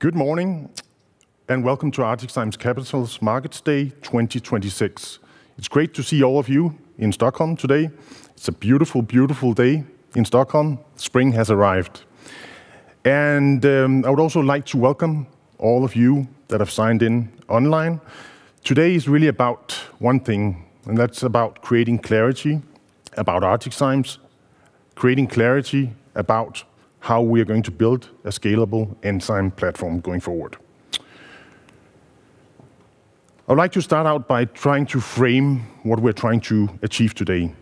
Good morning. Welcome to ArcticZymes Capital Markets Day 2026. It's great to see all of you in Stockholm today. It's a beautiful day in Stockholm. Spring has arrived. I would also like to welcome all of you that have signed in online. Today is really about one thing. That's about creating clarity about ArcticZymes, creating clarity about how we are going to build a scalable enzyme platform going forward. I'd like to start out by trying to frame what we're trying to achieve today.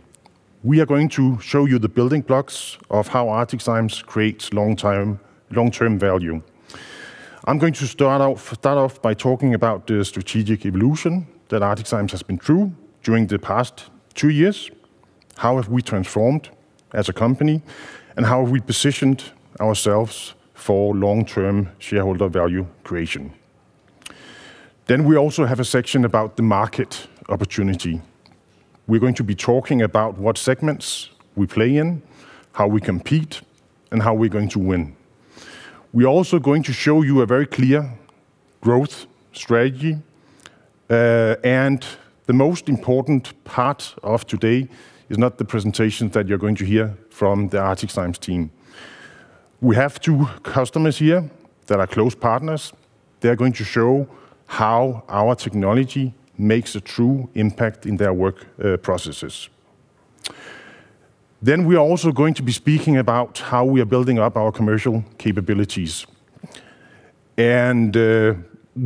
We are going to show you the building blocks of how ArcticZymes creates long-term value. I'm going to start off by talking about the strategic evolution that ArcticZymes has been through during the past two years, how have we transformed as a company, and how have we positioned ourselves for long-term shareholder value creation. We also have a section about the market opportunity. We're going to be talking about what segments we play in, how we compete, and how we're going to win. We're also going to show you a very clear growth strategy. The most important part of today is not the presentation that you're going to hear from the ArcticZymes team. We have two customers here that are close partners. They're going to show how our technology makes a true impact in their work processes. We are also going to be speaking about how we are building up our commercial capabilities. We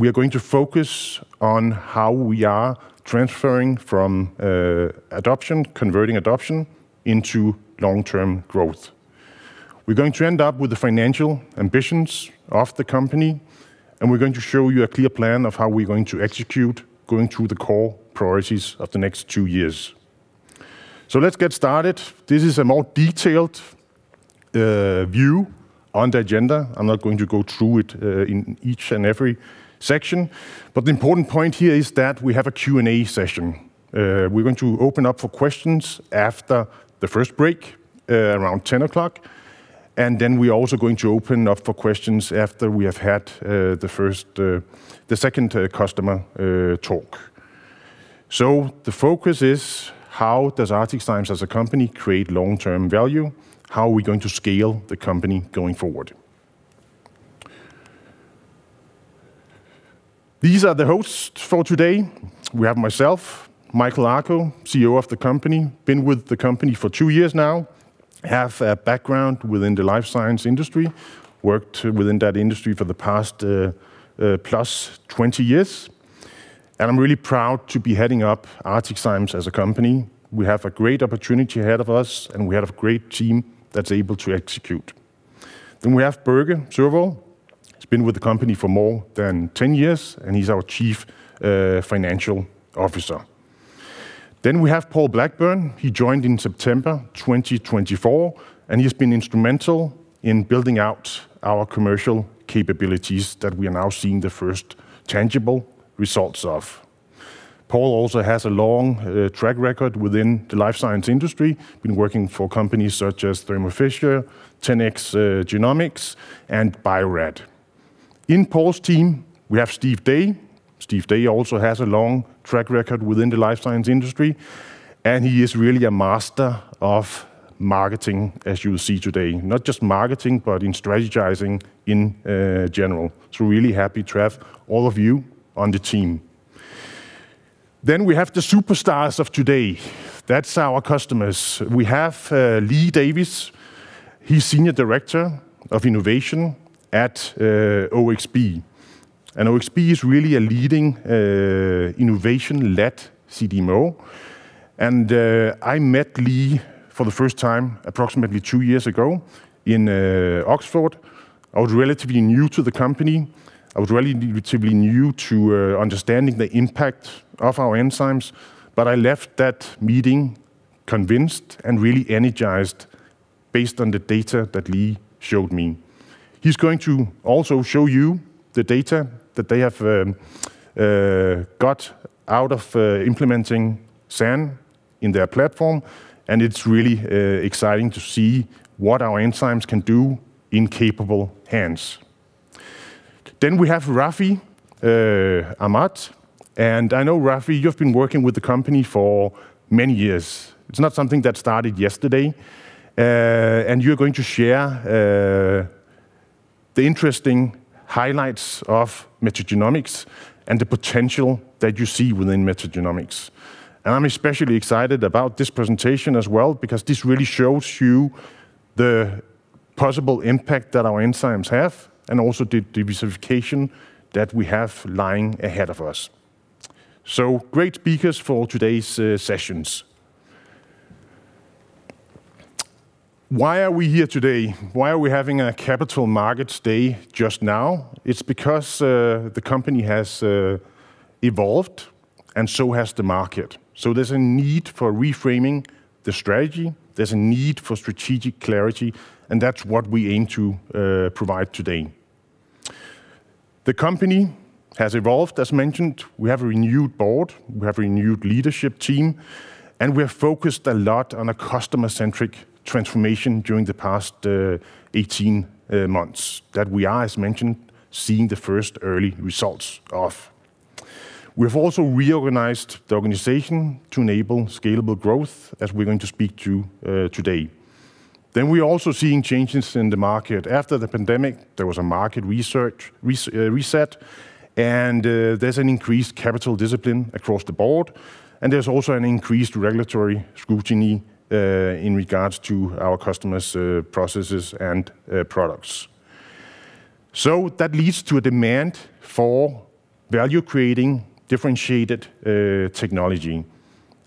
are going to focus on how we are transferring from adoption, converting adoption into long-term growth. We're going to end up with the financial ambitions of the company, and we're going to show you a clear plan of how we're going to execute going through the core priorities of the next two years. Let's get started. This is a more detailed view on the agenda. I'm not going to go through it in each and every section. The important point here is that we have a Q&A session. We're going to open up for questions after the first break, around 10:00 A.M., and then we're also going to open up for questions after we have had the first, the second, customer talk. The focus is how does ArcticZymes as a company create long-term value? How are we going to scale the company going forward? These are the hosts for today. We have myself, Michael Akoh, CEO of the company. Been with the company for two years now. Have a background within the life science industry. Worked within that industry for the past plus 20 years. I'm really proud to be heading up ArcticZymes as a company. We have a great opportunity ahead of us, and we have a great team that's able to execute. We have Børge Sørvoll. He's been with the company for more than 10 years, and he's our Chief Financial Officer. We have Paul Blackburn. He joined in September 2024, and he's been instrumental in building out our commercial capabilities that we are now seeing the first tangible results of. Paul also has a long track record within the life science industry. Been working for companies such as Thermo Fisher, 10x Genomics, and Bio-Rad. In Paul's team, we have Steve Dey. Steve Dey also has a long track record within the life science industry, and he is really a master of marketing, as you will see today. Not just marketing, but in strategizing in general. Really happy to have all of you on the team. We have the superstars of today. That's our customers. We have Lee Davies. He's Senior Director of Innovation at OXB. OXB is really a leading, innovation-led CDMO. I met Lee for the first time approximately two years ago in Oxford. I was relatively new to the company. I was relatively new to understanding the impact of our enzymes. I left that meeting convinced and really energized based on the data that Lee showed me. He's going to also show you the data that they have got out of implementing SAN in their platform, and it's really exciting to see what our enzymes can do in capable hands. Then we have Rafi Ahmad. I know, Rafi, you've been working with the company for many years. It's not something that started yesterday. You're going to share the interesting highlights of metagenomics and the potential that you see within metagenomics. I'm especially excited about this presentation as well because this really shows you the possible impact that our enzymes have and also the diversification that we have lying ahead of us. Great speakers for today's sessions. Why are we here today? Why are we having a Capital Markets Day just now? It's because the company has evolved and so has the market. There's a need for reframing the strategy. There's a need for strategic clarity, and that's what we aim to provide today. The company has evolved. As mentioned, we have a renewed board, we have a renewed leadership team, and we are focused a lot on a customer-centric transformation during the past 18 months that we are, as mentioned, seeing the first early results of. We've also reorganized the organization to enable scalable growth, as we're going to speak to today. We're also seeing changes in the market. After the pandemic, there was a market research reset, and there's an increased capital discipline across the board, and there's also an increased regulatory scrutiny in regards to our customers' processes and products. That leads to a demand for value-creating, differentiated technology.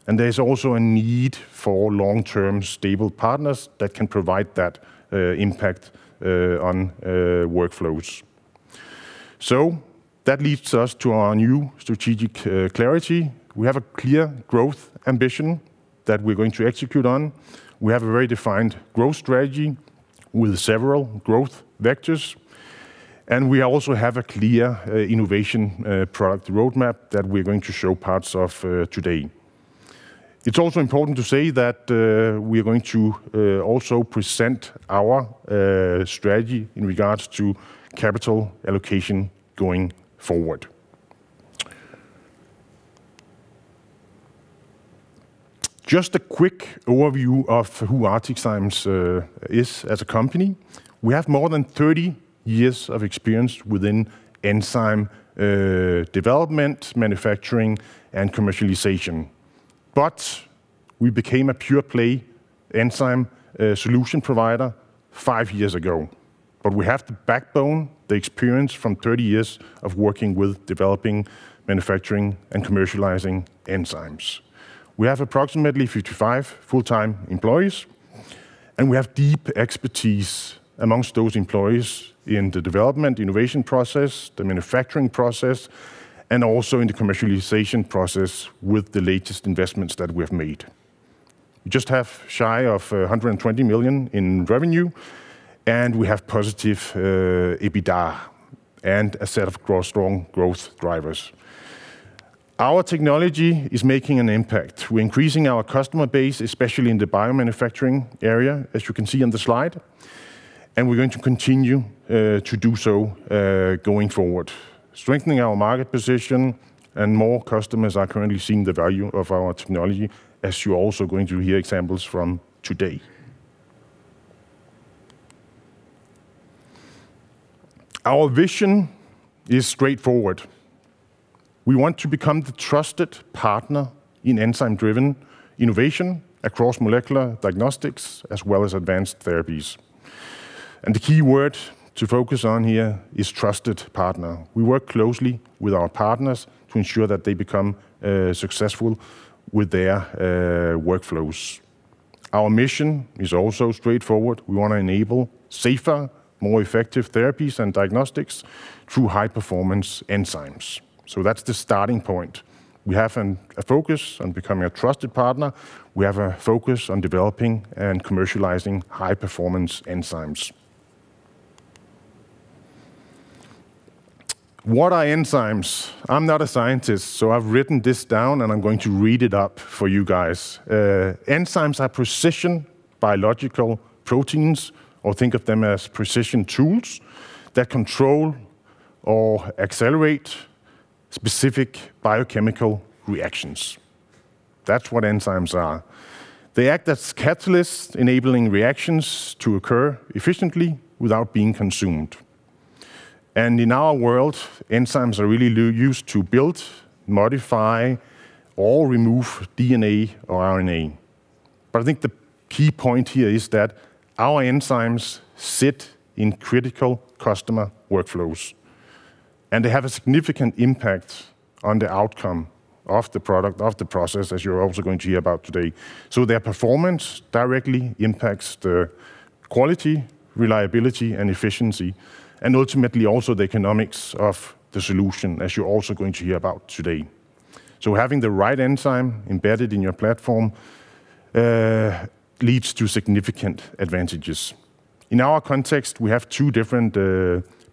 There's also a need for long-term stable partners that can provide that impact on workflows. That leads us to our new strategic clarity. We have a clear growth ambition that we're going to execute on. We have a very defined growth strategy with several growth vectors, and we also have a clear innovation product roadmap that we're going to show parts of today. It's also important to say that we're going to also present our strategy in regards to capital allocation going forward. Just a quick overview of who ArcticZymes is as a company. We have more than 30 years of experience within enzyme development, manufacturing and commercialization. We became a pure-play enzyme solution provider five years ago. We have the backbone, the experience from 30 years of working with developing, manufacturing, and commercializing enzymes. We have approximately 55 full-time employees, and we have deep expertise amongst those employees in the development, innovation process, the manufacturing process, and also in the commercialization process with the latest investments that we have made. We just have shy of 120 million in revenue, and we have positive EBITDA and a set of strong growth drivers. Our technology is making an impact. We're increasing our customer base, especially in the biomanufacturing area, as you can see on the slide, and we're going to continue to do so going forward, strengthening our market position, and more customers are currently seeing the value of our technology, as you're also going to hear examples from today. Our vision is straightforward. We want to become the trusted partner in enzyme-driven innovation across molecular diagnostics as well as advanced therapies. The key word to focus on here is trusted partner. We work closely with our partners to ensure that they become successful with their workflows. Our mission is also straightforward. We want to enable safer, more effective therapies and diagnostics through high-performance enzymes. That's the starting point. We have a focus on becoming a trusted partner. We have a focus on developing and commercializing high-performance enzymes. What are enzymes? I'm not a scientist, so I've written this down and I'm going to read it up for you guys. Enzymes are precision biological proteins, or think of them as precision tools that control or accelerate specific biochemical reactions. That's what enzymes are. They act as catalysts, enabling reactions to occur efficiently without being consumed. In our world, enzymes are really used to build, modify or remove DNA or RNA. I think the key point here is that our enzymes sit in critical customer workflows, and they have a significant impact on the outcome of the product, of the process, as you're also going to hear about today. Their performance directly impacts the quality, reliability and efficiency and ultimately also the economics of the solution, as you're also going to hear about today. Having the right enzyme embedded in your platform leads to significant advantages. In our context, we have two different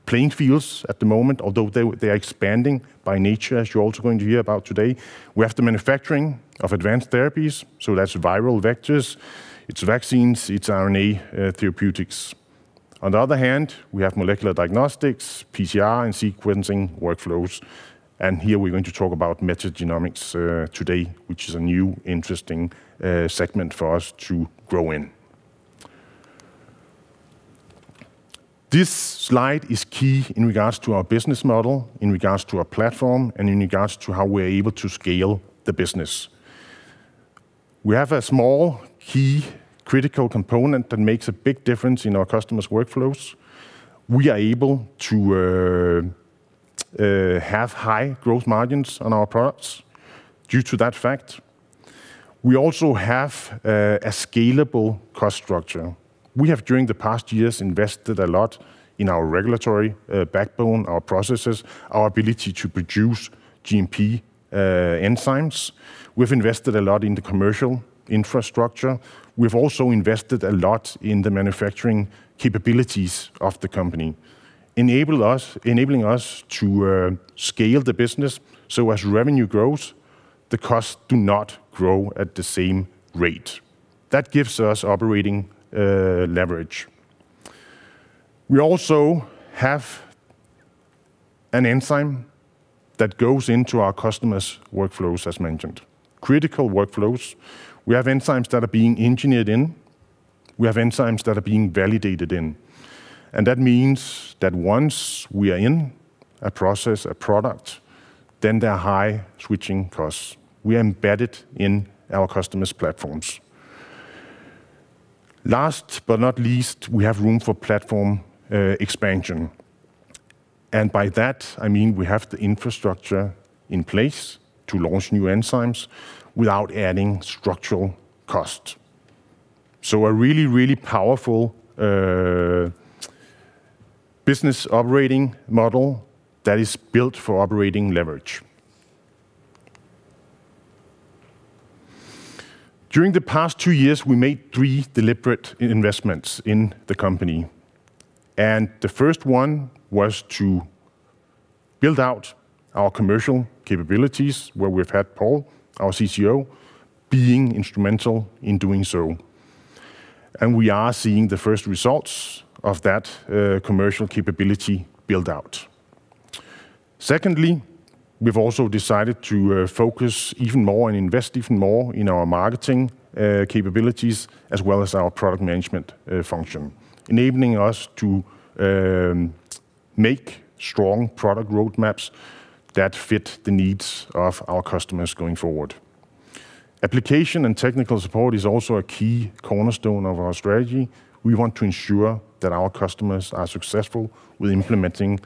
playing fields at the moment, although they are expanding by nature, as you're also going to hear about today. We have the manufacturing of advanced therapies, so that's viral vectors, it's vaccines, it's RNA therapeutics. On the other hand, we have molecular diagnostics, PCR and sequencing workflows. Here we're going to talk about metagenomics today, which is a new interesting segment for us to grow in. This slide is key in regards to our business model, in regards to our platform and in regards to how we're able to scale the business. We have a small key critical component that makes a big difference in our customers' workflows. We are able to have high growth margins on our products due to that fact. We also have a scalable cost structure. We have, during the past years, invested a lot in our regulatory backbone, our processes, our ability to produce GMP enzymes. We've invested a lot in the commercial infrastructure. We've also invested a lot in the manufacturing capabilities of the company. Enabling us to scale the business so as revenue grows. The costs do not grow at the same rate. That gives us operating leverage. We also have an enzyme that goes into our customers' workflows, as mentioned, critical workflows. We have enzymes that are being engineered in. We have enzymes that are being validated in. That means that once we are in a process, a product, then there are high switching costs. We are embedded in our customers' platforms. Last but not least, we have room for platform expansion. By that I mean we have the infrastructure in place to launch new enzymes without adding structural cost. A really, really powerful business operating model that is built for operating leverage. During the past two years, we made three deliberate investments in the company, and the first one was to build out our commercial capabilities, where we've had Paul, our CCO, being instrumental in doing so, and we are seeing the first results of that commercial capability build-out. Secondly, we've also decided to focus even more and invest even more in our marketing capabilities as well as our product management function, enabling us to make strong product roadmaps that fit the needs of our customers going forward. Application and technical support is also a key cornerstone of our strategy. We want to ensure that our customers are successful with implementing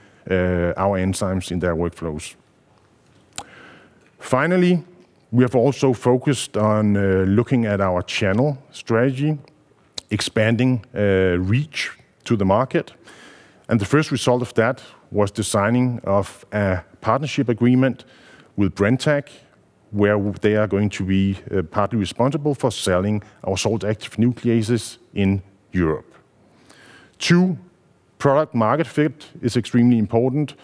our enzymes in their workflows. Finally, we have also focused on looking at our channel strategy, expanding reach to the market. The first result of that was the signing of a partnership agreement with Brenntag, where they are going to be partly responsible for selling our Salt-Active Nucleases in Europe. Two, product-market fit is extremely important.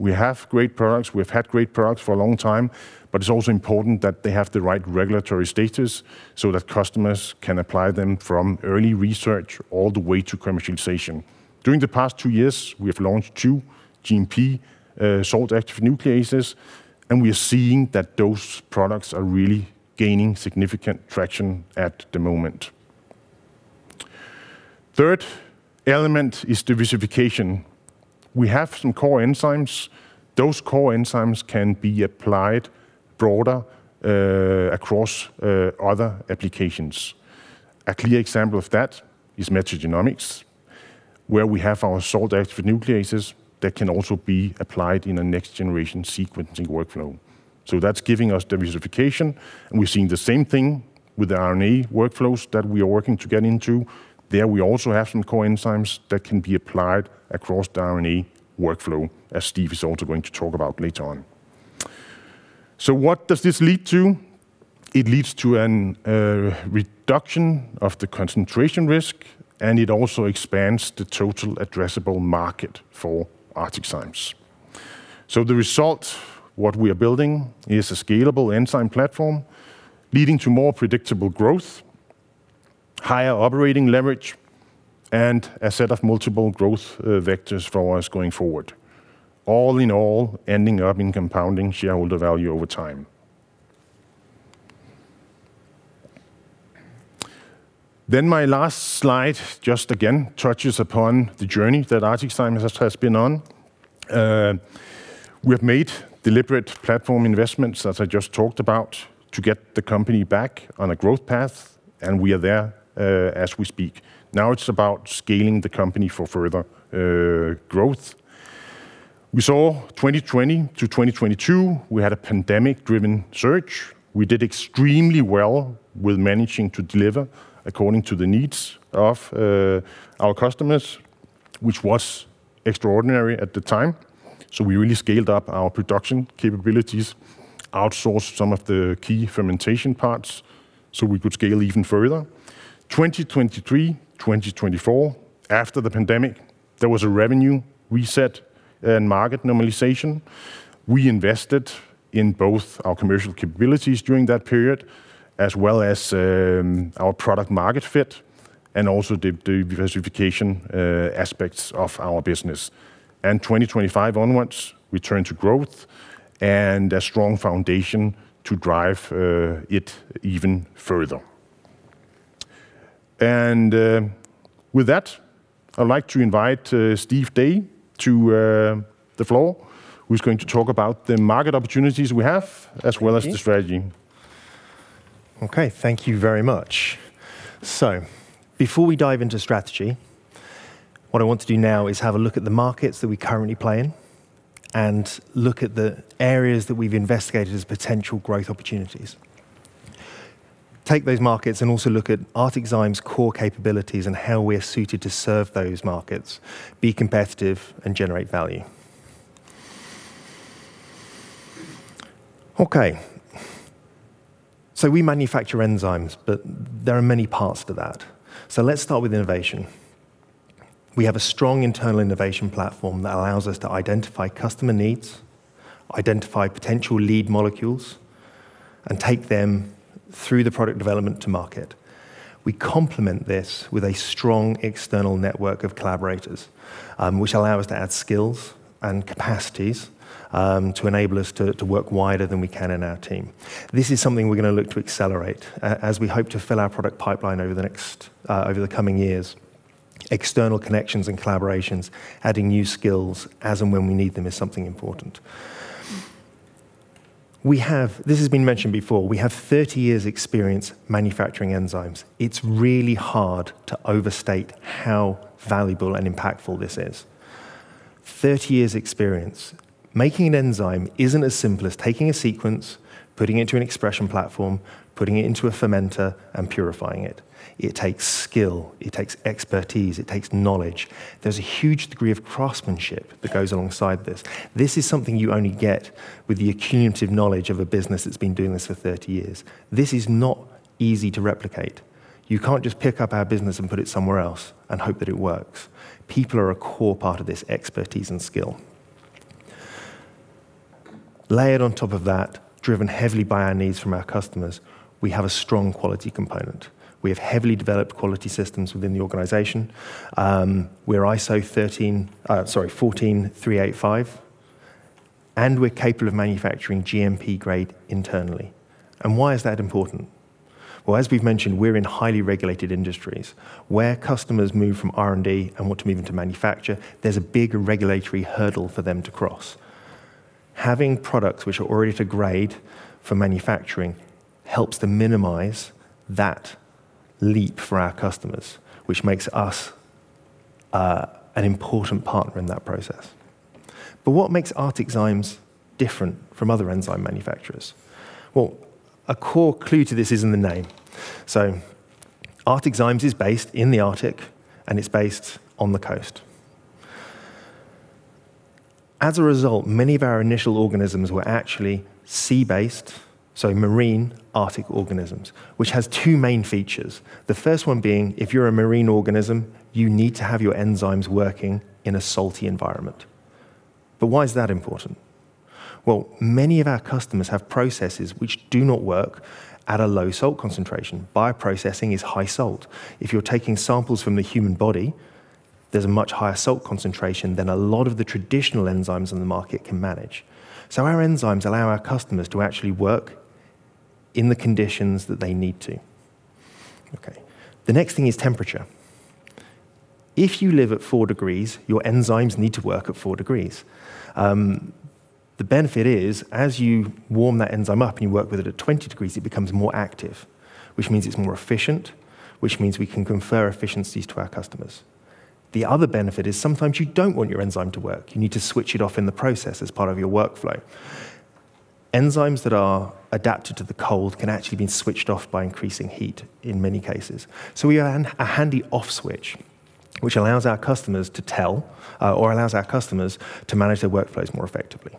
We have great products. We've had great products for a long time, but it's also important that they have the right regulatory status so that customers can apply them from early research all the way to commercialization. During the past two years, we have launched two GMP Salt-Active Nucleases. We are seeing that those products are really gaining significant traction at the moment. Third element is diversification. We have some core enzymes. Those core enzymes can be applied broader across other applications. A clear example of that is metagenomics, where we have our Salt-Active Nucleases that can also be applied in a Next-Generation Sequencing workflow. That's giving us diversification, and we've seen the same thing with the RNA workflows that we are working to get into. There we also have some core enzymes that can be applied across the RNA workflow, as Steve is also going to talk about later on. What does this lead to? It leads to a reduction of the concentration risk, and it also expands the total addressable market for ArcticZymes. The result, what we are building is a scalable enzyme platform leading to more predictable growth, higher operating leverage, and a set of multiple growth vectors for us going forward. All in all, ending up in compounding shareholder value over time. My last slide, just again touches upon the journey that ArcticZymes has been on. We have made deliberate platform investments, as I just talked about, to get the company back on a growth path, and we are there as we speak. Now it's about scaling the company for further growth. We saw 2020 to 2022, we had a pandemic-driven surge. We did extremely well with managing to deliver according to the needs of our customers, which was extraordinary at the time. We really scaled up our production capabilities, outsourced some of the key fermentation parts, so we could scale even further. 2023, 2024, after the pandemic, there was a revenue reset and market normalization. We invested in both our commercial capabilities during that period as well as our product-market fit and also the diversification aspects of our business. 2025 onwards, return to growth and a strong foundation to drive it even further. With that, I'd like to invite Steve Dey to the floor, who's going to talk about the market opportunities we have as well as the strategy. Okay. Thank you very much. Before we dive into strategy, what I want to do now is have a look at the markets that we currently play in and look at the areas that we've investigated as potential growth opportunities. Take those markets and also look at ArcticZymes' core capabilities and how we are suited to serve those markets, be competitive, and generate value. Okay, we manufacture enzymes, but there are many parts to that. Let's start with innovation. We have a strong internal innovation platform that allows us to identify customer needs, identify potential lead molecules, and take them through the product development to market. We complement this with a strong external network of collaborators, which allow us to add skills and capacities, to enable us to work wider than we can in our team. This is something we're gonna look to accelerate as we hope to fill our product pipeline over the coming years. External connections and collaborations, adding new skills as and when we need them is something important. This has been mentioned before. We have 30 years' experience manufacturing enzymes. It's really hard to overstate how valuable and impactful this is. 30 years' experience. Making an enzyme isn't as simple as taking a sequence, putting it into an expression platform, putting it into a fermenter, and purifying it. It takes skill, it takes expertise, it takes knowledge. There's a huge degree of craftsmanship that goes alongside this. This is something you only get with the accumulative knowledge of a business that's been doing this for 30 years. This is not easy to replicate. You can't just pick up our business and put it somewhere else and hope that it works. People are a core part of this expertise and skill. Layered on top of that, driven heavily by our needs from our customers, we have a strong quality component. We have heavily developed quality systems within the organization. We're ISO 13485, and we're capable of manufacturing GMP grade internally. Why is that important? Well, as we've mentioned, we're in highly regulated industries. Where customers move from R&D and want to move into manufacture, there's a big regulatory hurdle for them to cross. Having products which are already at a grade for manufacturing helps to minimize that leap for our customers, which makes us an important partner in that process. What makes ArcticZymes different from other enzyme manufacturers? Well, a core clue to this is in the name. ArcticZymes is based in the Arctic, and it's based on the coast. As a result, many of our initial organisms were actually sea-based, so marine Arctic organisms, which has two main features. The first one being, if you're a marine organism, you need to have your enzymes working in a salty environment. Why is that important? Well, many of our customers have processes which do not work at a low salt concentration. Bioprocessing is high salt. If you're taking samples from the human body, there's a much higher salt concentration than a lot of the traditional enzymes on the market can manage. Our enzymes allow our customers to actually work in the conditions that they need to. Okay. The next thing is temperature. If you live at 4 degrees, your enzymes need to work at 4 degrees. The benefit is, as you warm that enzyme up and you work with it at 20 degrees, it becomes more active, which means it's more efficient, which means we can confer efficiencies to our customers. The other benefit is sometimes you don't want your enzyme to work. You need to switch it off in the process as part of your workflow. Enzymes that are adapted to the cold can actually be switched off by increasing heat in many cases. We have a handy off switch, which allows our customers to tell, or allows our customers to manage their workflows more effectively.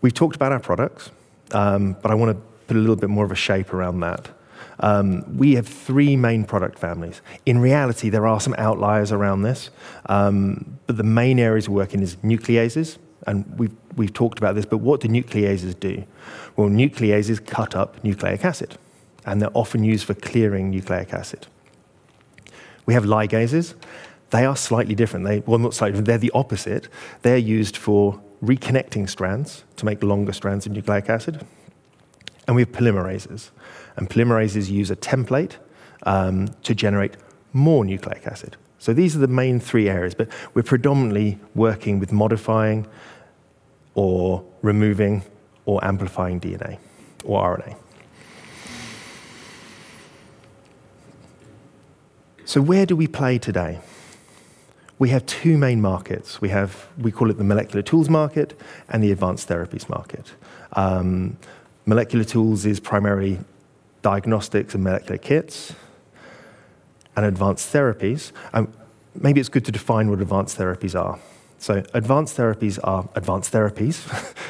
We've talked about our products, but I wanna put a little bit more of a shape around that. We have three main product families. In reality, there are some outliers around this, but the main areas we work in is nucleases, and we've talked about this, but what do nucleases do? Nucleases cut up nucleic acid, and they're often used for clearing nucleic acid. We have ligases. They are slightly different. They're the opposite. They're used for reconnecting strands to make longer strands of nucleic acid. We have polymerases, and polymerases use a template to generate more nucleic acid. These are the main 3 areas, but we're predominantly working with modifying or removing or amplifying DNA or RNA. Where do we play today? We have 2 main markets. We have, we call it the molecular tools market and the advanced therapies market. Molecular tools is primary diagnostics and molecular kits and advanced therapies. Maybe it's good to define what advanced therapies are. Advanced therapies are advanced therapies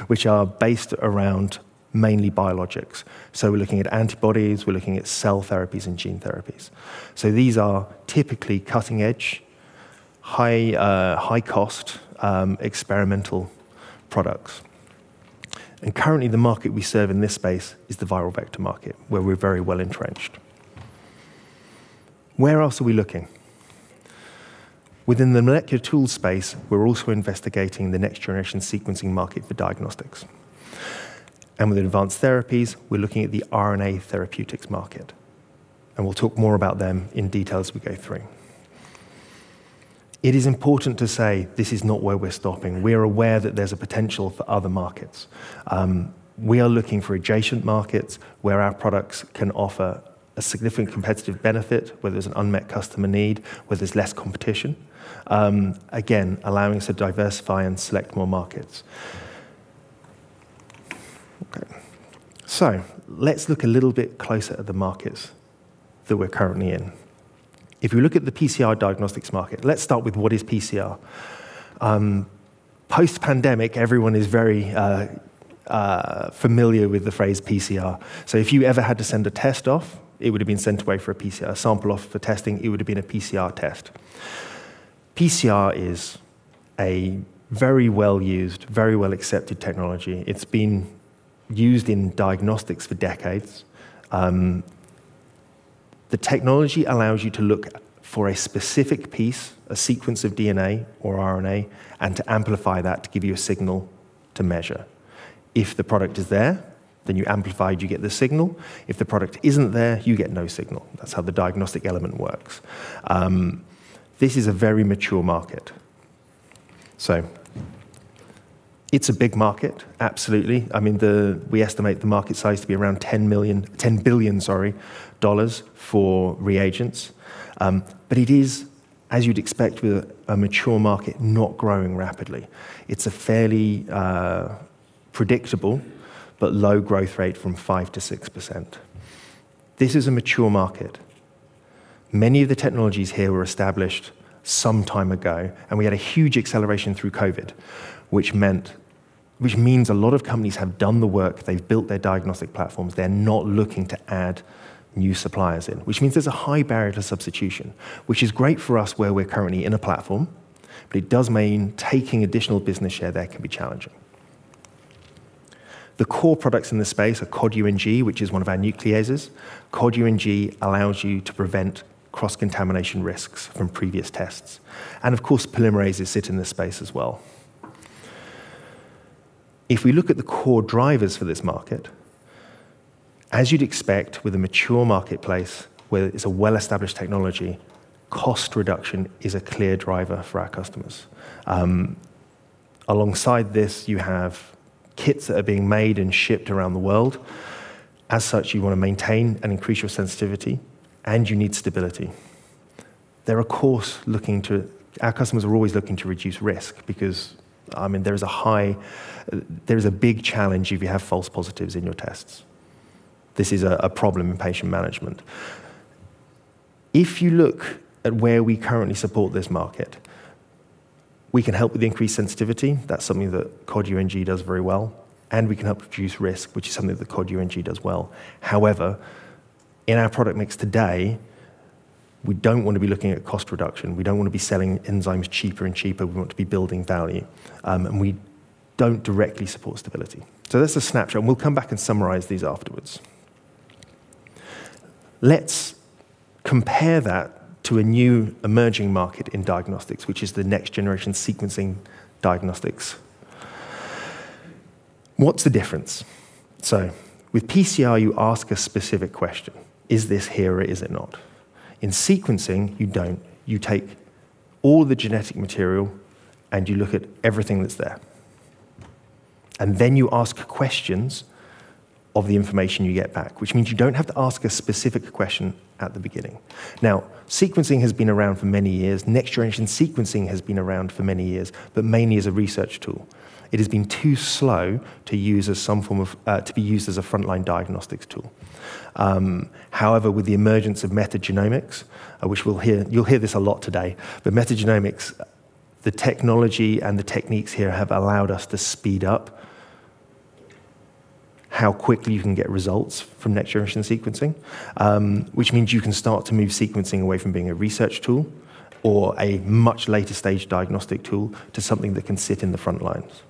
which are based around mainly biologics. We're looking at antibodies, we're looking at cell therapies and gene therapies. These are typically cutting-edge, high, high-cost, experimental products. Currently the market we serve in this space is the viral vector market, where we're very well entrenched. Where else are we looking? Within the molecular tools space, we're also investigating the Next-Generation Sequencing market for diagnostics. With advanced therapies, we're looking at the RNA Therapeutics market, and we'll talk more about them in detail as we go through. It is important to say this is not where we're stopping. We are aware that there's a potential for other markets. We are looking for adjacent markets where our products can offer a significant competitive benefit, where there's an unmet customer need, where there's less competition, again, allowing us to diversify and select more markets. Okay. Let's look a little bit closer at the markets that we're currently in. If we look at the PCR diagnostics market, let's start with what is PCR? Post-pandemic, everyone is very familiar with the phrase PCR. If you ever had to send a test off, it would have been sent away for a sample off for testing, it would have been a PCR test. PCR is a very well-used, very well-accepted technology. It's been used in diagnostics for decades. The technology allows you to look for a specific piece, a sequence of DNA or RNA, and to amplify that to give you a signal to measure. If the product is there, then you amplify it, you get the signal. If the product isn't there, you get no signal. That's how the diagnostic element works. This is a very mature market. It's a big market, absolutely. I mean, we estimate the market size to be around $10 billion for reagents. It is, as you'd expect with a mature market, not growing rapidly. It's a fairly predictable but low growth rate from 5%-6%. This is a mature market. Many of the technologies here were established some time ago, we had a huge acceleration through COVID, which means a lot of companies have done the work, they've built their diagnostic platforms, they're not looking to add new suppliers in. Which means there's a high barrier to substitution, which is great for us where we're currently in a platform, but it does mean taking additional business share there can be challenging. The core products in this space are Cod UNG, which is one of our nucleases. Cod UNG allows you to prevent cross-contamination risks from previous tests. Of course, polymerases sit in this space as well. If we look at the core drivers for this market, as you'd expect with a mature marketplace where it's a well-established technology, cost reduction is a clear driver for our customers. Alongside this, you have kits that are being made and shipped around the world. As such, you want to maintain and increase your sensitivity, and you need stability. They're of course looking to... Our customers are always looking to reduce risk because, I mean, there is a high, there is a big challenge if you have false positives in your tests. This is a problem in patient management. If you look at where we currently support this market, we can help with increased sensitivity, that's something that Cod UNG does very well, and we can help reduce risk, which is something that Cod UNG does well. However, in our product mix today, we don't wanna be looking at cost reduction. We don't wanna be selling enzymes cheaper and cheaper, we want to be building value. And we don't directly support stability. That's a snapshot, and we'll come back and summarize these afterwards. Let's compare that to a new emerging market in diagnostics, which is the Next-Generation Sequencing diagnostics. What's the difference? With PCR, you ask a specific question. Is this here or is it not? In sequencing, you don't. You take all the genetic material, and you look at everything that's there. You ask questions of the information you get back, which means you don't have to ask a specific question at the beginning. Now, sequencing has been around for many years. Next-Generation Sequencing has been around for many years, but mainly as a research tool. It has been too slow to use as some form of, to be used as a frontline diagnostics tool. However, with the emergence of metagenomics, which we'll hear, you'll hear this a lot today, but metagenomics, the technology and the techniques here have allowed us to speed up how quickly you can get results from Next-Generation Sequencing, which means you can start to move sequencing away from being a research tool or a much later stage diagnostic tool to something that can sit in the front lines.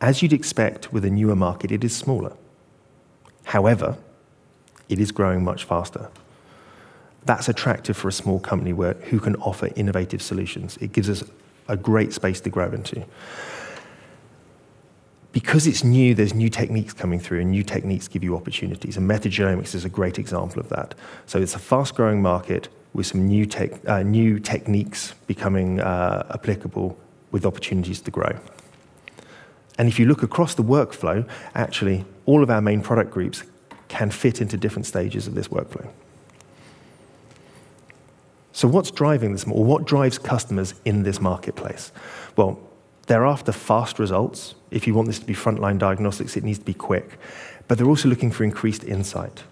As you'd expect with a newer market, it is smaller. However, it is growing much faster. That's attractive for a small company where, who can offer innovative solutions. It gives us a great space to grow into. Because it's new, there's new techniques coming through, and new techniques give you opportunities, and metagenomics is a great example of that. It's a fast-growing market with some new tech, new techniques becoming applicable with opportunities to grow. If you look across the workflow, actually all of our main product groups can fit into different stages of this workflow. What's driving this? Or what drives customers in this marketplace? Well, they're after fast results. If you want this to be frontline diagnostics, it needs to be quick. They're also looking for increased insight.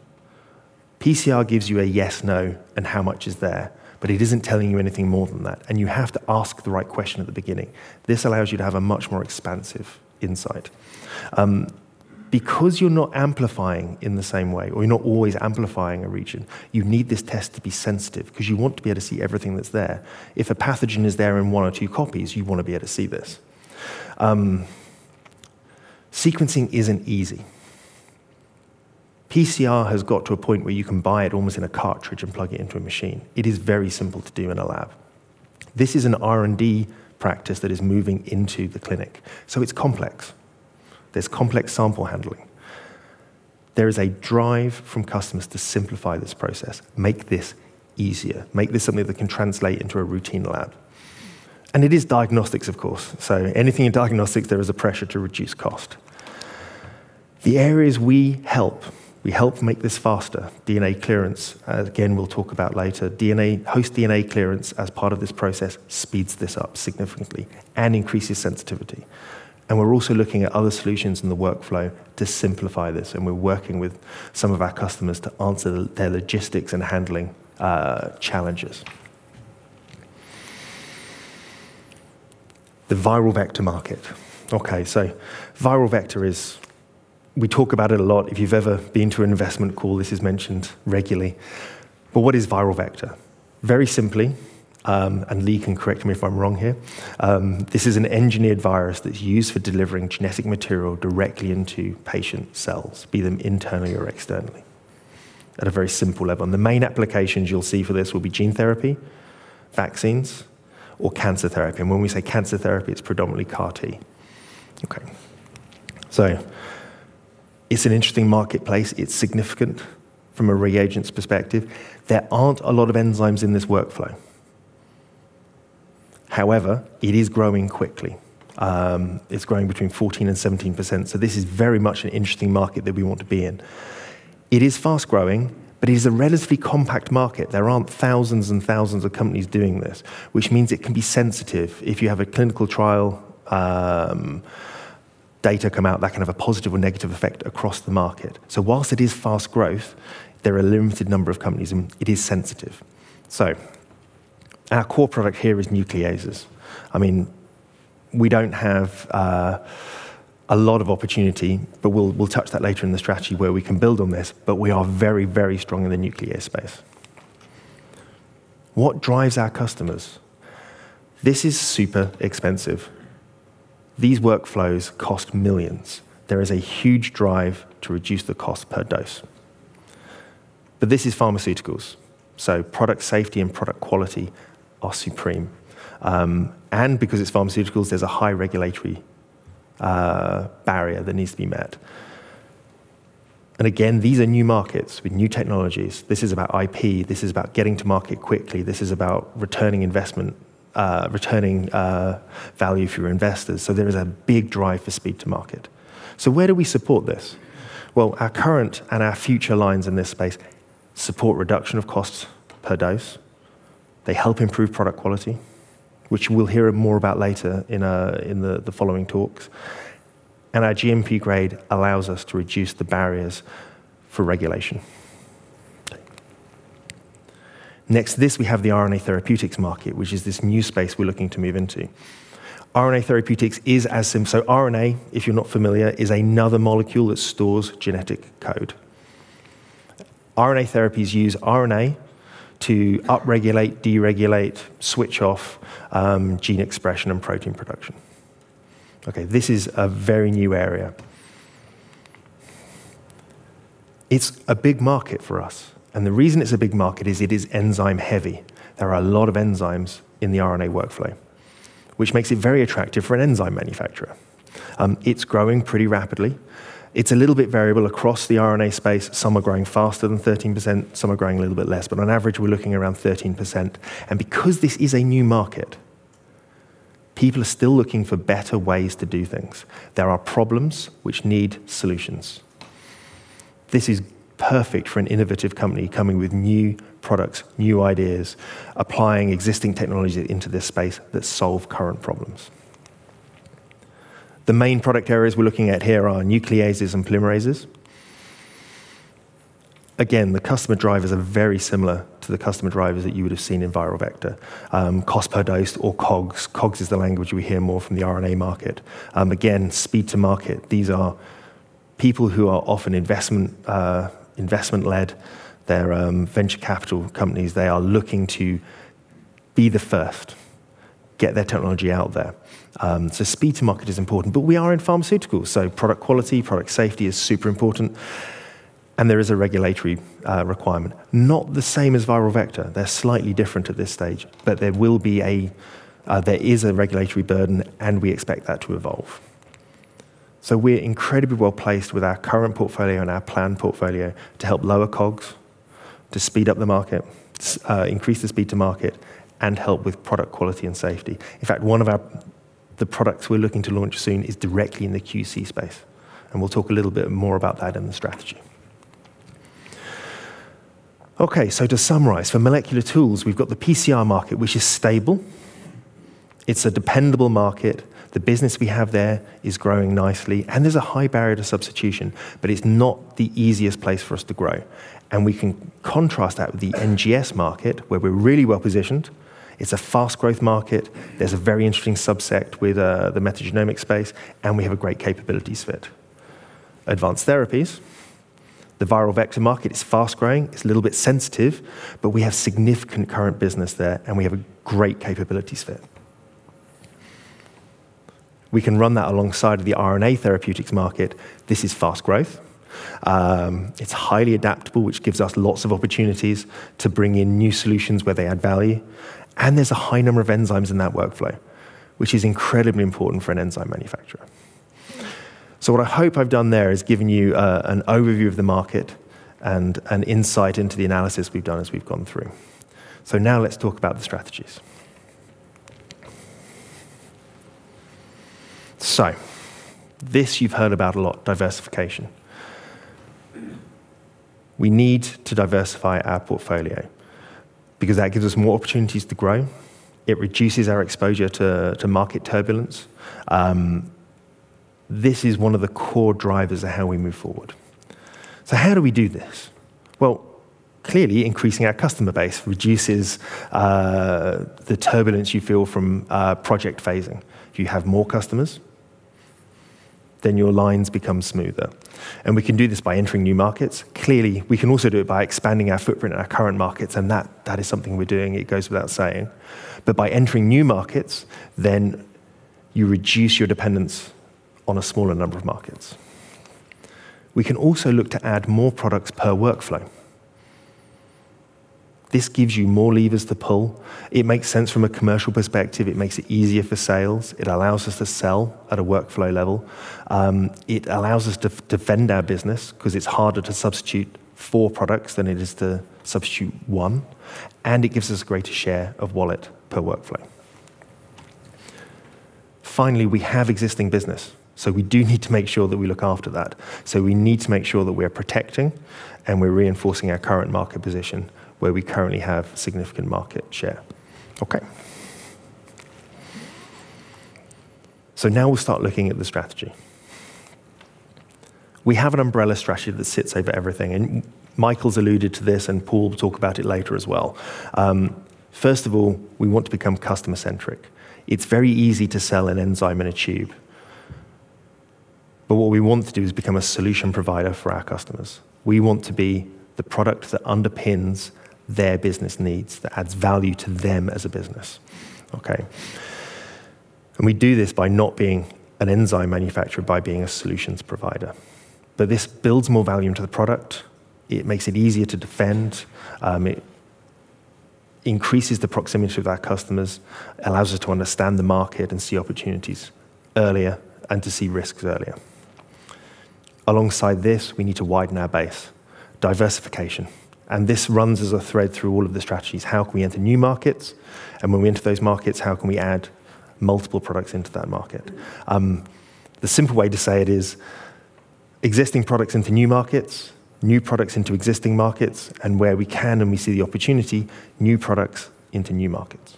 PCR gives you a yes/no and how much is there, but it isn't telling you anything more than that, and you have to ask the right question at the beginning. This allows you to have a much more expansive insight. Because you're not amplifying in the same way, or you're not always amplifying a region, you need this test to be sensitive because you want to be able to see everything that's there. If a pathogen is there in one or two copies, you wanna be able to see this. Sequencing isn't easy. PCR has got to a point where you can buy it almost in a cartridge and plug it into a machine. It is very simple to do in a lab. This is an R&D practice that is moving into the clinic, so it's complex. There's complex sample handling. There is a drive from customers to simplify this process, make this easier, make this something that can translate into a routine lab. It is diagnostics, of course, so anything in diagnostics, there is a pressure to reduce cost. The areas we help, we help make this faster. DNA clearance, again, we'll talk about later. DNA, Host DNA clearance as part of this process speeds this up significantly and increases sensitivity. We're also looking at other solutions in the workflow to simplify this, and we're working with some of our customers to answer their logistics and handling challenges. The viral vector market. Viral vector is we talk about it a lot. If you've ever been to an investment call, this is mentioned regularly. What is viral vector? Very simply, and Lee can correct me if I'm wrong here, this is an engineered virus that's used for delivering genetic material directly into patient cells, be them internally or externally at a very simple level. The main applications you'll see for this will be gene therapy, vaccines, or cancer therapy. When we say cancer therapy, it's predominantly CAR T. Okay. It's an interesting marketplace. It's significant from a reagents perspective. There aren't a lot of enzymes in this workflow. However, it is growing quickly. It's growing between 14% and 17%, this is very much an interesting market that we want to be in. It is fast-growing, it is a relatively compact market. There aren't thousands and thousands of companies doing this, which means it can be sensitive. If you have a clinical trial, data come out, that can have a positive or negative effect across the market. Whilst it is fast growth, there are a limited number of companies, and it is sensitive. Our core product here is nucleases. I mean, we don't have a lot of opportunity, but we'll touch that later in the strategy where we can build on this, but we are very, very strong in the nuclease space. What drives our customers? This is super expensive. These workflows cost millions. There is a huge drive to reduce the cost per dose. This is pharmaceuticals, so product safety and product quality are supreme. Because it's pharmaceuticals, there's a high regulatory barrier that needs to be met. Again, these are new markets with new technologies. This is about IP. This is about getting to market quickly. This is about returning investment, returning value for your investors. There is a big drive for speed to market. Where do we support this? Our current and our future lines in this space support reduction of costs per dose. They help improve product quality, which we'll hear more about later in the following talks. Our GMP grade allows us to reduce the barriers for regulation. Next to this, we have the RNA therapeutics market, which is this new space we're looking to move into. RNA, if you're not familiar, is another molecule that stores genetic code. RNA therapies use RNA to upregulate, deregulate, switch off, gene expression and protein production. Okay, this is a very new area. It's a big market for us, and the reason it's a big market is it is enzyme heavy. There are a lot of enzymes in the RNA workflow, which makes it very attractive for an enzyme manufacturer. It's growing pretty rapidly. It's a little bit variable across the RNA space. Some are growing faster than 13%, some are growing a little bit less. On average, we're looking around 13%. Because this is a new market, people are still looking for better ways to do things. There are problems which need solutions. This is perfect for an innovative company coming with new products, new ideas, applying existing technology into this space that solve current problems. The main product areas we're looking at here are nucleases and polymerases. The customer drivers are very similar to the customer drivers that you would have seen in viral vector. Cost per dose or COGS. COGS is the language we hear more from the RNA market. Speed to market. These are people who are often investment-led. They're venture capital companies. They are looking to be the first, get their technology out there. Speed to market is important, but we are in pharmaceuticals, so product quality, product safety is super important, and there is a regulatory requirement. Not the same as viral vector. They're slightly different at this stage. There is a regulatory burden, we expect that to evolve. We're incredibly well-placed with our current portfolio and our planned portfolio to help lower COGS, to speed up the market, increase the speed to market, help with product quality and safety. In fact, the products we're looking to launch soon is directly in the QC space, we'll talk a little bit more about that in the strategy. To summarize, for molecular tools, we've got the PCR market, which is stable. It's a dependable market. The business we have there is growing nicely, there's a high barrier to substitution, it's not the easiest place for us to grow. We can contrast that with the NGS market, where we're really well-positioned. It's a fast growth market. There's a very interesting subsect with the metagenomic space, we have a great capabilities fit. Advanced therapies, the viral vector market is fast-growing. It's a little bit sensitive, we have significant current business there, we have a great capabilities fit. We can run that alongside of the RNA Therapeutics market. This is fast growth. It's highly adaptable, which gives us lots of opportunities to bring in new solutions where they add value, there's a high number of enzymes in that workflow, which is incredibly important for an enzyme manufacturer. What I hope I've done there is given you an overview of the market and an insight into the analysis we've done as we've gone through. Now let's talk about the strategies. This you've heard about a lot, diversification. We need to diversify our portfolio because that gives us more opportunities to grow. It reduces our exposure to market turbulence. This is one of the core drivers of how we move forward. How do we do this? Well, clearly increasing our customer base reduces the turbulence you feel from project phasing. If you have more customers, then your lines become smoother. We can do this by entering new markets. Clearly, we can also do it by expanding our footprint in our current markets, and that is something we're doing, it goes without saying. By entering new markets, then you reduce your dependence on a smaller number of markets. We can also look to add more products per workflow. This gives you more levers to pull. It makes sense from a commercial perspective. It makes it easier for sales. It allows us to sell at a workflow level. It allows us to defend our business because it's harder to substitute four products than it is to substitute one, and it gives us greater share of wallet per workflow. Finally, we have existing business, so we do need to make sure that we look after that. We need to make sure that we're protecting and we're reinforcing our current market position where we currently have significant market share. Okay. Now we'll start looking at the strategy. We have an umbrella strategy that sits over everything, and Michael's alluded to this and Paul will talk about it later as well. First of all, we want to become customer-centric. It's very easy to sell an enzyme in a tube. What we want to do is become a solution provider for our customers. We want to be the product that underpins their business needs, that adds value to them as a business. Okay. We do this by not being an enzyme manufacturer, by being a solutions provider. This builds more value into the product. It makes it easier to defend. It increases the proximity with our customers, allows us to understand the market and see opportunities earlier and to see risks earlier. Alongside this, we need to widen our base. Diversification. This runs as a thread through all of the strategies. How can we enter new markets? When we enter those markets, how can we add multiple products into that market? The simple way to say it is existing products into new markets, new products into existing markets, and where we can and we see the opportunity, new products into new markets.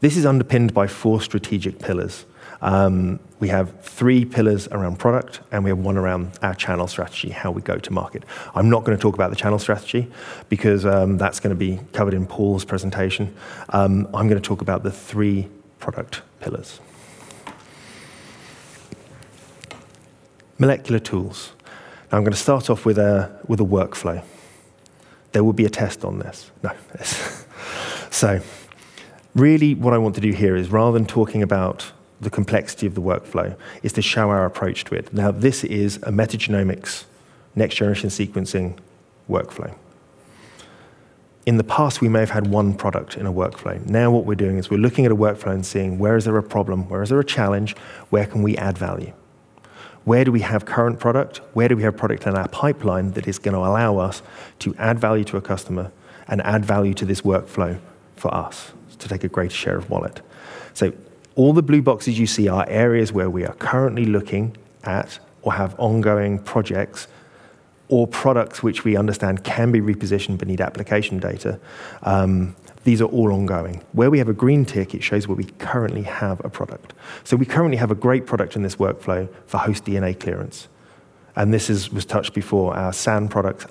This is underpinned by four strategic pillars. We have three pillars around product, and we have one around our channel strategy, how we go to market. I'm not gonna talk about the channel strategy because, that's gonna be covered in Paul's presentation. I'm gonna talk about the three product pillars. Molecular tools. Now I'm gonna start off with a workflow. There will be a test on this. No. Really what I want to do here is, rather than talking about the complexity of the workflow, is to show our approach to it. Now this is a metagenomics Next-Generation Sequencing workflow. In the past, we may have had one product in a workflow. Now what we're doing is we're looking at a workflow and seeing where is there a problem, where is there a challenge, where can we add value? Where do we have current product? Where do we have product in our pipeline that is gonna allow us to add value to a customer and add value to this workflow for us to take a greater share of wallet? All the blue boxes you see are areas where we are currently looking at or have ongoing projects or products which we understand can be repositioned but need application data. These are all ongoing. Where we have a green tick, it shows where we currently have a product. We currently have a great product in this workflow for Host DNA clearance, and was touched before. Our SAN products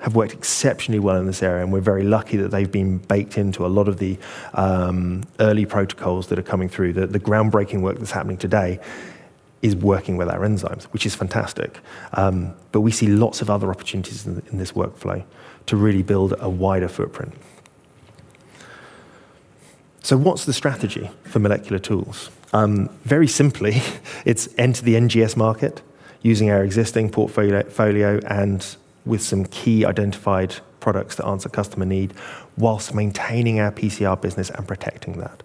have worked exceptionally well in this area, and we're very lucky that they've been baked into a lot of the early protocols that are coming through. The groundbreaking work that's happening today is working with our enzymes, which is fantastic. We see lots of other opportunities in this workflow to really build a wider footprint. What's the strategy for molecular tools? Very simply, it's enter the NGS market using our existing portfolio and with some key identified products that answer customer need whilst maintaining our PCR business and protecting that.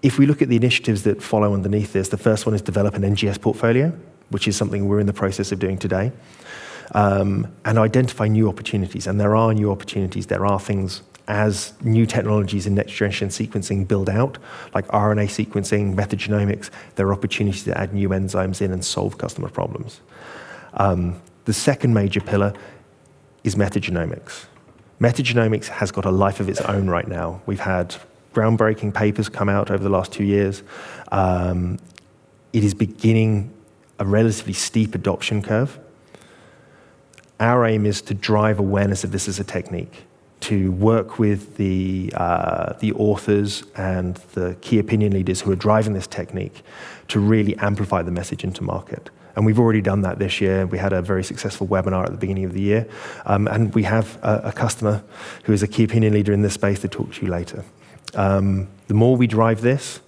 If we look at the initiatives that follow underneath this, the first one is develop an NGS portfolio, which is something we're in the process of doing today, and identify new opportunities, and there are new opportunities. There are things as new technologies and Next-Generation Sequencing build out, like RNA sequencing, metagenomics, there are opportunities to add new enzymes in and solve customer problems. The second major pillar is metagenomics. Metagenomics has got a life of its own right now. We've had groundbreaking papers come out over the last two years. It is beginning a relatively steep adoption curve. Our aim is to drive awareness that this is a technique, to work with the authors and the key opinion leaders who are driving this technique to really amplify the message into market, and we've already done that this year. We had a very successful webinar at the beginning of the year. We have a customer who is a key opinion leader in this space to talk to you later. The more we drive this,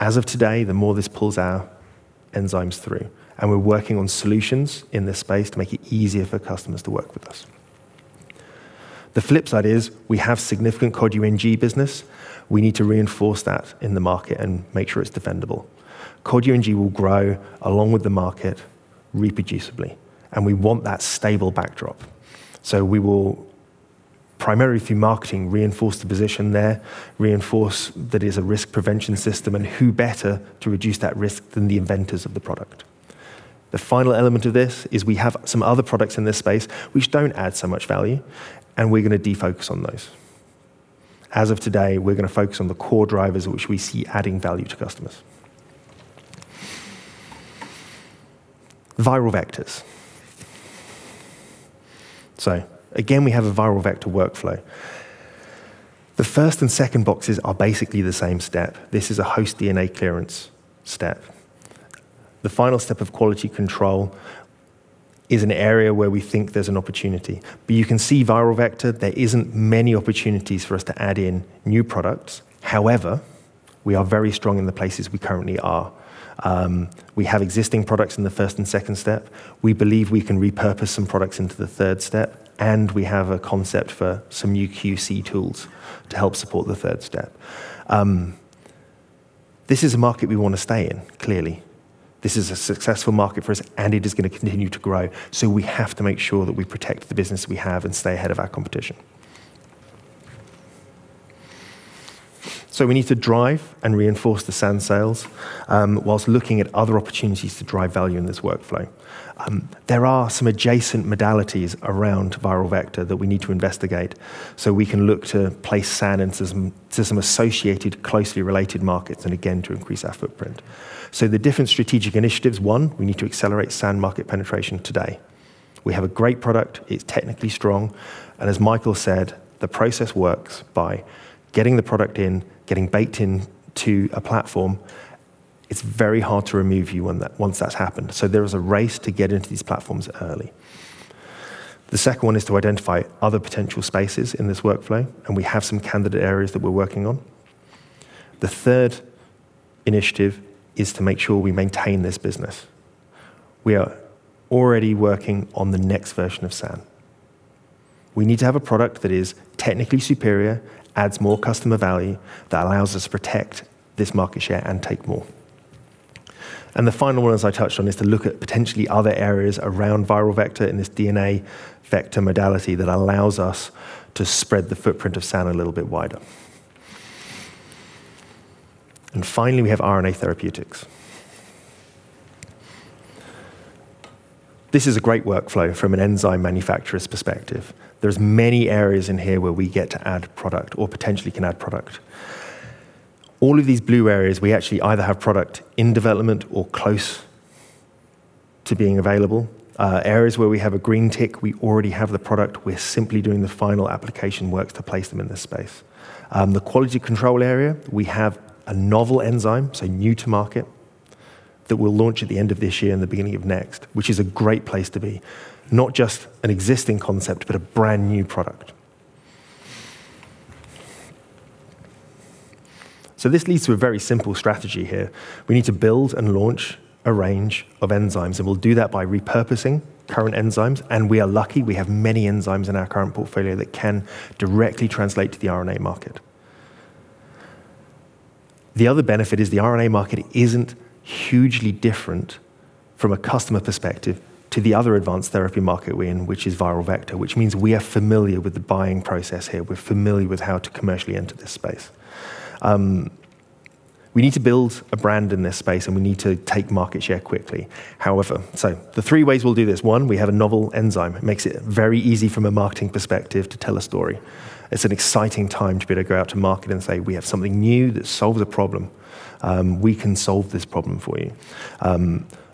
as of today, the more this pulls our enzymes through, and we're working on solutions in this space to make it easier for customers to work with us. The flip side is we have significant Cod UNG business. We need to reinforce that in the market and make sure it's defendable. Cod UNG will grow along with the market reproducibly. We want that stable backdrop. Primarily through marketing, reinforce the position there, reinforce that is a risk prevention system. Who better to reduce that risk than the inventors of the product? The final element of this is we have some other products in this space which don't add so much value. We're gonna defocus on those. As of today, we're gonna focus on the core drivers which we see adding value to customers. Viral vectors. Again, we have a viral vector workflow. The first and second boxes are basically the same step. This is a Host DNA clearance step. The final step of quality control is an area where we think there's an opportunity. You can see viral vector, there isn't many opportunities for us to add in new products. However, we are very strong in the places we currently are. We have existing products in the first and second step. We believe we can repurpose some products into the third step, and we have a concept for some new QC tools to help support the third step. This is a market we wanna stay in, clearly. This is a successful market for us, and it is gonna continue to grow, so we have to make sure that we protect the business we have and stay ahead of our competition. We need to drive and reinforce the SAN sales, whilst looking at other opportunities to drive value in this workflow. There are some adjacent modalities around viral vector that we need to investigate, so we can look to place SAN into some associated closely related markets and again, to increase our footprint. The different strategic initiatives. One, we need to accelerate SAN market penetration today. We have a great product, it's technically strong, and as Michael said, the process works by getting the product in, getting baked into a platform. It's very hard to remove you once that's happened, so there is a race to get into these platforms early. The second one is to identify other potential spaces in this workflow, and we have some candidate areas that we're working on. The third initiative is to make sure we maintain this business. We are already working on the next version of SAN. We need to have a product that is technically superior, adds more customer value, that allows us to protect this market share and take more. The final one, as I touched on, is to look at potentially other areas around viral vector in this DNA vector modality that allows us to spread the footprint of SAN a little bit wider. Finally, we have RNA Therapeutics. This is a great workflow from an enzyme manufacturer's perspective. There's many areas in here where we get to add product or potentially can add product. All of these blue areas, we actually either have product in development or close to being available. Areas where we have a green tick, we already have the product. We're simply doing the final application works to place them in this space. The quality control area, we have a novel enzyme, so new to market, that we'll launch at the end of this year and the beginning of next, which is a great place to be. Not just an existing concept, but a brand new product. This leads to a very simple strategy here. We need to build and launch a range of enzymes, and we'll do that by repurposing current enzymes. We are lucky we have many enzymes in our current portfolio that can directly translate to the RNA market. The other benefit is the RNA market isn't hugely different from a customer perspective to the other advanced therapy market we're in, which is viral vector, which means we are familiar with the buying process here. We're familiar with how to commercially enter this space. We need to build a brand in this space, and we need to take market share quickly. The three ways we'll do this, one, we have a novel enzyme. It makes it very easy from a marketing perspective to tell a story. It's an exciting time to be able to go out to market and say, "We have something new that solves a problem. We can solve this problem for you."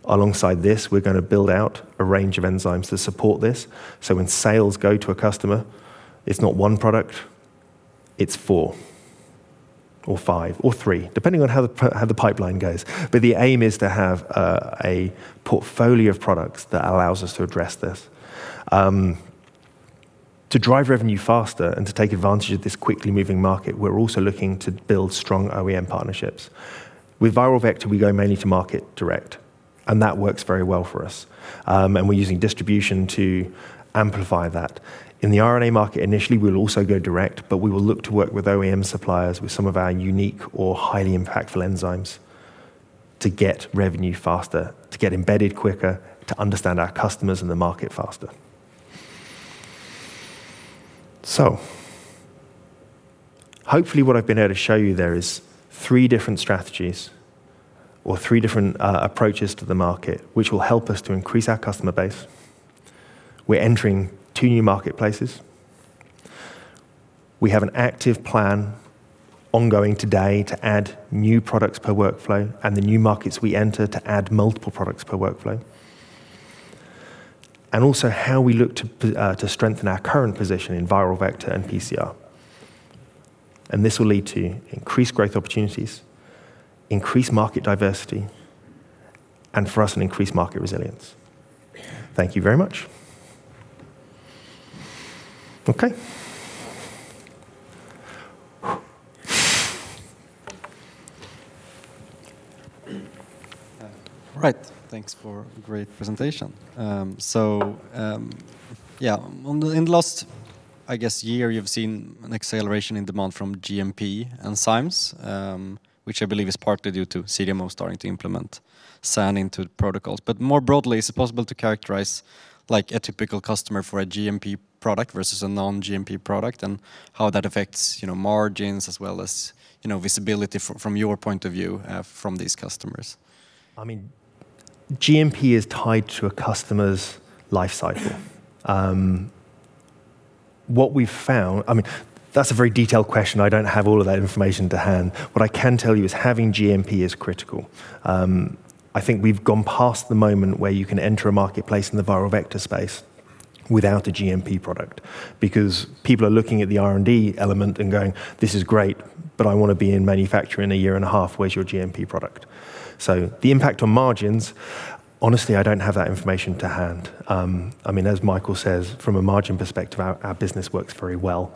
Alongside this, we're gonna build out a range of enzymes to support this, so when sales go to a customer, it's not one product, it's four or five or three, depending on how the pipeline goes. The aim is to have a portfolio of products that allows us to address this. To drive revenue faster and to take advantage of this quickly moving market, we're also looking to build strong OEM partnerships. With viral vector, we go mainly to market direct, and that works very well for us. We're using distribution to amplify that. In the RNA market initially, we'll also go direct, but we will look to work with OEM suppliers with some of our unique or highly impactful enzymes to get revenue faster, to get embedded quicker, to understand our customers and the market faster. Hopefully what I've been able to show you there is three different strategies or three different approaches to the market, which will help us to increase our customer base. We're entering two new marketplaces. We have an active plan ongoing today to add new products per workflow and the new markets we enter to add multiple products per workflow. Also how we look to strengthen our current position in viral vector and PCR. This will lead to increased growth opportunities, increased market diversity, and for us, an increased market resilience. Thank you very much. Okay. Right. Thanks for great presentation. Yeah, on the, in the last, I guess, year, you've seen an acceleration in demand from GMP enzymes, which I believe is partly due to CDMO starting to implement SAN into protocols. More broadly, is it possible to characterize like a typical customer for a GMP product versus a non-GMP product and how that affects, you know, margins as well as, you know, visibility from your point of view, from these customers? I mean, GMP is tied to a customer's life cycle. What we've found... I mean, that's a very detailed question. I don't have all of that information to hand. What I can tell you is having GMP is critical. I think we've gone past the moment where you can enter a marketplace in the viral vector space without a GMP product because people are looking at the R&D element and going, "This is great, but I wanna be in manufacture in a year and a half. Where's your GMP product?" The impact on margins, honestly, I don't have that information to hand. I mean, as Michael says, from a margin perspective, our business works very well.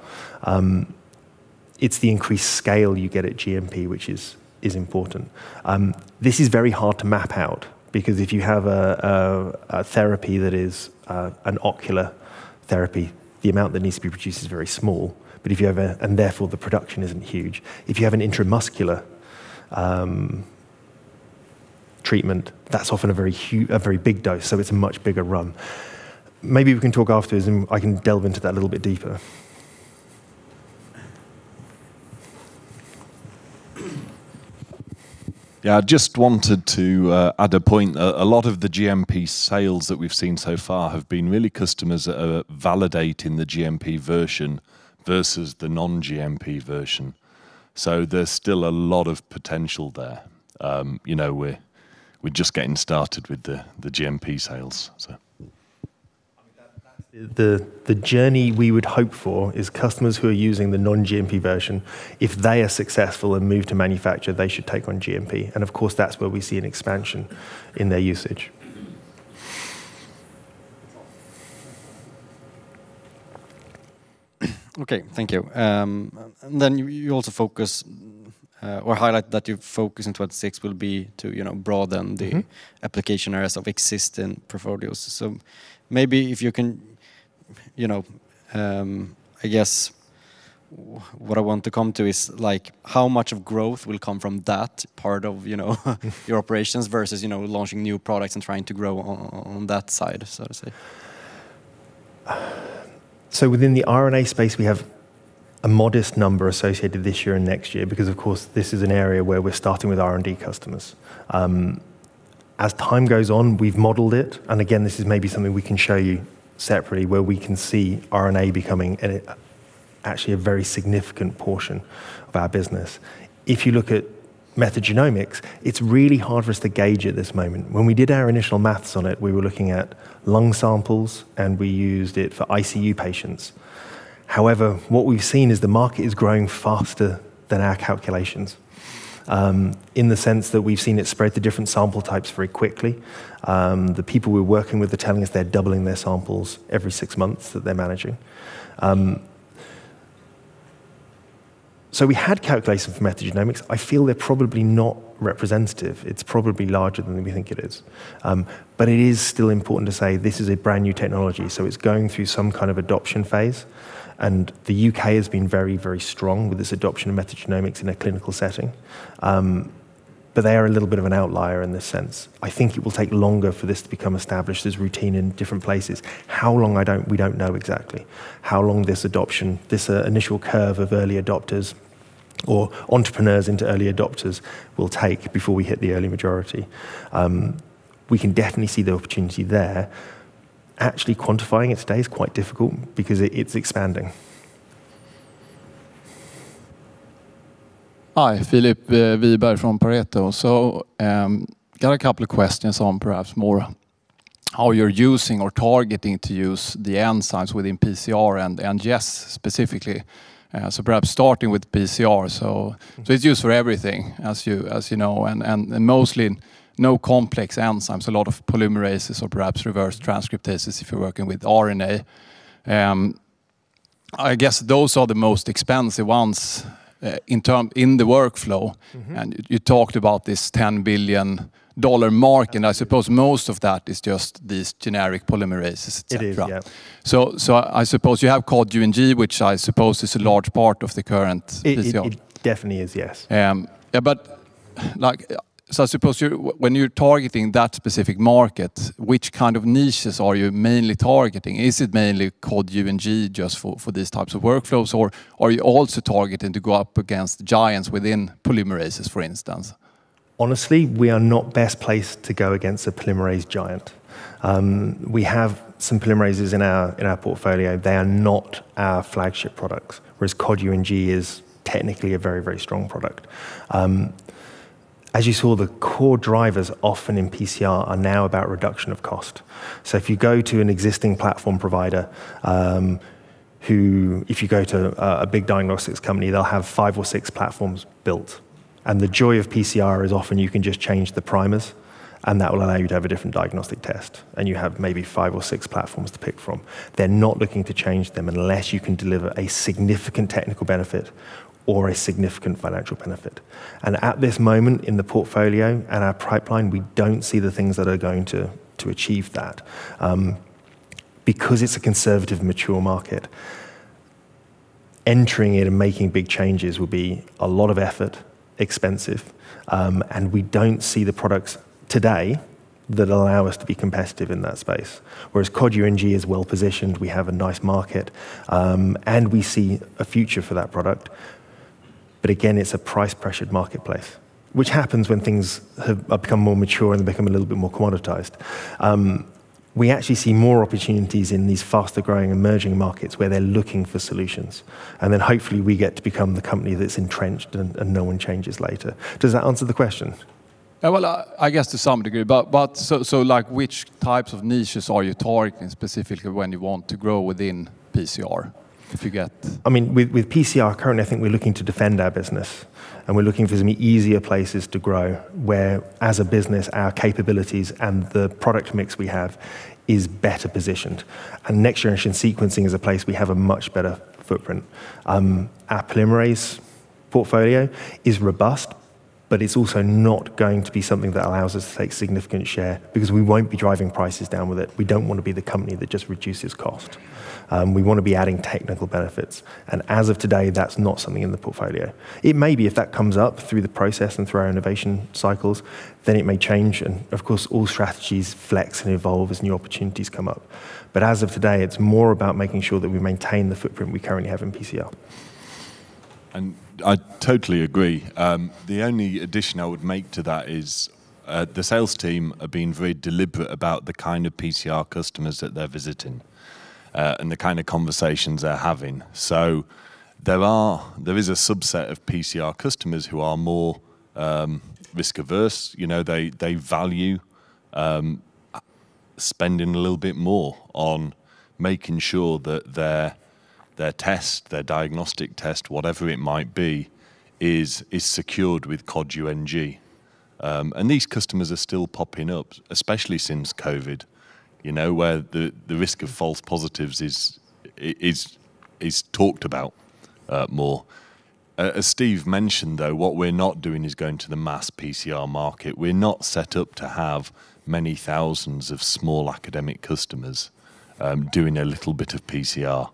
It's the increased scale you get at GMP which is important. This is very hard to map out because if you have a therapy that is an ocular therapy, the amount that needs to be produced is very small. Therefore, the production isn't huge. If you have an intramuscular treatment, that's often a very big dose, so it's a much bigger run. Maybe we can talk after this. I can delve into that a little bit deeper. Yeah, I just wanted to add a point. A lot of the GMP sales that we've seen so far have been really customers that are validating the GMP version versus the non-GMP version. There's still a lot of potential there. You know, we're just getting started with the GMP sales, so. I mean, that's the journey we would hope for is customers who are using the non-GMP version, if they are successful and move to manufacture, they should take on GMP, and of course, that's where we see an expansion in their usage. Okay, thank you. You also focus, or highlight that your focus in 2026 will be to, you know. Mm-hmm... the application areas of existing portfolios. Maybe if you can, you know, I guess what I want to come to is like how much of growth will come from that part of, you know, your operations versus, you know, launching new products and trying to grow on that side, so to say? Within the RNA space, we have a modest number associated this year and next year because of course, this is an area where we're starting with R&D customers. As time goes on, we've modeled it, and again, this is maybe something we can show you separately, where we can see RNA becoming actually a very significant portion of our business. If you look at metagenomics, it's really hard for us to gauge at this moment. When we did our initial maths on it, we were looking at lung samples, and we used it for ICU patients. However, what we've seen is the market is growing faster than our calculations, in the sense that we've seen it spread to different sample types very quickly. The people we're working with are telling us they're doubling their samples every six months that they're managing. We had calculations for metagenomics. I feel they're probably not representative. It's probably larger than we think it is. It is still important to say this is a brand-new technology, so it's going through some kind of adoption phase, and the UK has been very, very strong with this adoption of metagenomics in a clinical setting. They are a little bit of an outlier in this sense. I think it will take longer for this to become established as routine in different places. How long? I don't know exactly how long this adoption, this initial curve of early adopters or entrepreneurs into early adopters will take before we hit the early majority. We can definitely see the opportunity there. Actually quantifying it today is quite difficult because it's expanding. Hi. Filip Wiberg from Pareto. Got a couple of questions on perhaps more how you're using or targeting to use the enzymes within PCR and NGS specifically. Perhaps starting with PCR. Mm-hmm It's used for everything as you know, and mostly no complex enzymes, a lot of polymerases or perhaps reverse transcriptases if you're working with RNA. I guess those are the most expensive ones, in term, in the workflow. Mm-hmm. You talked about this $10 billion market, and I suppose most of that is just these generic polymerases, et cetera. It is, yeah. I suppose you have Cod UNG, which I suppose is a large part of the current PCR. It definitely is, yes. Yeah, like, I suppose you're when you're targeting that specific market, which kind of niches are you mainly targeting? Is it mainly Cod UNG just for these types of workflows, or are you also targeting to go up against giants within Polymerases, for instance? Honestly, we are not best placed to go against a polymerase giant. We have some polymerases in our, in our portfolio. They are not our flagship products, whereas Cod UNG is technically a very, very strong product. As you saw, the core drivers often in PCR are now about reduction of cost. If you go to a big diagnostics company, they'll have five or six platforms built, and the joy of PCR is often you can just change the primers. And that will allow you to have a different diagnostic test, and you have maybe five or six platforms to pick from. They're not looking to change them unless you can deliver a significant technical benefit or a significant financial benefit. At this moment in the portfolio and our pipeline, we don't see the things that are going to achieve that. Because it's a conservative, mature market, entering it and making big changes will be a lot of effort, expensive, and we don't see the products today that allow us to be competitive in that space. Whereas Cod UNG is well-positioned, we have a nice market, and we see a future for that product. Again, it's a price-pressured marketplace, which happens when things have become more mature and become a little bit more commoditized. We actually see more opportunities in these faster-growing emerging markets where they're looking for solutions, and then hopefully we get to become the company that's entrenched and no one changes later. Does that answer the question? Yeah, well, I guess to some degree. So like which types of niches are you targeting specifically when you want to grow within PCR? I mean, with PCR currently, I think we're looking to defend our business. We're looking for some easier places to grow where, as a business, our capabilities and the product mix we have is better positioned. Next-Generation Sequencing is a place we have a much better footprint. Our polymerase portfolio is robust, but it's also not going to be something that allows us to take significant share because we won't be driving prices down with it. We don't want to be the company that just reduces cost. We wanna be adding technical benefits. As of today, that's not something in the portfolio. It may be if that comes up through the process and through our innovation cycles, then it may change. Of course, all strategies flex and evolve as new opportunities come up. As of today, it's more about making sure that we maintain the footprint we currently have in PCR. I totally agree. The only addition I would make to that is, the sales team are being very deliberate about the kind of PCR customers that they're visiting and the kind of conversations they're having. There is a subset of PCR customers who are more risk-averse. You know, they value spending a little bit more on making sure that their test, their diagnostic test, whatever it might be, is secured with Cod UNG. These customers are still popping up, especially since COVID, you know, where the risk of false positives is talked about more. As Steve mentioned, though, what we're not doing is going to the mass PCR market. We're not set up to have many thousands of small academic customers doing a little bit of PCR.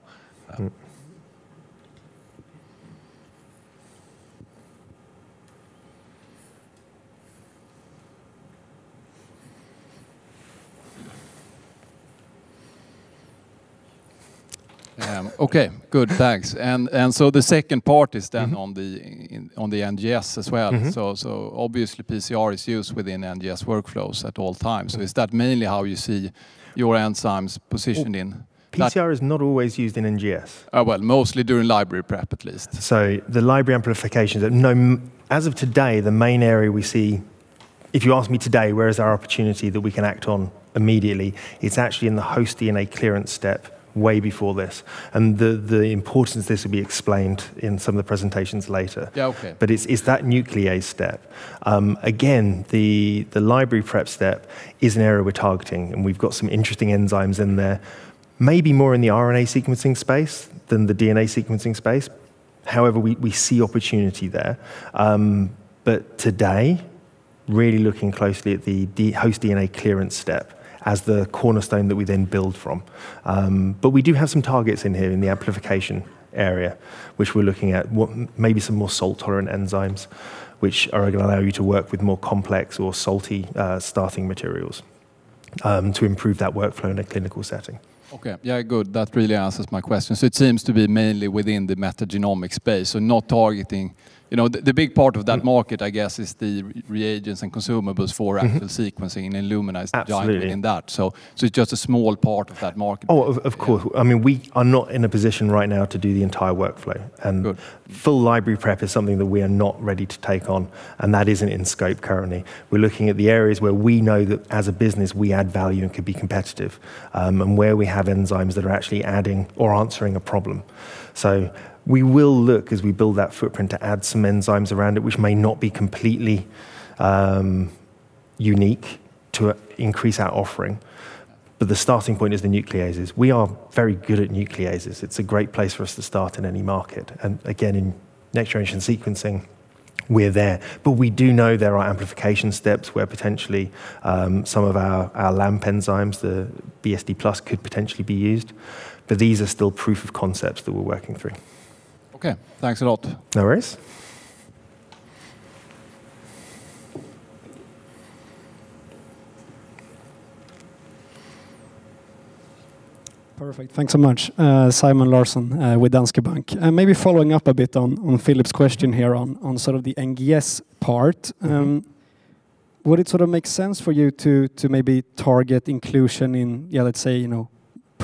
Okay. Good. Thanks. The second part is then on the, on the NGS as well. Mm-hmm. Obviously, PCR is used within NGS workflows at all times. Is that mainly how you see your enzymes positioned in that? PCR is not always used in NGS. Well, mostly during Library prep, at least. The library amplification, as of today, the main area we see, if you ask me today, where is our opportunity that we can act on immediately, it's actually in the Host DNA clearance step way before this. The importance of this will be explained in some of the presentations later. Okay. It's that nuclease step. Again, the library prep step is an area we're targeting, and we've got some interesting enzymes in there, maybe more in the RNA sequencing space than the DNA sequencing space. However, we see opportunity there. Today, really looking closely at the Host DNA clearance step as the cornerstone that we then build from. We do have some targets in here in the amplification area, which we're looking at maybe some more salt-tolerant enzymes, which are gonna allow you to work with more complex or salty starting materials to improve that workflow in a clinical setting. Okay. Yeah, good. That really answers my question. It seems to be mainly within the metagenomic space, so not targeting... You know, the big part of that market, I guess, is the reagents and consumables for actual sequencing... Mm-hmm. Illumina is the giant in that. Absolutely. It's just a small part of that market. Oh, of course. I mean, we are not in a position right now to do the entire workflow. Good. Full library prep is something that we are not ready to take on, and that isn't in scope currently. We're looking at the areas where we know that as a business, we add value and could be competitive, and where we have enzymes that are actually adding or answering a problem. We will look as we build that footprint to add some enzymes around it, which may not be completely unique to increase our offering. The starting point is the nucleases. We are very good at nucleases. It's a great place for us to start in any market. Again, in Next-Generation Sequencing, we're there. We do know there are amplification steps where potentially some of our LAMP enzymes, the Bsl polymerase could potentially be used. These are still proof of concepts that we're working through. Okay. Thanks a lot. No worries. Perfect. Thanks so much. Simon Larsson, with Danske Bank. Maybe following up a bit on Filip's question here on sort of the NGS part. Would it sort of make sense for you to maybe target inclusion in, yeah, let's say, you know,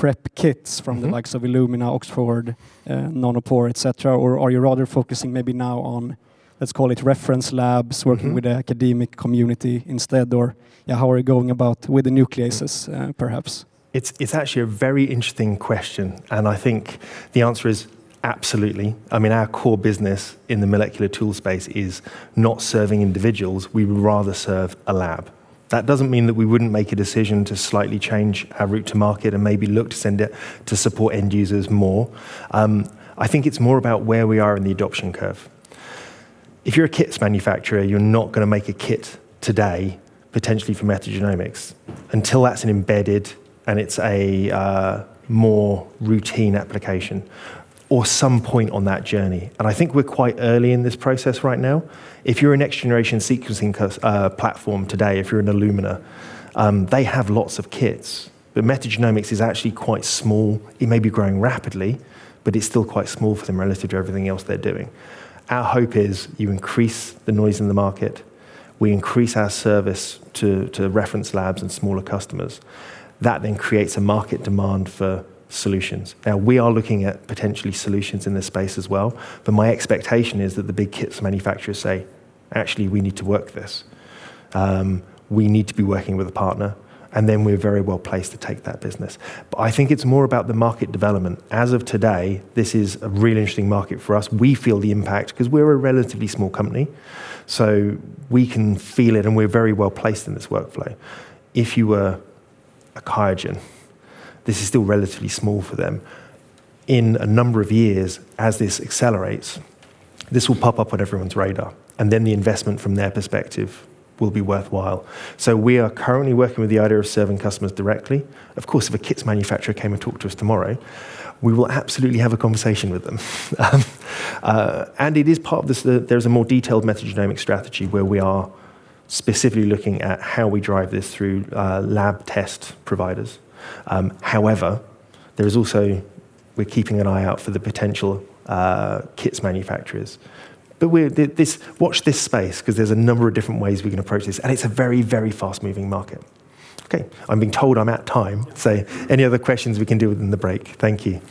prep kits from the likes of Illumina, Oxford Nanopore, et cetera? Or are you rather focusing maybe now on, let's call it reference labs working with the academic community instead? Or, yeah, how are you going about with the nucleases, perhaps? It's actually a very interesting question. I think the answer is absolutely. I mean, our core business in the molecular tool space is not serving individuals. We would rather serve a lab. That doesn't mean that we wouldn't make a decision to slightly change our route to market and maybe look to send it to support end users more. I think it's more about where we are in the adoption curve. If you're a kits manufacturer, you're not going to make a kit today, potentially for metagenomics until that's an embedded and it's a more routine application or some point on that journey. I think we're quite early in this process right now. If you're a Next-Generation Sequencing platform today, if you're an Illumina, they have lots of kits, metagenomics is actually quite small. It may be growing rapidly, but it's still quite small for them relative to everything else they're doing. Our hope is you increase the noise in the market. We increase our service to reference labs and smaller customers. That creates a market demand for solutions. We are looking at potentially solutions in this space as well, but my expectation is that the big kits manufacturers say, actually, we need to work this. We need to be working with a partner, and then we're very well-placed to take that business. I think it's more about the market development. As of today, this is a really interesting market for us. We feel the impact because we're a relatively small company, so we can feel it and we're very well-placed in this workflow. If you were a QIAGEN, this is still relatively small for them. In a number of years, as this accelerates, this will pop up on everyone's radar, and then the investment from their perspective will be worthwhile. We are currently working with the idea of serving customers directly. Of course, if a kits manufacturer came and talked to us tomorrow, we will absolutely have a conversation with them. It is part of this, there's a more detailed metagenomic strategy where we are specifically looking at how we drive this through lab test providers. There is also, we're keeping an eye out for the potential kits manufacturers. We're, watch this space because there's a number of different ways we can approach this, and it's a very, very fast-moving market. I'm being told I'm at time, any other questions we can do within the break. Thank you.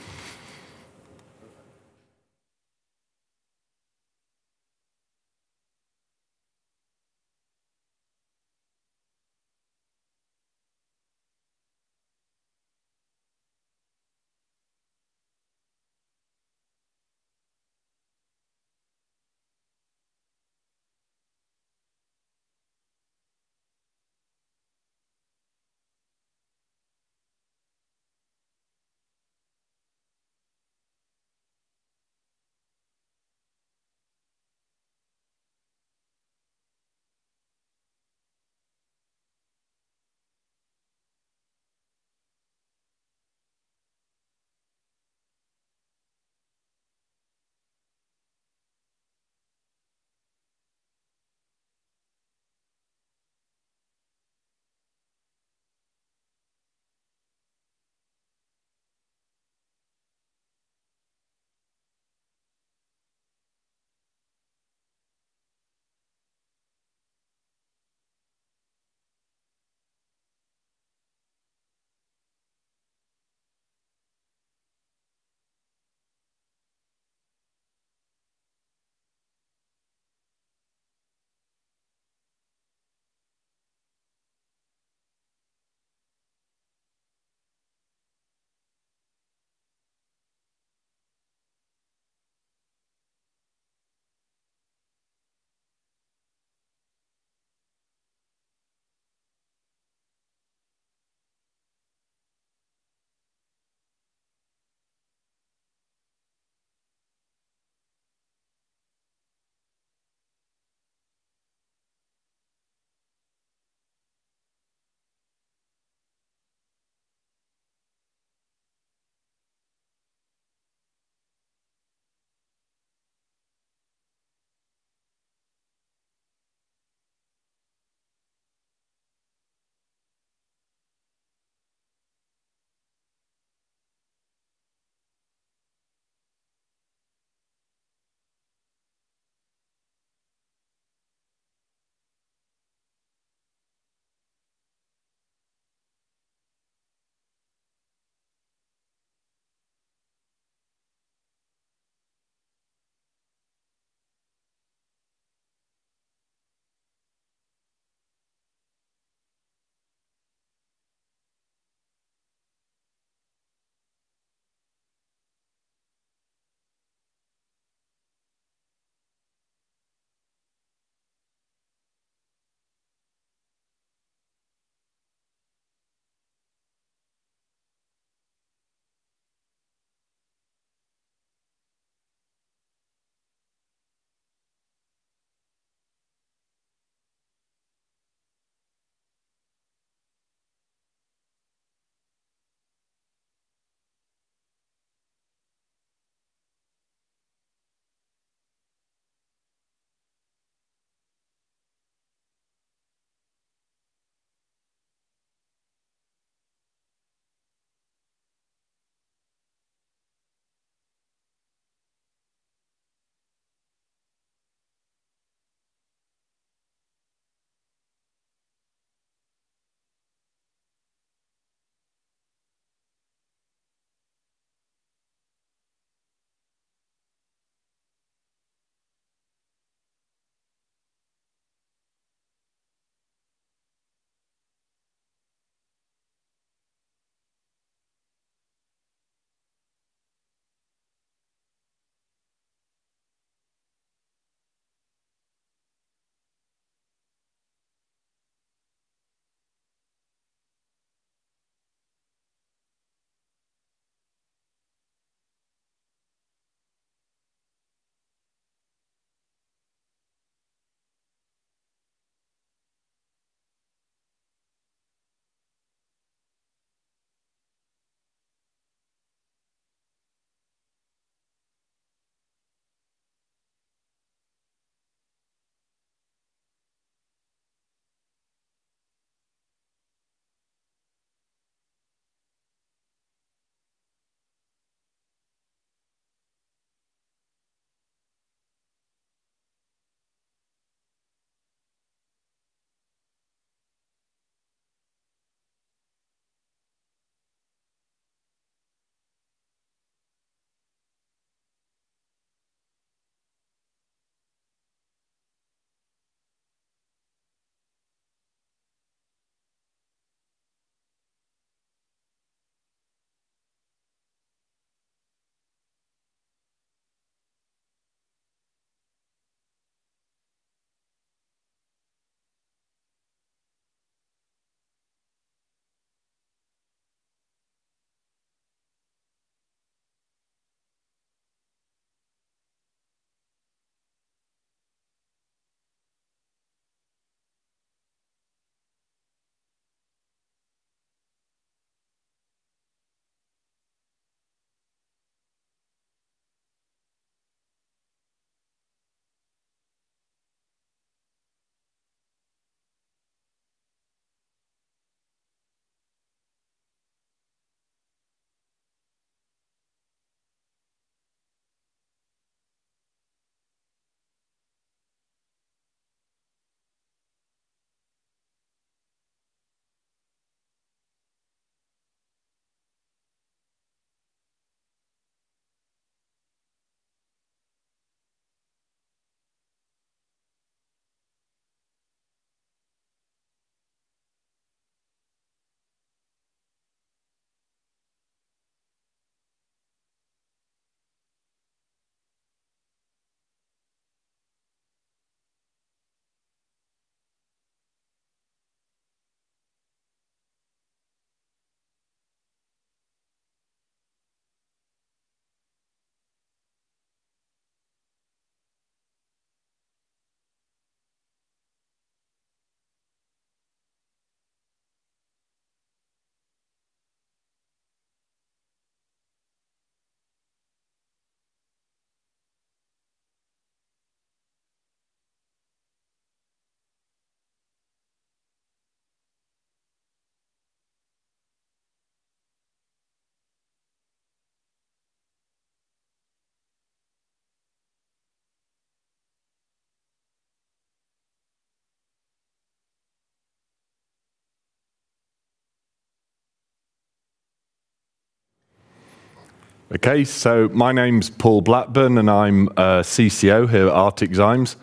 Okay, my name's Paul Blackburn, and I'm CCO here at ArcticZymes.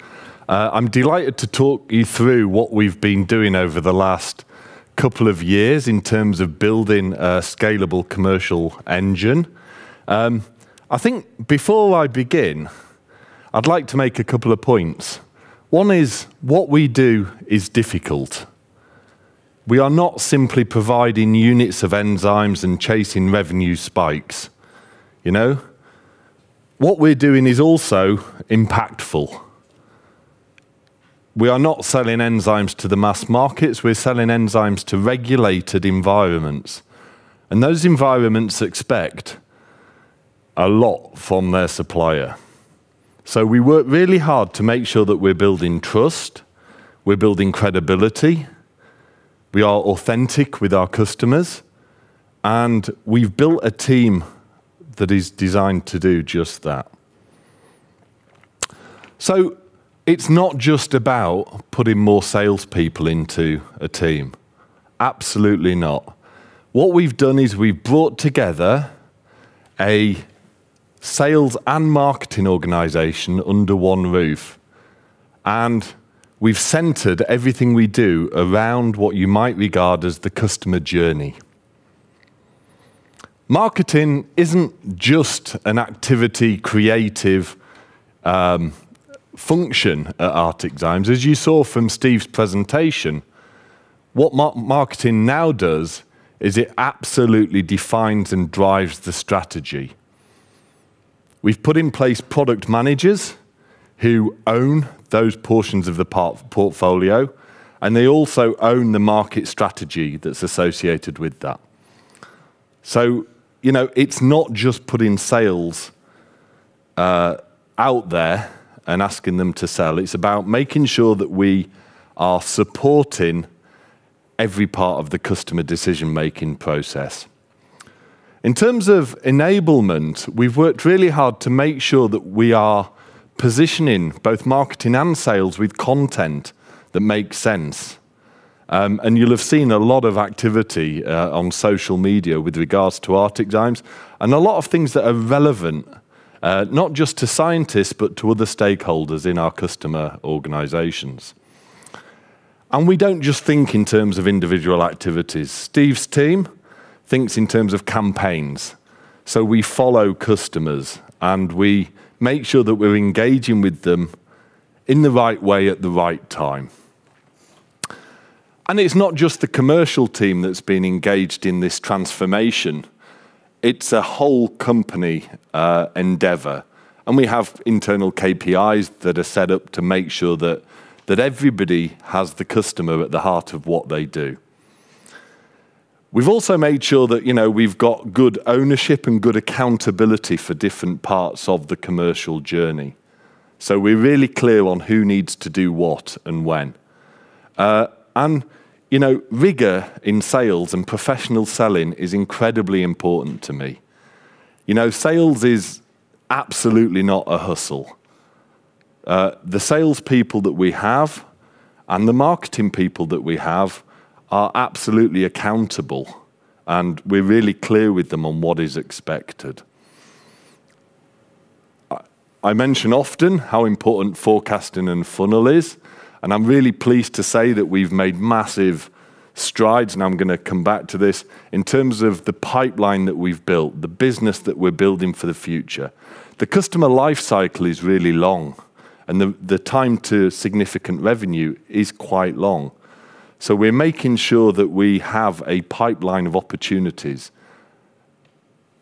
I'm delighted to talk you through what we've been doing over the last couple of years in terms of building a scalable commercial engine. I think before I begin, I'd like to make a couple of points. One is what we do is difficult. We are not simply providing units of enzymes and chasing revenue spikes, you know? What we're doing is also impactful. We are not selling enzymes to the mass markets. We're selling enzymes to regulated environments, and those environments expect a lot from their supplier. We work really hard to make sure that we're building trust, we're building credibility, we are authentic with our customers, and we've built a team that is designed to do just that. It's not just about putting more salespeople into a team. Absolutely not. What we've done is we've brought together a sales and marketing organization under one roof, and we've centered everything we do around what you might regard as the customer journey. Marketing isn't just an activity creative, function at ArcticZymes. As you saw from Steve's presentation, what marketing now does is it absolutely defines and drives the strategy. We've put in place product managers who own those portions of the portfolio, and they also own the market strategy that's associated with that. You know, it's not just putting sales, out there and asking them to sell. It's about making sure that we are supporting every part of the customer decision-making process. In terms of enablement, we've worked really hard to make sure that we are positioning both marketing and sales with content that makes sense. You'll have seen a lot of activity on social media with regards to ArcticZymes and a lot of things that are relevant, not just to scientists, but to other stakeholders in our customer organizations. We don't just think in terms of individual activities. Steve's team thinks in terms of campaigns. We follow customers, and we make sure that we're engaging with them in the right way at the right time. It's not just the commercial team that's been engaged in this transformation. It's a whole company endeavor, and we have internal KPIs that are set up to make sure that everybody has the customer at the heart of what they do. We've also made sure that, you know, we've got good ownership and good accountability for different parts of the commercial journey. We're really clear on who needs to do what and when. You know, rigor in sales and professional selling is incredibly important to me. You know, sales is absolutely not a hustle. The sales people that we have and the marketing people that we have are absolutely accountable, and we're really clear with them on what is expected. I mention often how important forecasting and funnel is, and I'm really pleased to say that we've made massive strides, and I'm gonna come back to this, in terms of the pipeline that we've built, the business that we're building for the future. The customer life cycle is really long and the time to significant revenue is quite long. We're making sure that we have a pipeline of opportunities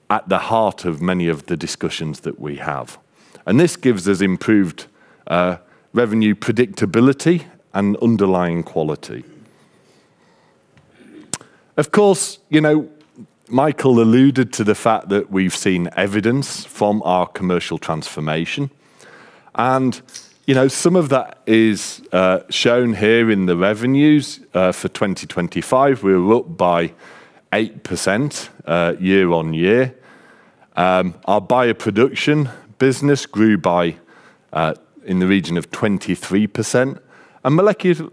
at the heart of many of the discussions that we have. This gives us improved revenue predictability and underlying quality. Of course, you know, Michael alluded to the fact that we've seen evidence from our commercial transformation, you know, some of that is shown here in the revenues for 2025. We're up by 8% year-on-year. Our bioproduction business grew by in the region of 23%,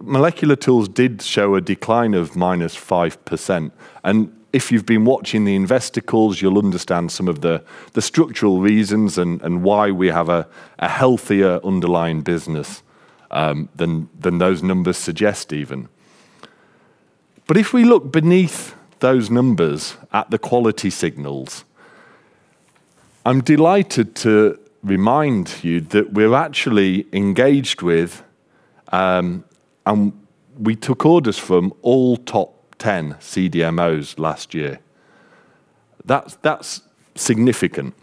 molecular tools did show a decline of -5%. If you've been watching the investor calls, you'll understand some of the structural reasons and why we have a healthier underlying business than those numbers suggest even. If we look beneath those numbers at the quality signals, I'm delighted to remind you that we're actually engaged with, and we took orders from all top 10 CDMOs last year. That's significant.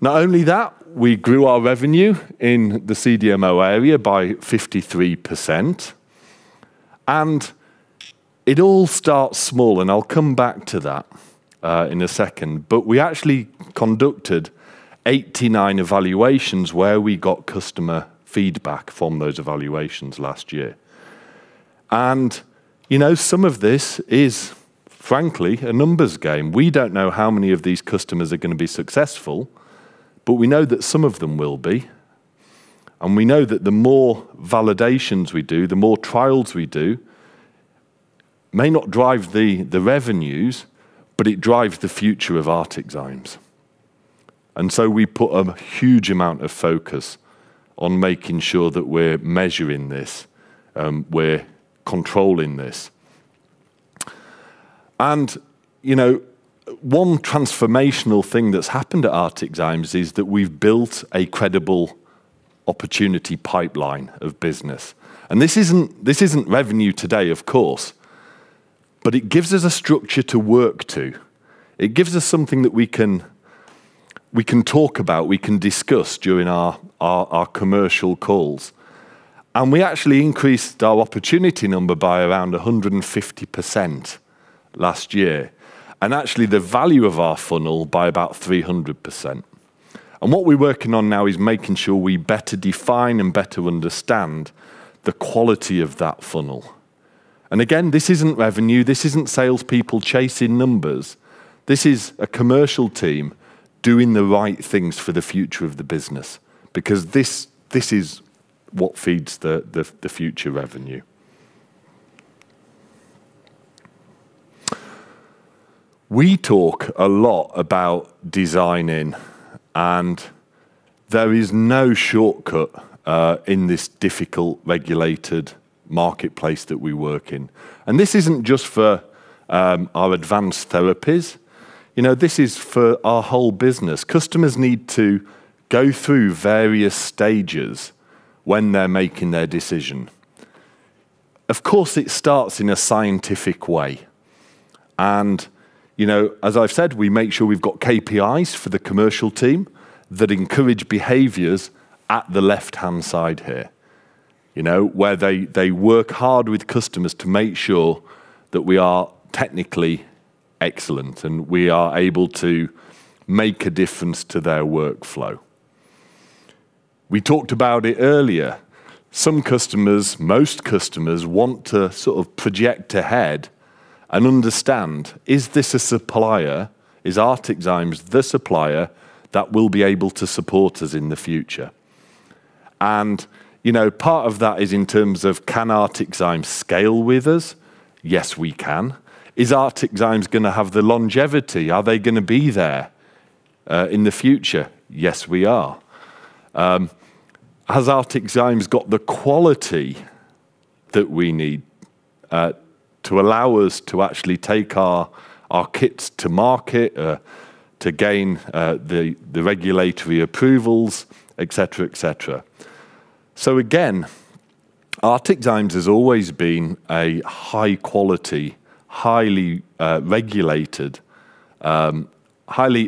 Not only that, we grew our revenue in the CDMO area by 53%. It all starts small. I'll come back to that in a second. We actually conducted 89 evaluations where we got customer feedback from those evaluations last year. You know, some of this is, frankly, a numbers game. We don't know how many of these customers are gonna be successful. We know that some of them will be. We know that the more validations we do, the more trials we do, may not drive the revenues. It drives the future of ArcticZymes. We put a huge amount of focus on making sure that we're measuring this, we're controlling this. You know, one transformational thing that's happened at ArcticZymes is that we've built a credible opportunity pipeline of business. This isn't, this isn't revenue today, of course, but it gives us a structure to work to. It gives us something that we can, we can talk about, we can discuss during our commercial calls. We actually increased our opportunity number by around 150% last year, and actually the value of our funnel by about 300%. What we're working on now is making sure we better define and better understand the quality of that funnel. Again, this isn't revenue. This isn't salespeople chasing numbers. This is a commercial team doing the right things for the future of the business because this is what feeds the future revenue. We talk a lot about designing, there is no shortcut in this difficult, regulated marketplace that we work in. This isn't just for our advanced therapies. You know, this is for our whole business. Customers need to go through various stages when they're making their decision. Of course, it starts in a scientific way. You know, as I've said, we make sure we've got KPIs for the commercial team that encourage behaviors at the left-hand side here, you know, where they work hard with customers to make sure that we are technically excellent, and we are able to make a difference to their workflow. We talked about it earlier. Some customers, most customers want to sort of project ahead and understand, is this a supplier? Is ArcticZymes the supplier that will be able to support us in the future? You know, part of that is in terms of can ArcticZymes scale with us? Yes, we can. Is ArcticZymes gonna have the longevity? Are they gonna be there in the future? Yes, we are. Has ArcticZymes got the quality that we need to allow us to actually take our kits to market to gain the regulatory approvals, et cetera, et cetera. Again, ArcticZymes has always been a high quality, highly regulated, highly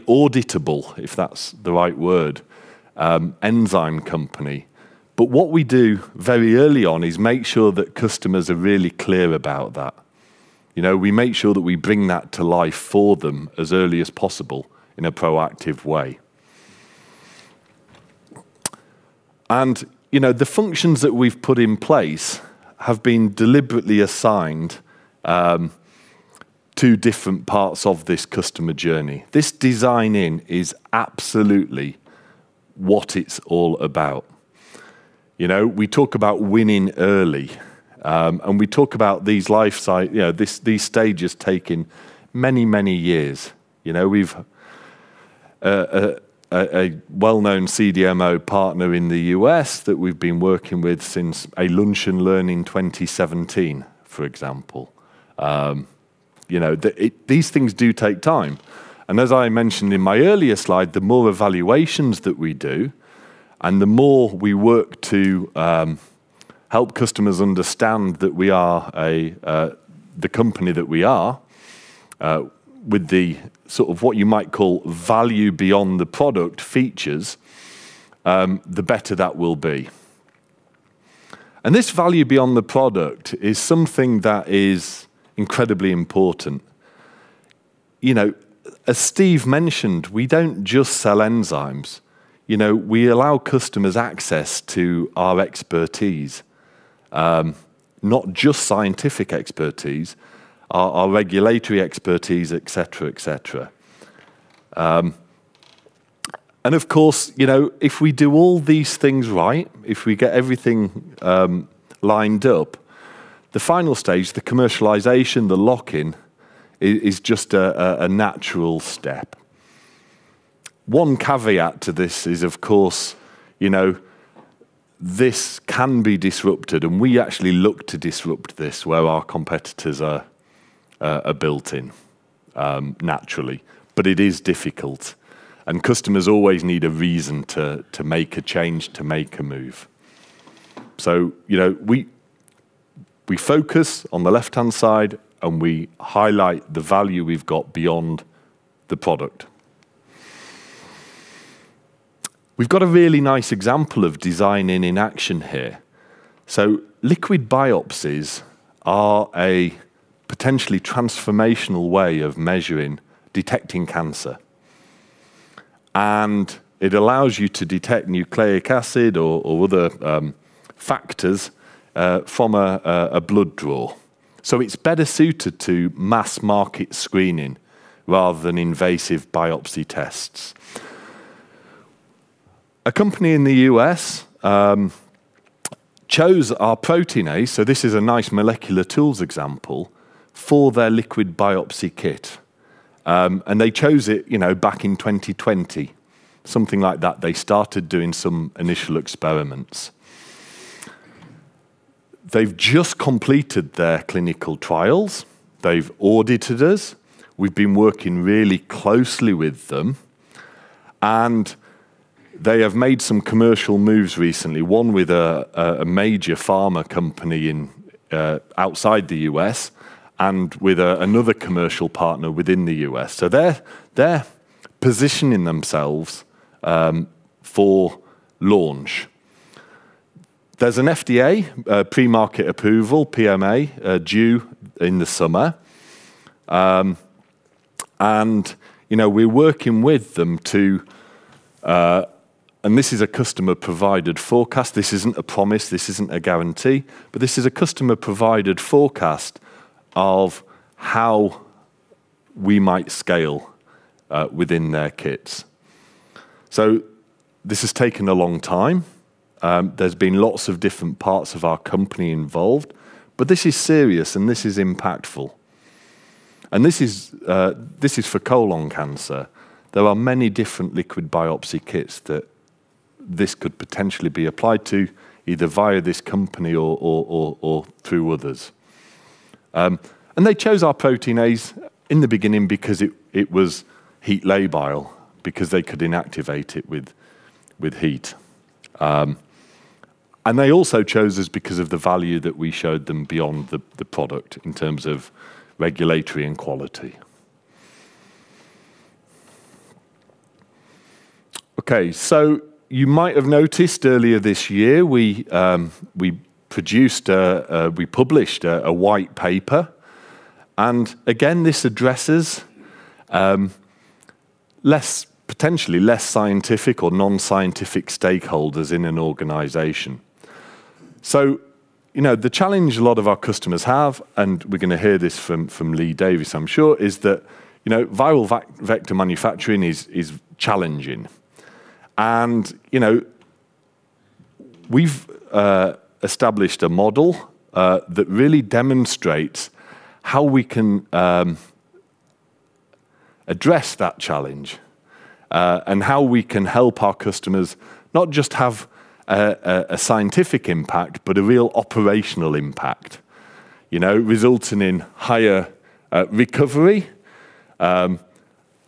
auditable, if that's the right word, enzyme company. What we do very early on is make sure that customers are really clear about that. You know, we make sure that we bring that to life for them as early as possible in a proactive way. You know, the functions that we've put in place have been deliberately assigned to different parts of this customer journey. This designing is absolutely what it's all about. You know, we talk about winning early, and we talk about you know, these stages taking many, many years. You know, we've a well-known CDMO partner in the US that we've been working with since a Lunch and Learn in 2017, for example. You know, these things do take time. As I mentioned in my earlier slide, the more evaluations that we do and the more we work to help customers understand that we are the company that we are with the sort of what you might call value beyond the product features, the better that will be. This value beyond the product is something that is incredibly important. You know, as Steve mentioned, we don't just sell enzymes. You know, we allow customers access to our expertise, not just scientific expertise, our regulatory expertise, et cetera, et cetera. Of course, you know, if we do all these things right, if we get everything lined up, the final stage, the commercialization, the lock-in is just a natural step. One caveat to this is of course, you know, this can be disrupted, and we actually look to disrupt this where our competitors are built in naturally. It is difficult, and customers always need a reason to make a change, to make a move. You know, we focus on the left-hand side, and we highlight the value we've got beyond the product. We've got a really nice example of designing in action here. Liquid biopsies are a potentially transformational way of measuring, detecting cancer, and it allows you to detect nucleic acid or other factors from a blood draw. It's better suited to mass market screening rather than invasive biopsy tests. A company in the U.S. chose our Protein A, this is a nice molecular tools example, for their Liquid biopsy kit. They chose it, you know, back in 2020, something like that. They started doing some initial experiments. They've just completed their clinical trials. They've audited us. We've been working really closely with them, and they have made some commercial moves recently, one with a major pharma company outside the U.S. and with another commercial partner within the U.S. They're positioning themselves for launch. There's an FDA pre-market approval, PMA, due in the summer, you know, we're working with them. This is a customer-provided forecast. This isn't a promise. This isn't a guarantee. This is a customer-provided forecast of how we might scale within their kits. This has taken a long time. There's been lots of different parts of our company involved. This is serious, and this is impactful. This is for colon cancer. There are many different liquid biopsy kits that this could potentially be applied to, either via this company or through others. They chose our Protein A's in the beginning because it was heat labile, because they could inactivate it with heat. They also chose us because of the value that we showed them beyond the product in terms of regulatory and quality. Okay, you might have noticed earlier this year, we published a white paper, and again, this addresses less, potentially less scientific or non-scientific stakeholders in an organization. You know, the challenge a lot of our customers have, and we're gonna hear this from Lee Davies, I'm sure, is that, you know, viral vector manufacturing is challenging. You know, we've established a model that really demonstrates how we can Address that challenge and how we can help our customers not just have a scientific impact, but a real operational impact, you know, resulting in higher recovery,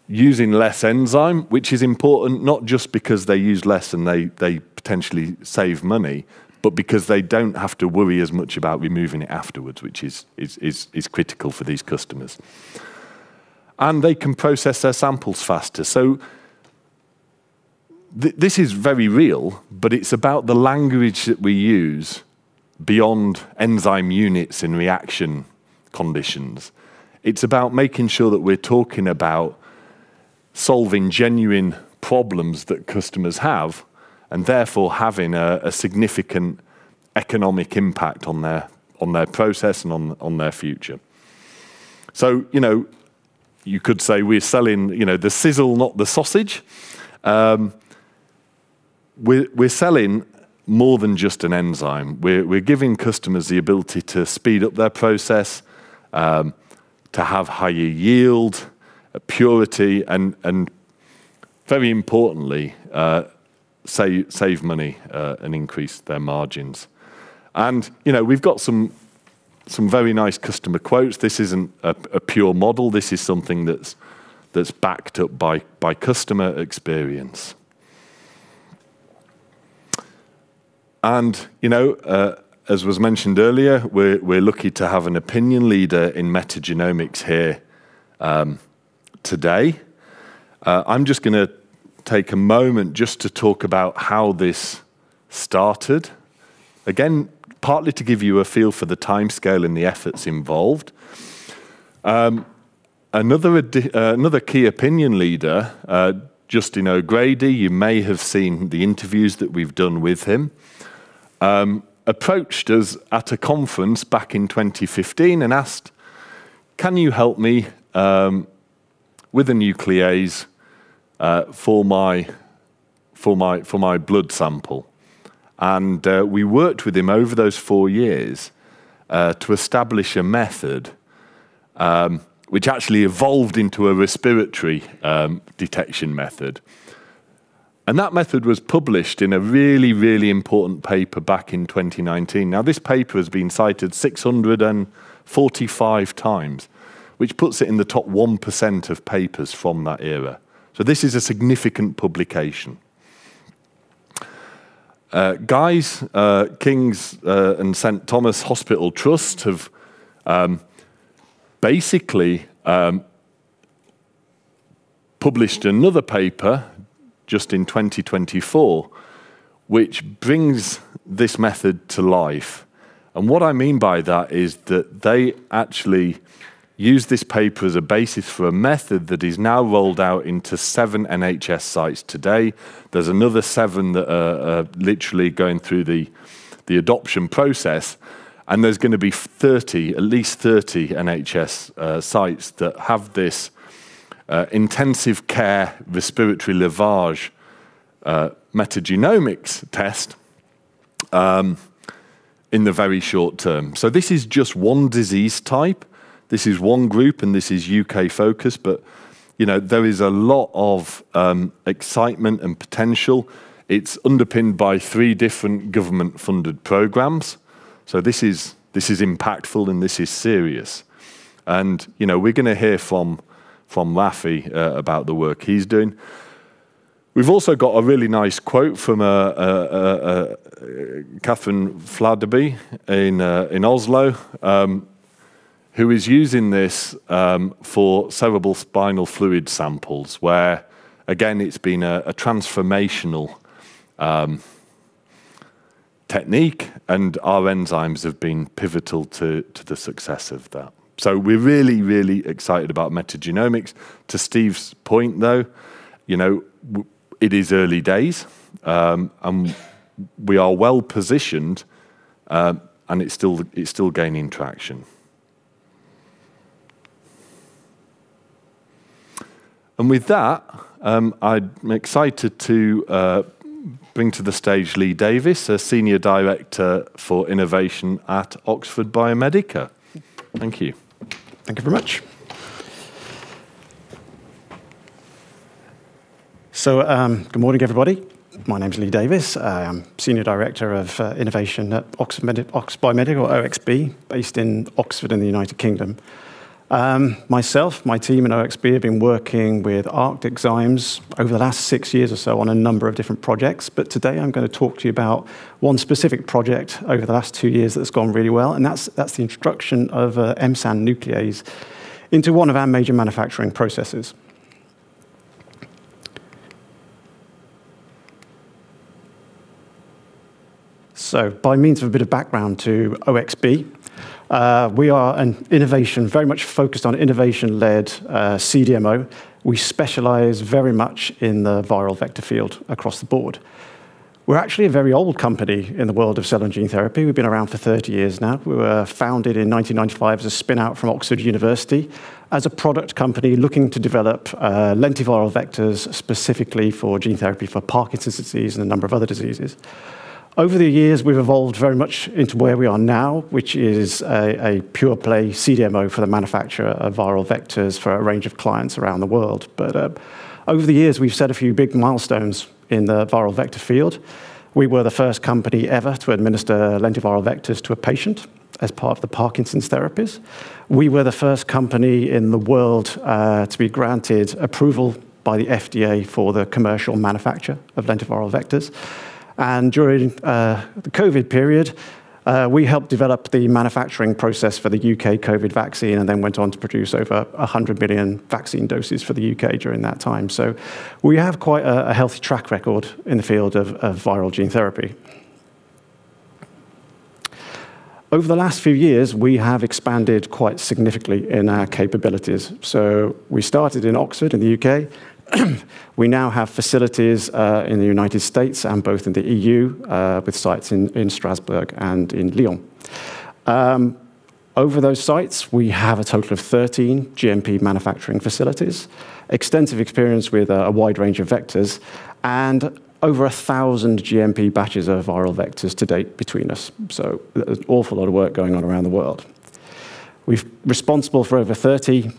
using less enzyme, which is important not just because they use less and they potentially save money, but because they don't have to worry as much about removing it afterwards, which is critical for these customers. They can process their samples faster. This is very real, but it's about the language that we use beyond enzyme units in reaction conditions. It's about making sure that we're talking about solving genuine problems that customers have and therefore having a significant economic impact on their process and on their future. You know, you could say we're selling, you know, the sizzle not the sausage. We're selling more than just an enzyme. We're giving customers the ability to speed up their process, to have higher yield, purity, and very importantly, save money, and increase their margins. You know, we've got some very nice customer quotes. This isn't a pure model. This is something that's backed up by customer experience. You know, as was mentioned earlier, we're lucky to have an opinion leader in Metagenomics here today. I'm just gonna take a moment just to talk about how this started, again, partly to give you a feel for the timescale and the efforts involved. Another key opinion leader, Justin O'Grady, you may have seen the interviews that we've done with him, approached us at a conference back in 2015 and asked, "Can you help me with a nuclease for my blood sample?" We worked with him over those four years to establish a method, which actually evolved into a respiratory detection method. That method was published in a really, really important paper back in 2019. This paper has been cited 645 times, which puts it in the top 1% of papers from that era. This is a significant publication. Guy's, King's, and St Thomas' Hospital Trust have basically published another paper just in 2024, which brings this method to life. What I mean by that is that they actually use this paper as a basis for a method that is now rolled out into seven NHS sites today. There's another seven that are literally going through the adoption process, and there's gonna be 30, at least 30 NHS sites that have this intensive care respiratory lavage, metagenomics test in the very short term. This is just one disease type. This is one group, and this is U.K.-focused, but, you know, there is a lot of excitement and potential. It's underpinned by three different government-funded programs. This is impactful, and this is serious. You know, we're gonna hear from Rafi about the work he's doing. We've also got a really nice quote from Catherine Fladby in Oslo, who is using this for severable spinal fluid samples, where, again, it's been a transformational technique, and our enzymes have been pivotal to the success of that. We're really excited about metagenomics. To Steve's point, though, you know, it is early days, and we are well-positioned, and it's still gaining traction. With that, I'm excited to bring to the stage Lee Davies, a senior director for innovation at Oxford Biomedica. Thank you. Thank you very much. Good morning, everybody. My name's Lee Davies. I am Senior Director of innovation at Oxford Biomedica, or OXB, based in Oxford in the United Kingdom. Myself, my team at OXB have been working with ArcticZymes over the last six years or so on a number of different projects, but today I'm gonna talk to you about one specific project over the last two years that's gone really well, and that's the introduction of M-SAN nuclease into one of our major manufacturing processes. By means of a bit of background to OXB, we are an innovation, very much focused on innovation-led, CDMO. We specialize very much in the viral vector field across the board. We're actually a very old company in the world of cell and gene therapy. We've been around for 30 years now. We were founded in 1995 as a spin-out from the University of Oxford as a product company looking to develop Lentiviral vectors specifically for gene therapy for Parkinson's disease and a number of other diseases. Over the years, we've evolved very much into where we are now, which is a pure play CDMO for the manufacture of viral vectors for a range of clients around the world. Over the years, we've set a few big milestones in the viral vector field. We were the first company ever to administer Lentiviral vectors to a patient as part of the Parkinson's therapies. We were the first company in the world to be granted approval by the FDA for the commercial manufacture of Lentiviral vectors. During the COVID period, we helped develop the manufacturing process for the U.K. COVID vaccine and then went on to produce over 100 billion vaccine doses for the U.K. during that time. We have quite a healthy track record in the field of viral gene therapy. Over the last few years, we have expanded quite significantly in our capabilities. We started in Oxford, in the U.K. We now have facilities in the United States and both in the EU, with sites in Strasbourg and in Lyon. Over those sites, we have a total of 13 GMP manufacturing facilities, extensive experience with a wide range of vectors, and over 1,000 GMP batches of viral vectors to date between us. There's an awful lot of work going on around the world. We've responsible for over 30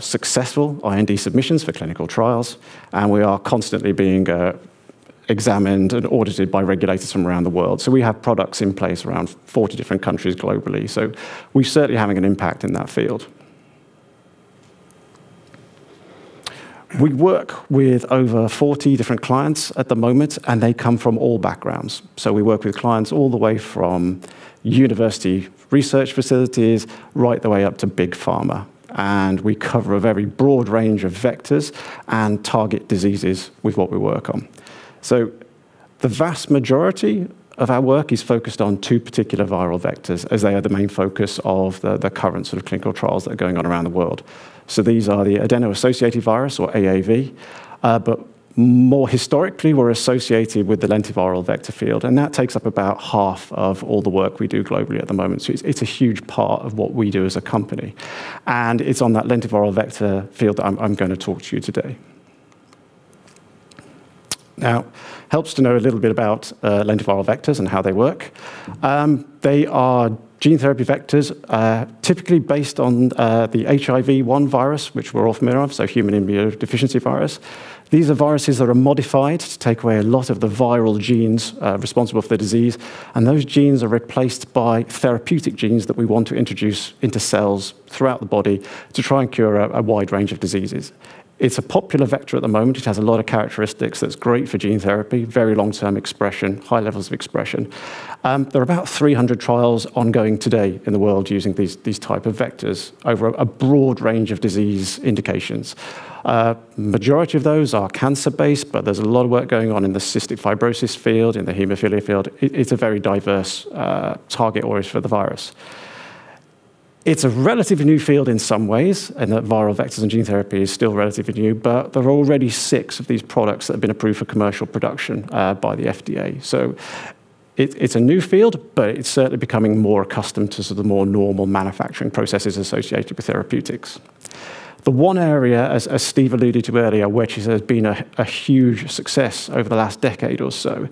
successful IND submissions for clinical trials. We are constantly being examined and audited by regulators from around the world. We have products in place around 40 different countries globally. We're certainly having an impact in that field. We work with over 40 different clients at the moment. They come from all backgrounds. We work with clients all the way from university research facilities right the way up to big pharma. We cover a very broad range of vectors and target diseases with what we work on. The vast majority of our work is focused on two particular viral vectors, as they are the main focus of the current sort of clinical trials that are going on around the world. These are the Adeno-Associated Virus, or AAV, but more historically, we're associated with the Lentiviral vector field, and that takes up about half of all the work we do globally at the moment. It's a huge part of what we do as a company, and it's on that Lentiviral vector field I'm gonna talk to you today. Now, helps to know a little bit about Lentiviral vectors and how they work. They are gene therapy vectors, typically based on the HIV-1 virus, which we're all familiar of, so Human Immunodeficiency Virus. These are viruses that are modified to take away a lot of the viral genes responsible for the disease, and those genes are replaced by therapeutic genes that we want to introduce into cells throughout the body to try and cure a wide range of diseases. It's a popular vector at the moment. It has a lot of characteristics that's great for gene therapy, very long-term expression, high levels of expression. There are about 300 trials ongoing today in the world using these type of vectors over a broad range of disease indications. Majority of those are cancer-based, there's a lot of work going on in the cystic fibrosis field, in the hemophilia field. It's a very diverse target always for the virus. It's a relatively new field in some ways, in that viral vectors and gene therapy is still relatively new, there are already six of these products that have been approved for commercial production by the FDA. It's a new field, it's certainly becoming more accustomed to sort of the more normal manufacturing processes associated with therapeutics. The one area, as Steve alluded to earlier, which has been a huge success over the last decade or so,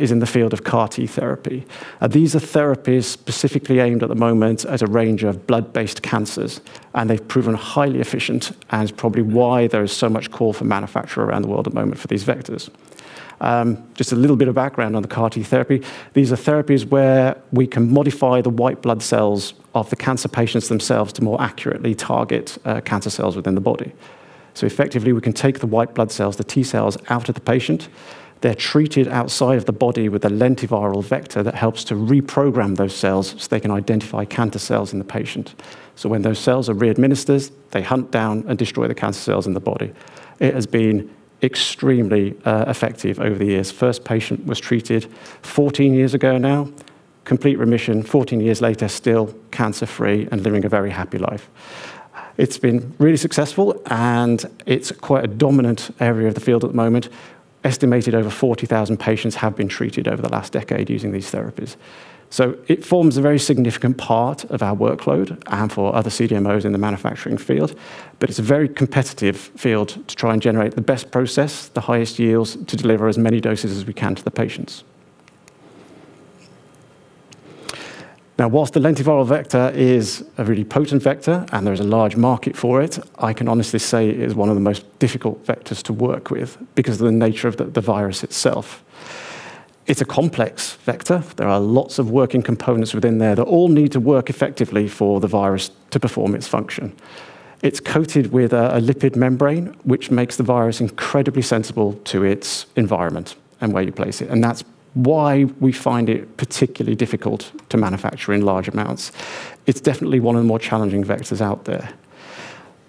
is in the field of CAR T therapy. These are therapies specifically aimed at the moment at a range of blood-based cancers. They've proven highly efficient and is probably why there is so much call for manufacture around the world at the moment for these vectors. Just a little bit of background on the CAR T therapy. These are therapies where we can modify the white blood cells of the cancer patients themselves to more accurately target cancer cells within the body. Effectively, we can take the white blood cells, the T-cells, out of the patient. They're treated outside of the body with a Lentiviral vector that helps to reprogram those cells so they can identify cancer cells in the patient. When those cells are re-administered, they hunt down and destroy the cancer cells in the body. It has been extremely effective over the years. First patient was treated 14 years ago now, complete remission 14 years later, still cancer-free and living a very happy life. It's been really successful, and it's quite a dominant area of the field at the moment. Estimated over 40,000 patients have been treated over the last decade using these therapies. It forms a very significant part of our workload and for other CDMOs in the manufacturing field, but it's a very competitive field to try and generate the best process, the highest yields, to deliver as many doses as we can to the patients. Whilst the lentiviral vector is a really potent vector and there is a large market for it, I can honestly say it is one of the most difficult vectors to work with because of the nature of the virus itself. It's a complex vector. There are lots of working components within there that all need to work effectively for the virus to perform its function. It's coated with a lipid membrane, which makes the virus incredibly sensible to its environment and where you place it, and that's why we find it particularly difficult to manufacture in large amounts. It's definitely one of the more challenging vectors out there,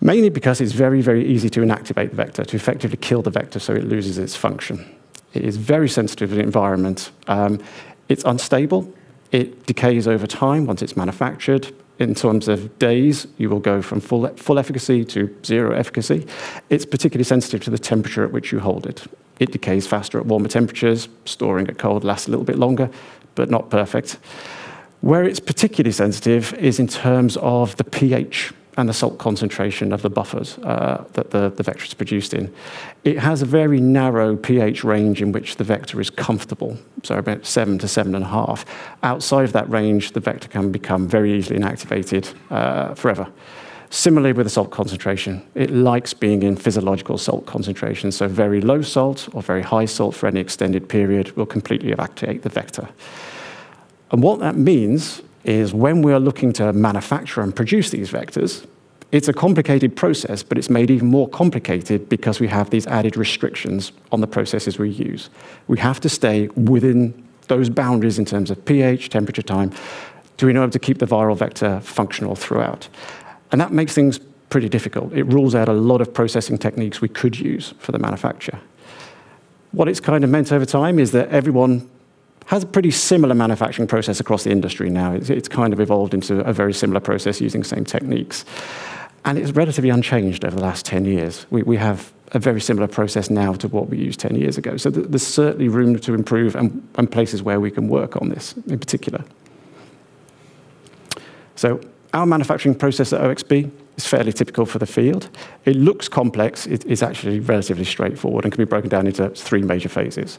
mainly because it's very, very easy to inactivate the vector, to effectively kill the vector so it loses its function. It is very sensitive of the environment. It's unstable. It decays over time once it's manufactured. In terms of days, you will go from full efficacy to zero efficacy. It's particularly sensitive to the temperature at which you hold it. It decays faster at warmer temperatures. Storing it cold lasts a little bit longer but not perfect. Where it's particularly sensitive is in terms of the pH and the salt concentration of the buffers that the vector's produced in. It has a very narrow pH range in which the vector is comfortable, so about seven to seven and a half. Outside of that range, the vector can become very easily inactivated forever. Similarly, with the salt concentration, it likes being in physiological salt concentration, so very low salt or very high salt for any extended period will completely inactivate the vector. What that means is when we're looking to manufacture and produce these vectors, it's a complicated process, but it's made even more complicated because we have these added restrictions on the processes we use. We have to stay within those boundaries in terms of pH, temperature, time, to be able to keep the viral vector functional throughout. That makes things pretty difficult. It rules out a lot of processing techniques we could use for the manufacture. What it's kinda meant over time is that everyone has a pretty similar manufacturing process across the industry now. It's kind of evolved into a very similar process using the same techniques, and it's relatively unchanged over the last 10 years. We have a very similar process now to what we used 10 years ago. There's certainly room to improve and places where we can work on this in particular. Our manufacturing process at OxB is fairly typical for the field. It looks complex. It is actually relatively straightforward and can be broken down into three major phases.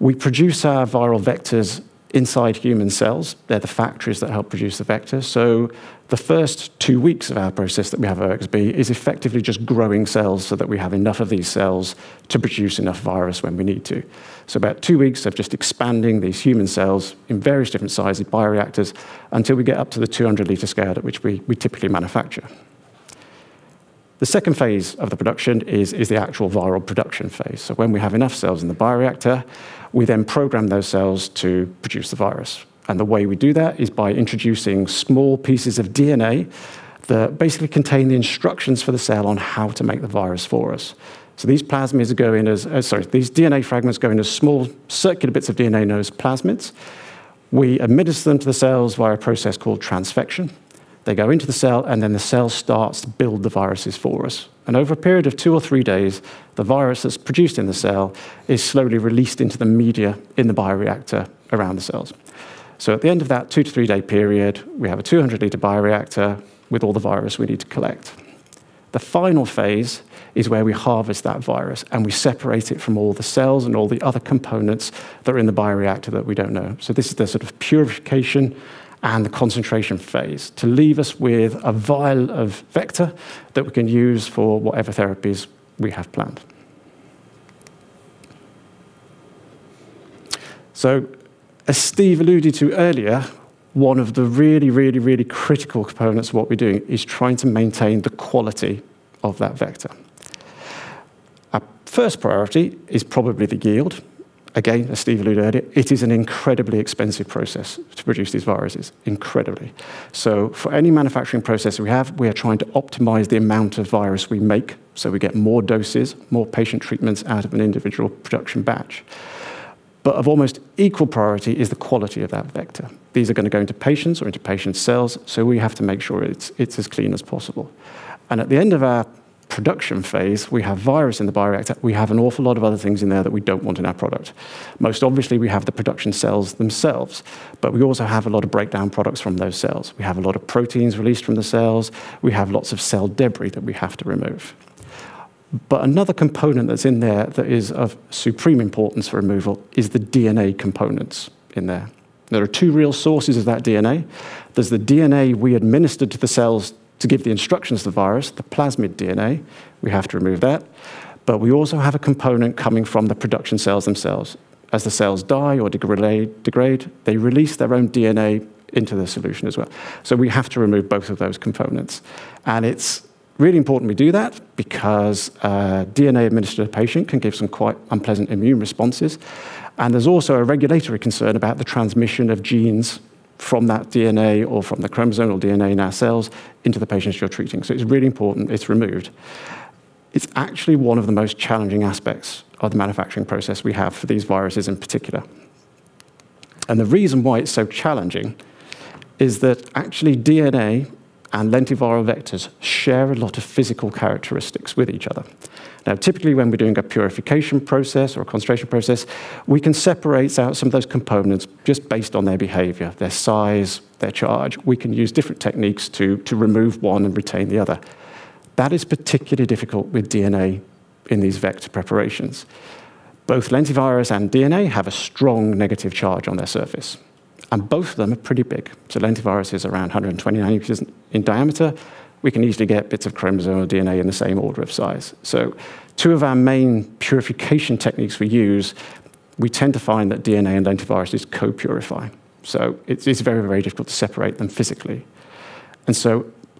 We produce our viral vectors inside human cells. They're the factories that help produce the vectors. The first two weeks of our process that we have at OxB is effectively just growing cells so that we have enough of these cells to produce enough virus when we need to. About two weeks of just expanding these human cells in various different sizes bioreactors until we get up to the 200 liter scale at which we typically manufacture. The second phase of the production is the actual viral production phase. When we have enough cells in the bioreactor, we then program those cells to produce the virus. The way we do that is by introducing small pieces of DNA that basically contain the instructions for the cell on how to make the virus for us. These DNA fragments go into small circular bits of DNA known as plasmids. We administer them to the cells via a process called transfection. They go into the cell, and then the cell starts to build the viruses for us. Over a period of two or three days, the virus that's produced in the cell is slowly released into the media in the bioreactor around the cells. At the end of that two to three-day period, we have a 200 liter bioreactor with all the virus we need to collect. The final phase is where we harvest that virus, and we separate it from all the cells and all the other components that are in the bioreactor that we don't know. This is the sort of purification and the concentration phase to leave us with a vial of vector that we can use for whatever therapies we have planned. As Steve alluded to earlier, one of the really, really, really critical components of what we're doing is trying to maintain the quality of that vector. Our first priority is probably the yield. Again, as Steve alluded earlier, it is an incredibly expensive process to produce these viruses, incredibly. For any manufacturing process we have, we are trying to optimize the amount of virus we make, so we get more doses, more patient treatments out of an individual production batch. Of almost equal priority is the quality of that vector. These are gonna go into patients or into patients' cells, so we have to make sure it's as clean as possible. At the end of our production phase, we have virus in the bioreactor. We have an awful lot of other things in there that we don't want in our product. Most obviously, we have the production cells themselves, but we also have a lot of breakdown products from those cells. We have a lot of proteins released from the cells. We have lots of cell debris that we have to remove. Another component that's in there that is of supreme importance for removal is the DNA components in there. There are two real sources of that DNA. There's the DNA we administered to the cells to give the instructions to the virus, the plasmid DNA. We have to remove that. We also have a component coming from the production cells themselves. As the cells die or degrade, they release their own DNA into the solution as well. We have to remove both of those components. It's really important we do that because DNA administered to a patient can give some quite unpleasant immune responses. There's also a regulatory concern about the transmission of genes from that DNA or from the chromosomal DNA in our cells into the patients you're treating. It's really important it's removed. It's actually one of the most challenging aspects of the manufacturing process we have for these viruses in particular. The reason why it's so challenging is that actually DNA and lentiviral vectors share a lot of physical characteristics with each other. Typically, when we're doing a purification process or a concentration process, we can separate out some of those components just based on their behavior, their size, their charge. We can use different techniques to remove one and retain the other. That is particularly difficult with DNA in these vector preparations. Both lentivirus and DNA have a strong negative charge on their surface, and both of them are pretty big. Lentivirus is around 120 nanometers in diameter. We can easily get bits of chromosomal DNA in the same order of size. Two of our main purification techniques we use, we tend to find that DNA and lentivirus co-purify. It's very, very difficult to separate them physically.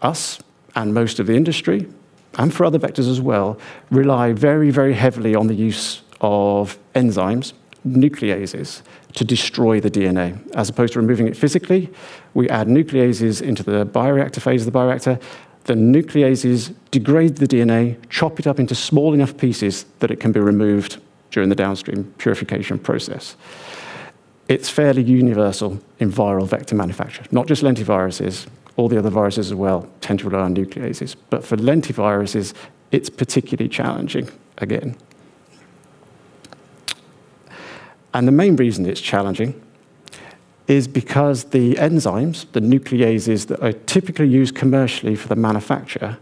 Us and most of the industry, and for other vectors as well, rely very, very heavily on the use of enzymes, nucleases, to destroy the DNA. As opposed to removing it physically, we add nucleases into the bioreactor phase of the bioreactor. The nucleases degrade the DNA, chop it up into small enough pieces that it can be removed during the downstream purification process. It's fairly universal in viral vector manufacture, not just lentiviruses. All the other viruses as well tend to rely on nucleases. For lentiviruses, it's particularly challenging again. The main reason it's challenging is because the enzymes, the nucleases that are typically used commercially for the manufacture,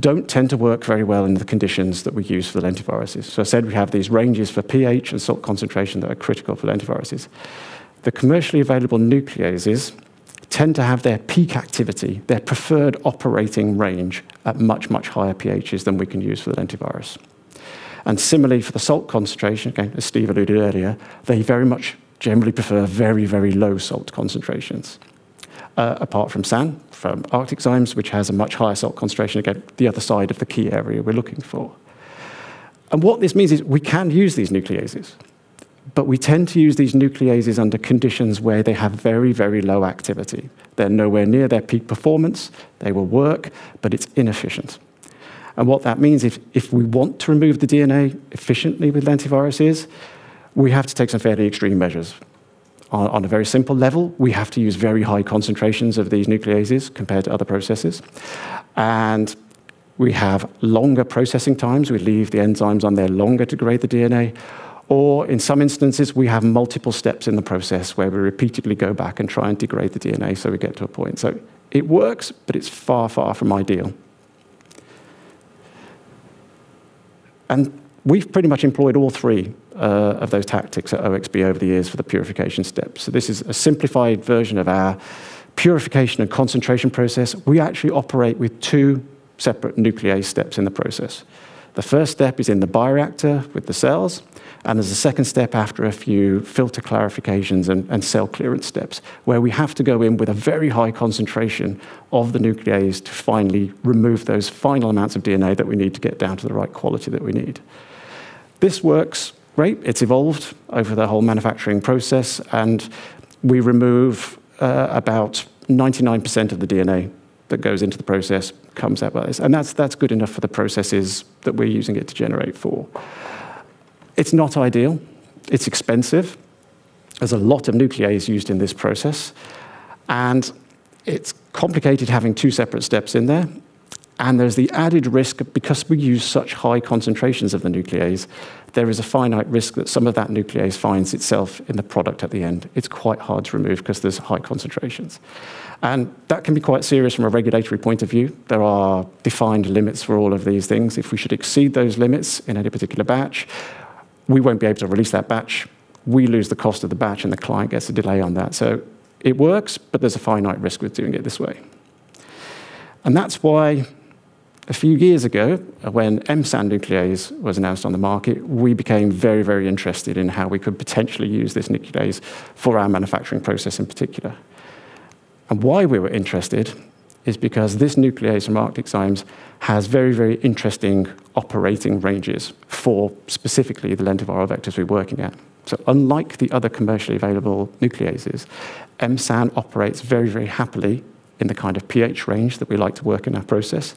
don't tend to work very well in the conditions that we use for lentiviruses. I said we have these ranges for pH and salt concentration that are critical for lentiviruses. The commercially available nucleases tend to have their peak activity, their preferred operating range, at much, much higher pHs than we can use for the lentivirus. Similarly for the salt concentration, again, as Steve alluded earlier, they very much generally prefer very, very low salt concentrations. Apart from SAN, from ArcticZymes, which has a much higher salt concentration, again, the other side of the key area we're looking for. What this means is we can use these nucleases, but we tend to use these nucleases under conditions where they have very, very low activity. They're nowhere near their peak performance. They will work, but it's inefficient. What that means, if we want to remove the DNA efficiently with lentiviruses, we have to take some fairly extreme measures. On a very simple level, we have to use very high concentrations of these nucleases compared to other processes. We have longer processing times. We leave the enzymes on there longer to degrade the DNA. In some instances, we have multiple steps in the process where we repeatedly go back and try and degrade the DNA so we get to a point. It works, but it's far, far from ideal. We've pretty much employed all three of those tactics at OXB over the years for the purification steps. This is a simplified version of our purification and concentration process. We actually operate with two separate nuclease steps in the process. The first step is in the bioreactor with the cells, and there's a second step after a few filter clarifications and cell clearance steps, where we have to go in with a very high concentration of the nuclease to finally remove those final amounts of DNA that we need to get down to the right quality that we need. This works great. It's evolved over the whole manufacturing process, and we remove about 99% of the DNA that goes into the process comes out by this. That's good enough for the processes that we're using it to generate for. It's not ideal. It's expensive. There's a lot of nuclease used in this process. It's complicated having two separate steps in there. There's the added risk, because we use such high concentrations of the nuclease, there is a finite risk that some of that nuclease finds itself in the product at the end. It's quite hard to remove because there's high concentrations. That can be quite serious from a regulatory point of view. There are defined limits for all of these things. If we should exceed those limits in any particular batch, we won't be able to release that batch. We lose the cost of the batch, and the client gets a delay on that. It works, but there's a finite risk with doing it this way. That's why a few years ago, when M-SAN nuclease was announced on the market, we became very, very interested in how we could potentially use this nuclease for our manufacturing process in particular. Why we were interested is because this nuclease from ArcticZymes has very, very interesting operating ranges for specifically the Lentiviral vectors we're working at. Unlike the other commercially available nucleases, M-SAN operates very, very happily in the kind of pH range that we like to work in our process,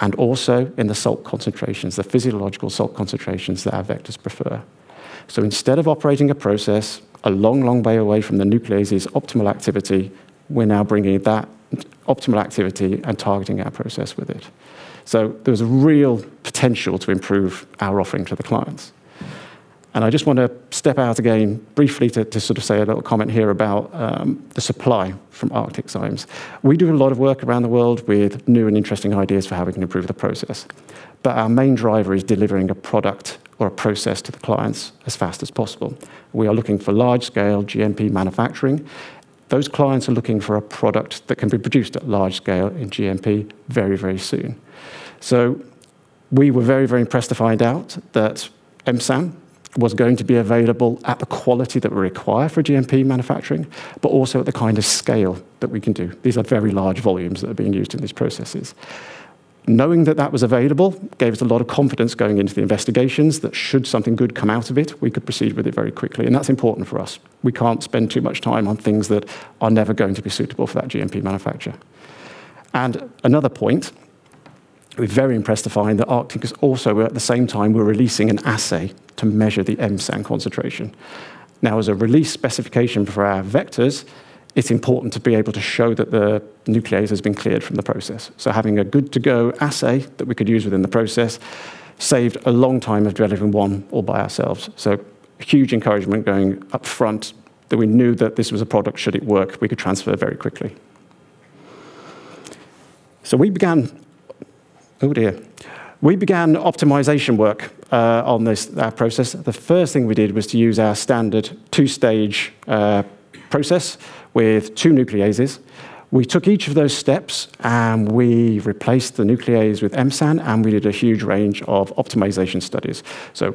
and also in the salt concentrations, the physiological salt concentrations that our vectors prefer. Instead of operating a process a long, long way away from the nuclease's optimal activity, we're now bringing that optimal activity and targeting our process with it. There's a real potential to improve our offering to the clients. I just wanna step out again briefly to sort of say a little comment here about the supply from ArcticZymes. We do a lot of work around the world with new and interesting ideas for how we can improve the process. Our main driver is delivering a product or a process to the clients as fast as possible. We are looking for large-scale GMP manufacturing. Those clients are looking for a product that can be produced at large scale in GMP very, very soon. We were very, very impressed to find out that M-SAN was going to be available at the quality that we require for GMP manufacturing, but also at the kind of scale that we can do. These are very large volumes that are being used in these processes. Knowing that that was available gave us a lot of confidence going into the investigations that should something good come out of it, we could proceed with it very quickly, and that's important for us. We can't spend too much time on things that are never going to be suitable for that GMP manufacture. Another point, we're very impressed to find that ArcticZymes is also at the same time were releasing an assay to measure the MSAN concentration. As a release specification for our vectors, it's important to be able to show that the nuclease has been cleared from the process. Having a good to go assay that we could use within the process saved a long time of developing one all by ourselves. A huge encouragement going up front that we knew that this was a product should it work, we could transfer very quickly. Oh, dear. We began optimization work on this process. The first thing we did was to use our standard two-stage process with two nucleases. We took each of those steps and we replaced the nuclease with M-SAN, and we did a huge range of optimization studies.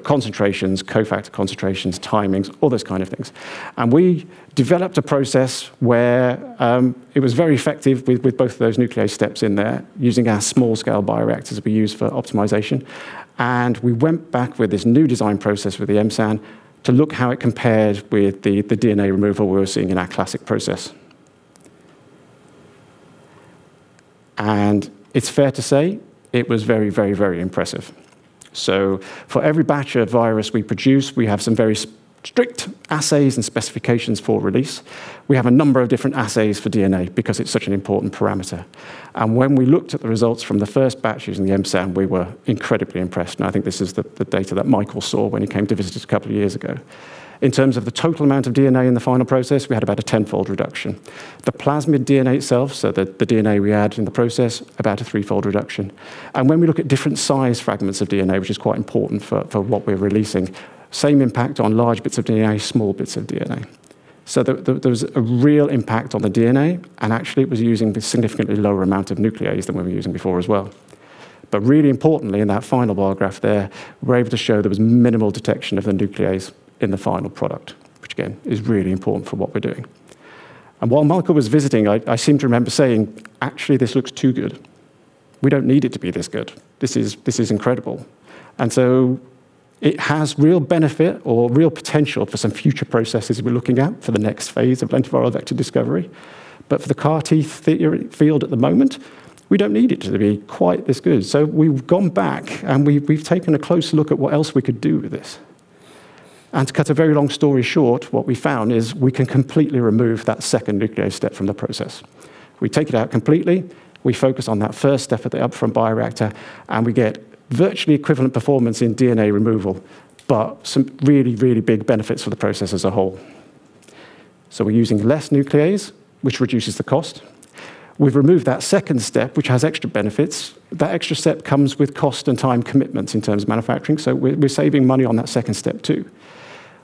Concentrations, co-factor concentrations, timings, all those kind of things. We developed a process where it was very effective with both of those nuclease steps in there using our small scale bioreactors we use for optimization. We went back with this new design process with the M-SAN to look how it compares with the DNA removal we're seeing in our classic process. It's fair to say it was very, very, very impressive. For every batch of virus we produce, we have some very strict assays and specifications for release. We have a number of different assays for DNA because it's such an important parameter. When we looked at the results from the first batch using the M-SAN, we were incredibly impressed, and I think this is the data that Michael saw when he came to visit us two years ago. In terms of the total amount of DNA in the final process, we had about a 10-fold reduction. The plasmid DNA itself, so the DNA we add in the process, about a three-fold reduction. When we look at different size fragments of DNA, which is quite important for what we're releasing, same impact on large bits of DNA, small bits of DNA. There was a real impact on the DNA, and actually it was using the significantly lower amount of nuclease than we were using before as well. Really importantly in that final bar graph there, we're able to show there was minimal detection of the nuclease in the final product, which again is really important for what we're doing. While Michael was visiting, I seem to remember saying, "Actually, this looks too good. We don't need it to be this good. This is incredible." It has real benefit or real potential for some future processes we're looking at for the next phase of lentiviral vector discovery. For the CAR T field at the moment, we don't need it to be quite this good. We've gone back, and we've taken a close look at what else we could do with this. To cut a very long story short, what we found is we can completely remove that second nuclease step from the process. We take it out completely, we focus on that first step at the upfront bioreactor. We get virtually equivalent performance in DNA removal. Some really, really big benefits for the process as a whole. We're using less nuclease, which reduces the cost. We've removed that second step, which has extra benefits. That extra step comes with cost and time commitments in terms of manufacturing. We're, we're saving money on that second step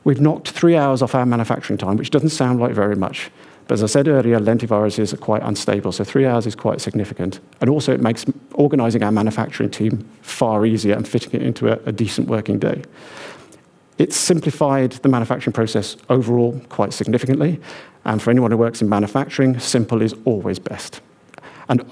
too. We've knocked three hours off our manufacturing time, which doesn't sound like very much. As I said earlier, lentiviruses are quite unstable. 3 hours is quite significant. Also it makes organizing our manufacturing team far easier and fitting it into a decent working day. It's simplified the manufacturing process overall quite significantly. For anyone who works in manufacturing, simple is always best.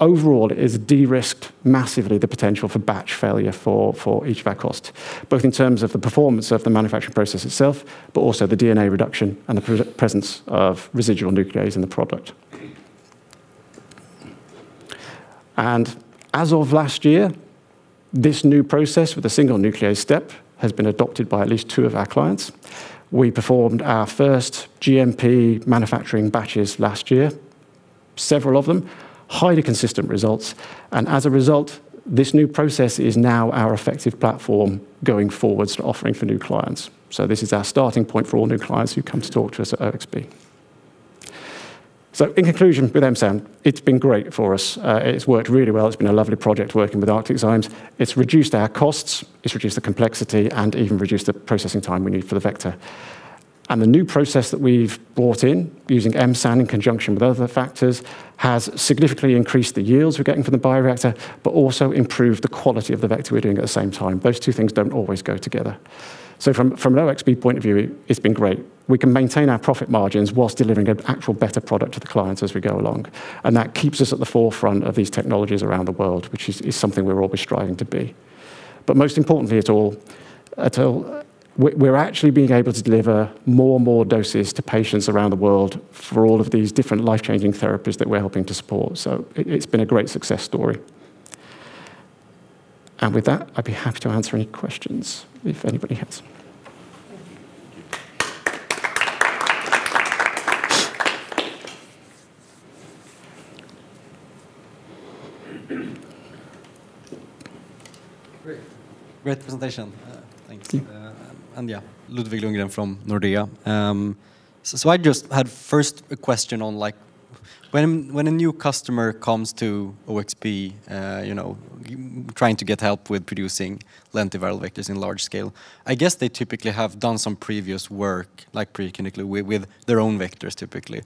Overall it has de-risked massively the potential for batch failure for each of our costs, both in terms of the performance of the manufacturing process itself, but also the DNA reduction and the presence of residual nuclease in the product. As of last year, this new process with a single nuclease step has been adopted by at least two of our clients. We performed our first GMP manufacturing batches last year, several of them, highly consistent results, and as a result, this new process is now our effective platform going forward to offering for new clients. This is our starting point for all new clients who come to talk to us at OXB. In conclusion with M-SAN, it's been great for us. It's worked really well. It's been a lovely project working with ArcticZymes. It's reduced our costs, it's reduced the complexity, and even reduced the processing time we need for the vector. The new process that we've brought in using M-SAN in conjunction with other factors has significantly increased the yields we're getting from the bioreactor but also improved the quality of the vector we're doing at the same time. Those two things don't always go together. From an OXB point of view, it's been great. We can maintain our profit margins whilst delivering an actual better product to the clients as we go along, and that keeps us at the forefront of these technologies around the world, which is something we're always striving to be. Most importantly at all, to... We're actually being able to deliver more and more doses to patients around the world for all of these different life-changing therapies that we're helping to support, so it's been a great success story. With that, I'd be happy to answer any questions if anybody has them. Great. Great presentation. Thank you. Thank you. Yeah, Ludvig Lundgren from Nordea. I just had first a question on, like, when a new customer comes to OXB, you know, trying to get help with producing lentiviral vectors in large scale, I guess they typically have done some previous work, like pre-clinically with their own vectors typically.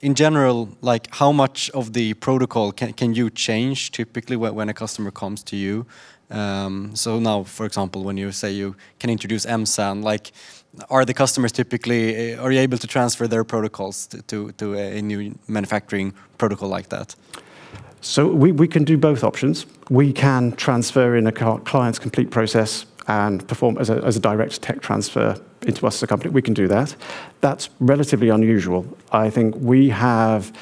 In general, like, how much of the protocol can you change typically when a customer comes to you? Now for example, when you say you can introduce M-SAN, like, are the customers typically... Are you able to transfer their protocols to a new manufacturing protocol like that? We can do both options. We can transfer in a client's complete process and perform as a direct tech transfer into us as a company. We can do that. That's relatively unusual. I think we have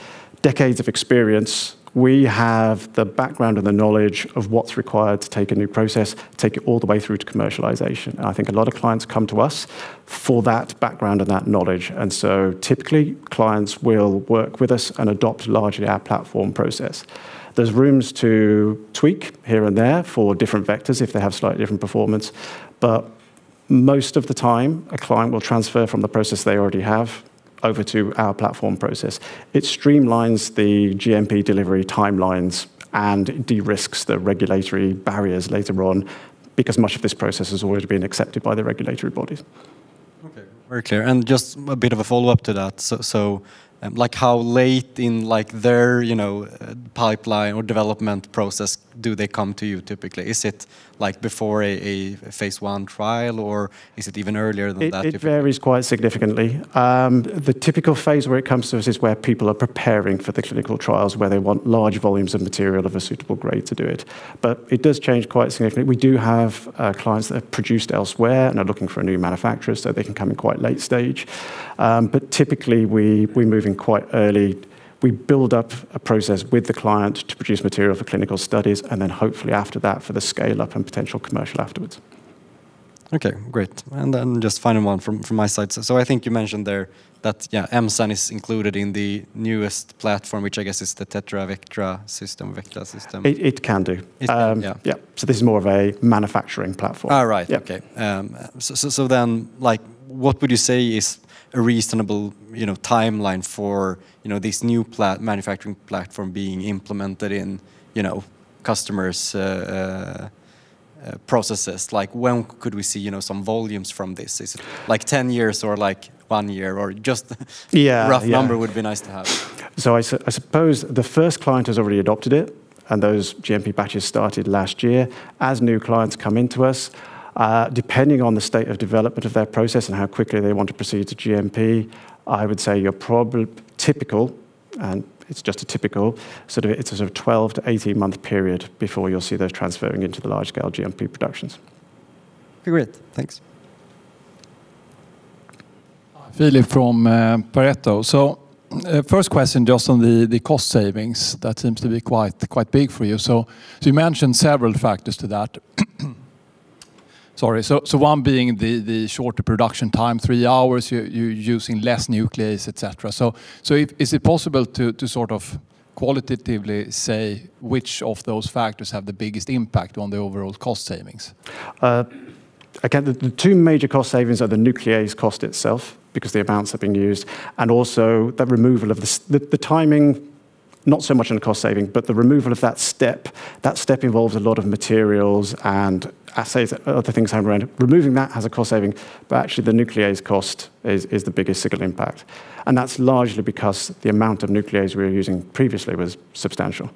decades of experience. We have the background and the knowledge of what's required to take a new process, take it all the way through to commercialization, and I think a lot of clients come to us for that background and that knowledge. Typically, clients will work with us and adopt largely our platform process. There's rooms to tweak here and there for different vectors if they have slightly different performance. Most of the time a client will transfer from the process they already have over to our platform process. It streamlines the GMP delivery timelines and de-risks the regulatory barriers later on because much of this process has already been accepted by the regulatory bodies. Okay, very clear. Just a bit of a follow-up to that. Like, how late in, like, their, you know, pipeline or development process do they come to you typically? Is it, like, before a phase one trial, or is it even earlier than that typically? It varies quite significantly. The typical phase where it comes to us is where people are preparing for the clinical trials where they want large volumes of material of a suitable grade to do it. It does change quite significantly. We do have clients that have produced elsewhere and are looking for a new manufacturer, so they can come in quite late stage. Typically we move in quite early. We build up a process with the client to produce material for clinical studies and then hopefully after that for the scale-up and potential commercial afterwards. Okay, great. Just final one from my side. I think you mentioned there that, yeah, M-SAN is included in the newest platform, which I guess is the TETRA Vekta system. It can do. It can do. Yeah. Yeah. This is more of a manufacturing platform. Oh, right. Yeah. Okay. Like, what would you say is a reasonable, you know, timeline for, you know, this new manufacturing platform being implemented in, you know, customers' processes? Like, when could we see, you know, some volumes from this? Is it, like, 10 years or, like, one year? Or just- Yeah. Yeah. a rough number would be nice to have. I suppose the first client has already adopted it, and those GMP batches started last year. As new clients come into us, depending on the state of development of their process and how quickly they want to proceed to GMP, I would say your typical, and it's just a typical, sort of, it's a sort of 12 to 18-month period before you'll see those transferring into the large-scale GMP productions. Okay, great. Thanks. Filip from Pareto. First question just on the cost savings that seems to be quite big for you. You mentioned several factors to that. Sorry. One being the shorter production time, three hours, you're using less nuclease, et cetera. Is it possible to sort of qualitatively say which of those factors have the biggest impact on the overall cost savings? Again, the two major cost savings are the nuclease cost itself because the amounts have been used, and also the removal of the timing, not so much on the cost saving, but the removal of that step, that step involves a lot of materials and assays, other things around it. Removing that has a cost saving, but actually the nuclease cost is the biggest single impact, and that's largely because the amount of nuclease we were using previously was substantial.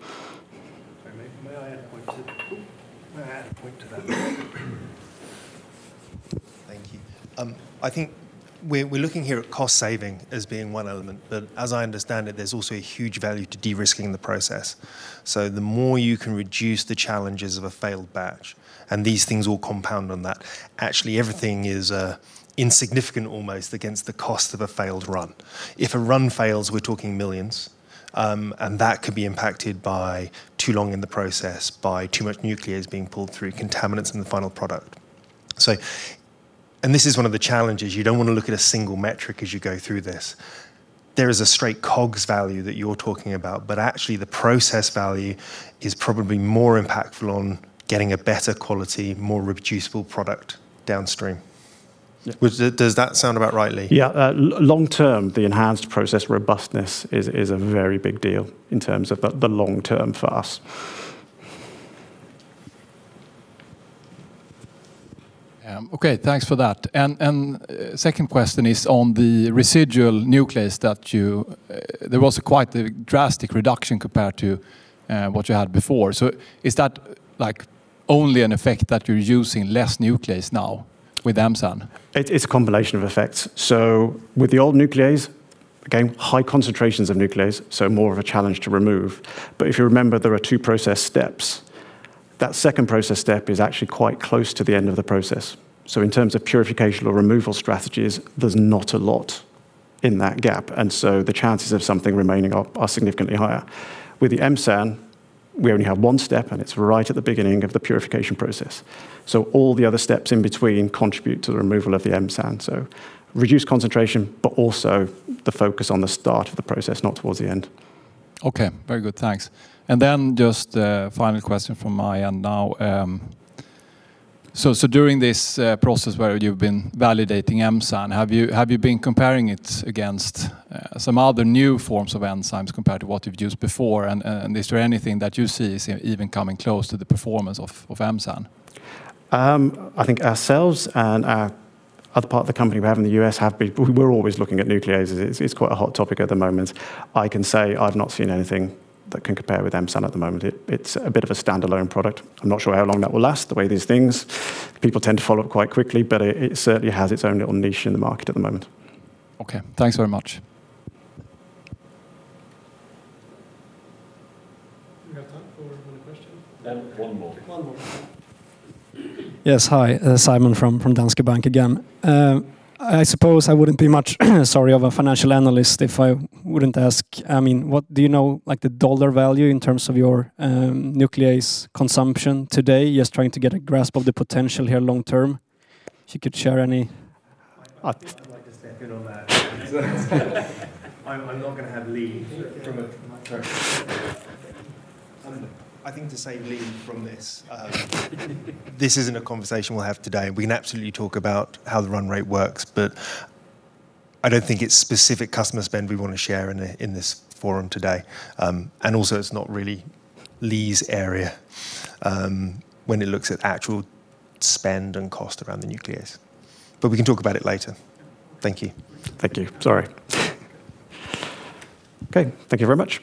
May I add a point to that? Thank you. I think we're looking here at cost saving as being one element, but as I understand it, there's also a huge value to de-risking the process. The more you can reduce the challenges of a failed batch, and these things all compound on that, actually everything is insignificant almost against the cost of a failed run. If a run fails, we're talking millions, and that could be impacted by too long in the process, by too much nuclease being pulled through, contaminants in the final product. This is one of the challenges. You don't want to look at a single metric as you go through this. There is a straight COGS value that you're talking about, but actually the process value is probably more impactful on getting a better quality, more reproducible product downstream. Yeah. Does that sound about right, Lee? Yeah. Long term, the enhanced process robustness is a very big deal in terms of the long term for us. Okay, thanks for that. Second question is on the residual nuclease. There was quite a drastic reduction compared to what you had before. Is that, like, only an effect that you're using less nuclease now with M-SAN? It's a combination of effects. With the old nuclease, again, high concentrations of nuclease, so more of a challenge to remove. If you remember, there are two process steps. That second process step is actually quite close to the end of the process. In terms of purification or removal strategies, there's not a lot in that gap, and so the chances of something remaining are significantly higher. With the M-SAN, we only have one step, and it's right at the beginning of the purification process. All the other steps in between contribute to the removal of the M-SAN. Reduced concentration, but also the focus on the start of the process, not towards the end. Okay, very good. Thanks. Just a final question from my end now. During this process where you've been validating M-SAN, have you been comparing it against some other new forms of enzymes compared to what you've used before? Is there anything that you see as even coming close to the performance of M-SAN? I think ourselves and our other part of the company we have in the U.S. have been... We're always looking at nucleases. It's quite a hot topic at the moment. I can say I've not seen anything that can compare with M-SAN at the moment. It's a bit of a standalone product. I'm not sure how long that will last, the way these things people tend to follow up quite quickly, but it certainly has its own little niche in the market at the moment. Okay, thanks very much. We have time for one question. One more. One more. Yes. Hi. Simon from Danske Bank again. I suppose I wouldn't be much of a financial analyst if I wouldn't ask, I mean, what do you know, like the dollar value in terms of your nuclease consumption today? Just trying to get a grasp of the potential here long term, if you could share any. I'd like to step in on that. I'm not gonna have Lee. I think to save Lee from this isn't a conversation we'll have today. We can absolutely talk about how the run rate works, but I don't think it's specific customer spend we wanna share in this forum today. Also it's not really Lee's area, when it looks at actual spend and cost around the nuclease. We can talk about it later. Thank you. Thank you. Sorry. Okay, thank you very much.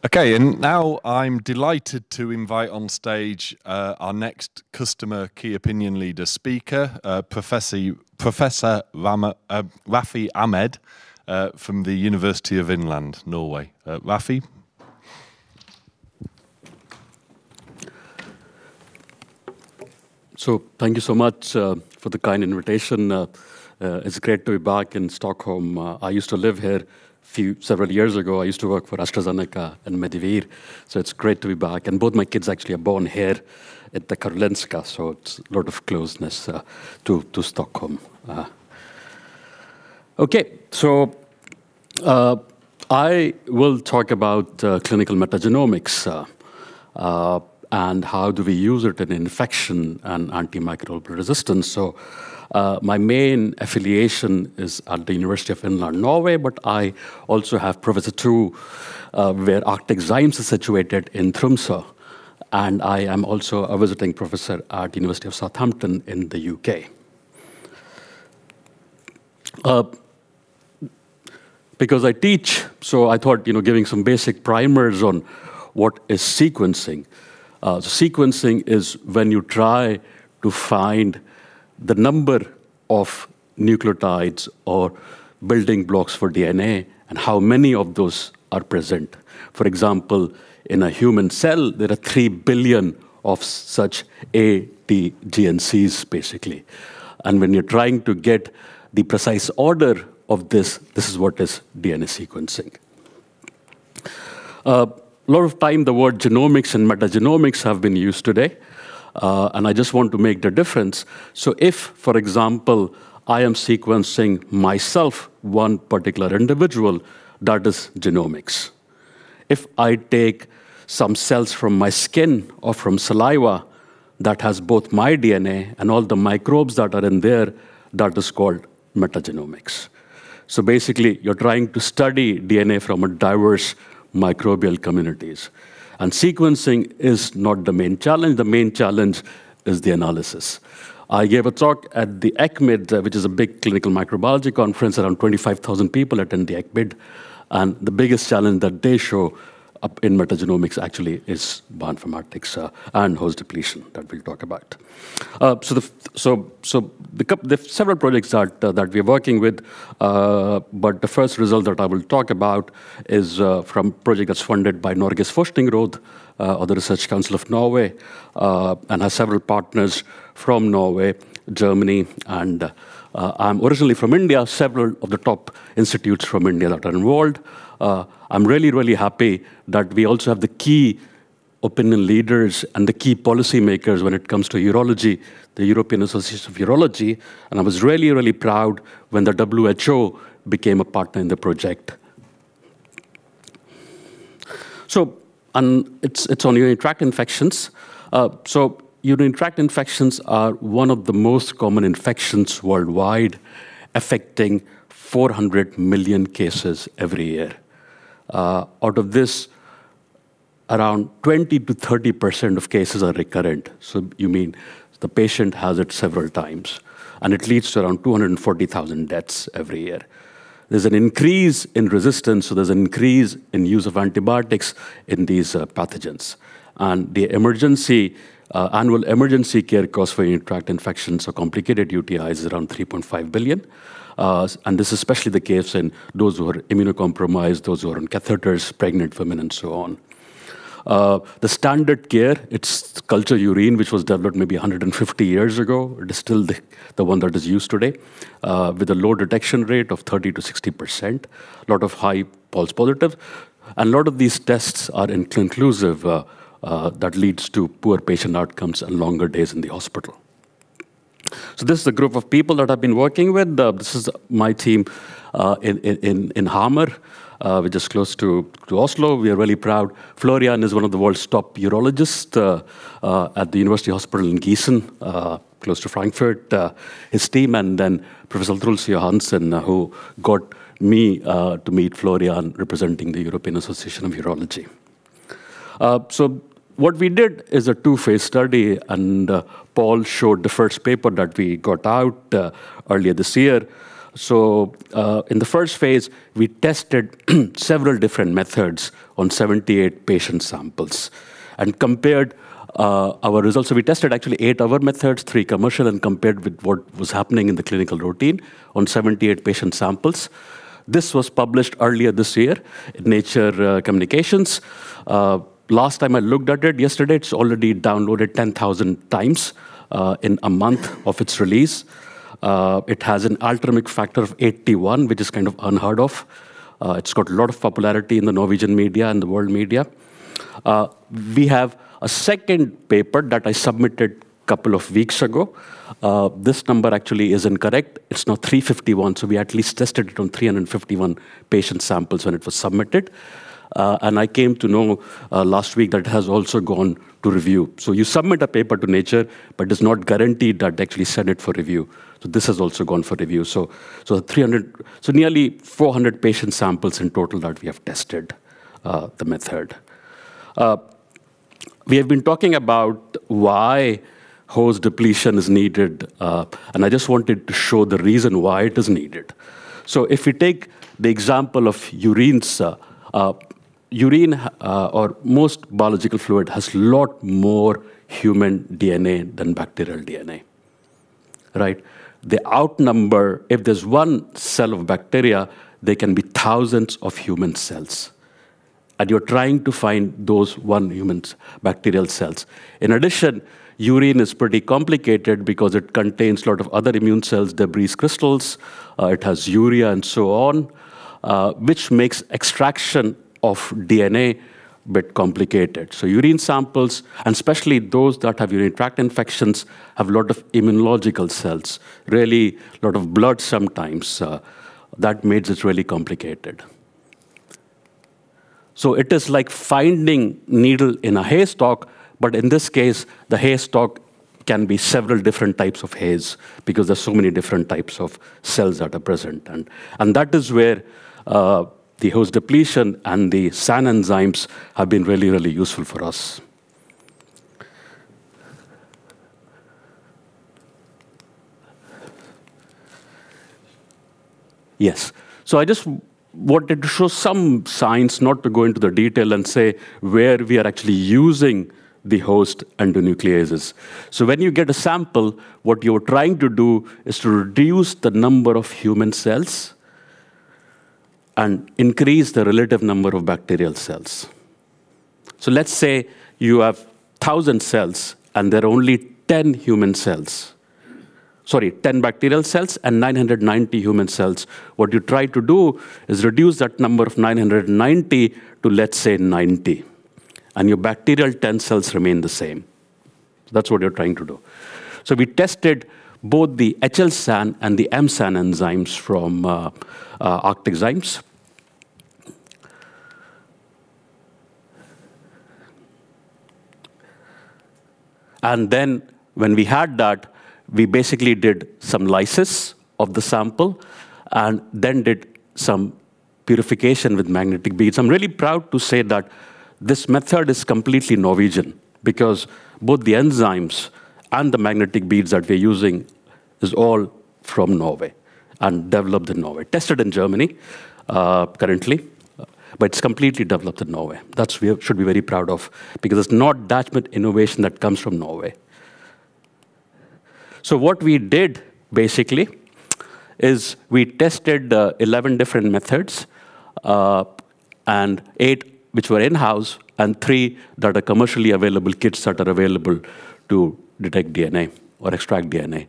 Thank you. Okay, and now I'm delighted to invite on stage, our next customer key opinion leader speaker, Professor Rafi Ahmad, from the University of Inland Norway. Rafi. Thank you so much for the kind invitation. It's great to be back in Stockholm. I used to live here several years ago. I used to work for AstraZeneca and Medivir, so it's great to be back. Both my kids actually are born here at the Karolinska, so it's a lot of closeness to Stockholm. I will talk about clinical metagenomics and how do we use it in infection and antimicrobial resistance. My main affiliation is at the University of Inland Norway, but I also have professor two where ArcticZymes is situated in Tromsø, and I am also a visiting professor at University of Southampton in the UK. Because I teach, so I thought, you know, giving some basic primers on what is sequencing. Sequencing is when you try to find the number of nucleotides or building blocks for DNA and how many of those are present. For example, in a human cell, there are 3 billion of such A, T, G, and Cs, basically. When you're trying to get the precise order of this is what is DNA sequencing. Lot of time the word genomics and metagenomics have been used today, and I just want to make the difference. If, for example, I am sequencing myself, one particular individual, that is genomics. If I take some cells from my skin or from saliva that has both my DNA and all the microbes that are in there, that is called metagenomics. Basically, you're trying to study DNA from a diverse microbial communities. Sequencing is not the main challenge. The main challenge is the analysis. I gave a talk at the ECCMID, which is a big clinical microbiology conference. Around 25,000 people attend the ECCMID. The biggest challenge that they show up in metagenomics actually is bioinformatics and host depletion that we talk about. The several projects that we're working with, but the first result that I will talk about is from project that's funded by Norges Forskningsråd or the Research Council of Norway and has several partners from Norway, Germany, and I'm originally from India, several of the top institutes from India that are involved. I'm really, really happy that we also have the key opinion leaders and the key policymakers when it comes to urology, the European Association of Urology, I was really, really proud when the WHO became a partner in the project. It's on urinary tract infections. Urinary tract infections are one of the most common infections worldwide, affecting 400 million cases every year. Out of this, around 20%-30% of cases are recurrent. You mean the patient has it several times, and it leads to around 240,000 deaths every year. There's an increase in resistance, there's an increase in use of antibiotics in these pathogens. The emergency annual emergency care costs for urinary tract infections or complicated UTIs is around $3.5 billion. This is especially the case in those who are immunocompromised, those who are on catheters, pregnant women, and so on. The standard care, it's culture urine, which was developed maybe 150 years ago. It is still the one that is used today, with a low detection rate of 30%-60%, lot of high false positive. A lot of these tests are inconclusive, that leads to poor patient outcomes and longer days in the hospital. This is a group of people that I've been working with. This is my team, in Hamar, which is close to Oslo. We are really proud. Florian is one of the world's top urologists, at the University Hospital in Giessen, close to Frankfurt. His team and then Professor Truls Johansen, who got me to meet Florian representing the European Association of Urology. What we did is a two-phase study. Paul showed the first paper that we got out earlier this year. In the first phase, we tested several different methods on 78 patient samples and compared our results. We tested actually eight our methods, three commercial, and compared with what was happening in the clinical routine on 78 patient samples. This was published earlier this year in Nature Communications. Last time I looked at it yesterday, it's already downloaded 10,000 times in a month of its release. It has an Altmetric factor of 81, which is kind of unheard of. It's got a lot of popularity in the Norwegian media and the world media. We have a second paper that I submitted couple of weeks ago. This number actually is incorrect. It's now 351, so we at least tested it on 351 patient samples when it was submitted. I came to know, last week that it has also gone to review. You submit a paper to Nature, but it's not guaranteed that they actually send it for review. This has also gone for review. Nearly 400 patient samples in total that we have tested, the method. We have been talking about why host depletion is needed, and I just wanted to show the reason why it is needed. If we take the example of urines, urine or most biological fluid has lot more human DNA than bacterial DNA. Right? If there's one cell of bacteria, there can be thousands of human cells, and you're trying to find those one humans bacterial cells. In addition, urine is pretty complicated because it contains lot of other immune cells, debris crystals, it has urea, and so on, which makes extraction of DNA bit complicated. Urine samples, and especially those that have urinary tract infections, have a lot of immunological cells, really lot of blood sometimes, that makes it really complicated. It is like finding needle in a haystack, but in this case, the haystack can be several different types of hays because there's so many different types of cells that are present. That is where the Host depletion and the SAN enzymes have been really, really useful for us. Yes. I just wanted to show some science, not to go into the detail and say where we are actually using the host endonucleases. When you get a sample, what you're trying to do is to reduce the number of human cells and increase the relative number of bacterial cells. Let's say you have 1,000 cells, and there are only 10 human cells. Sorry, 10 bacterial cells and 990 human cells. What you try to do is reduce that number of 990 to, let's say, 90, and your bacterial 10 cells remain the same. That's what we are trying to do. We tested both the HL-SAN and the M-SAN enzymes from ArcticZymes. When we had that, we basically did some lysis of the sample and then did some purification with magnetic beads. I'm really proud to say that this method is completely Norwegian because both the enzymes and the magnetic beads that we're using is all from Norway and developed in Norway. Tested in Germany currently, but it's completely developed in Norway. That's should be very proud of because it's not that much innovation that comes from Norway. What we did basically is we tested 11 different methods, and eight which were in-house and three that are commercially available, kits that are available to detect DNA or extract DNA.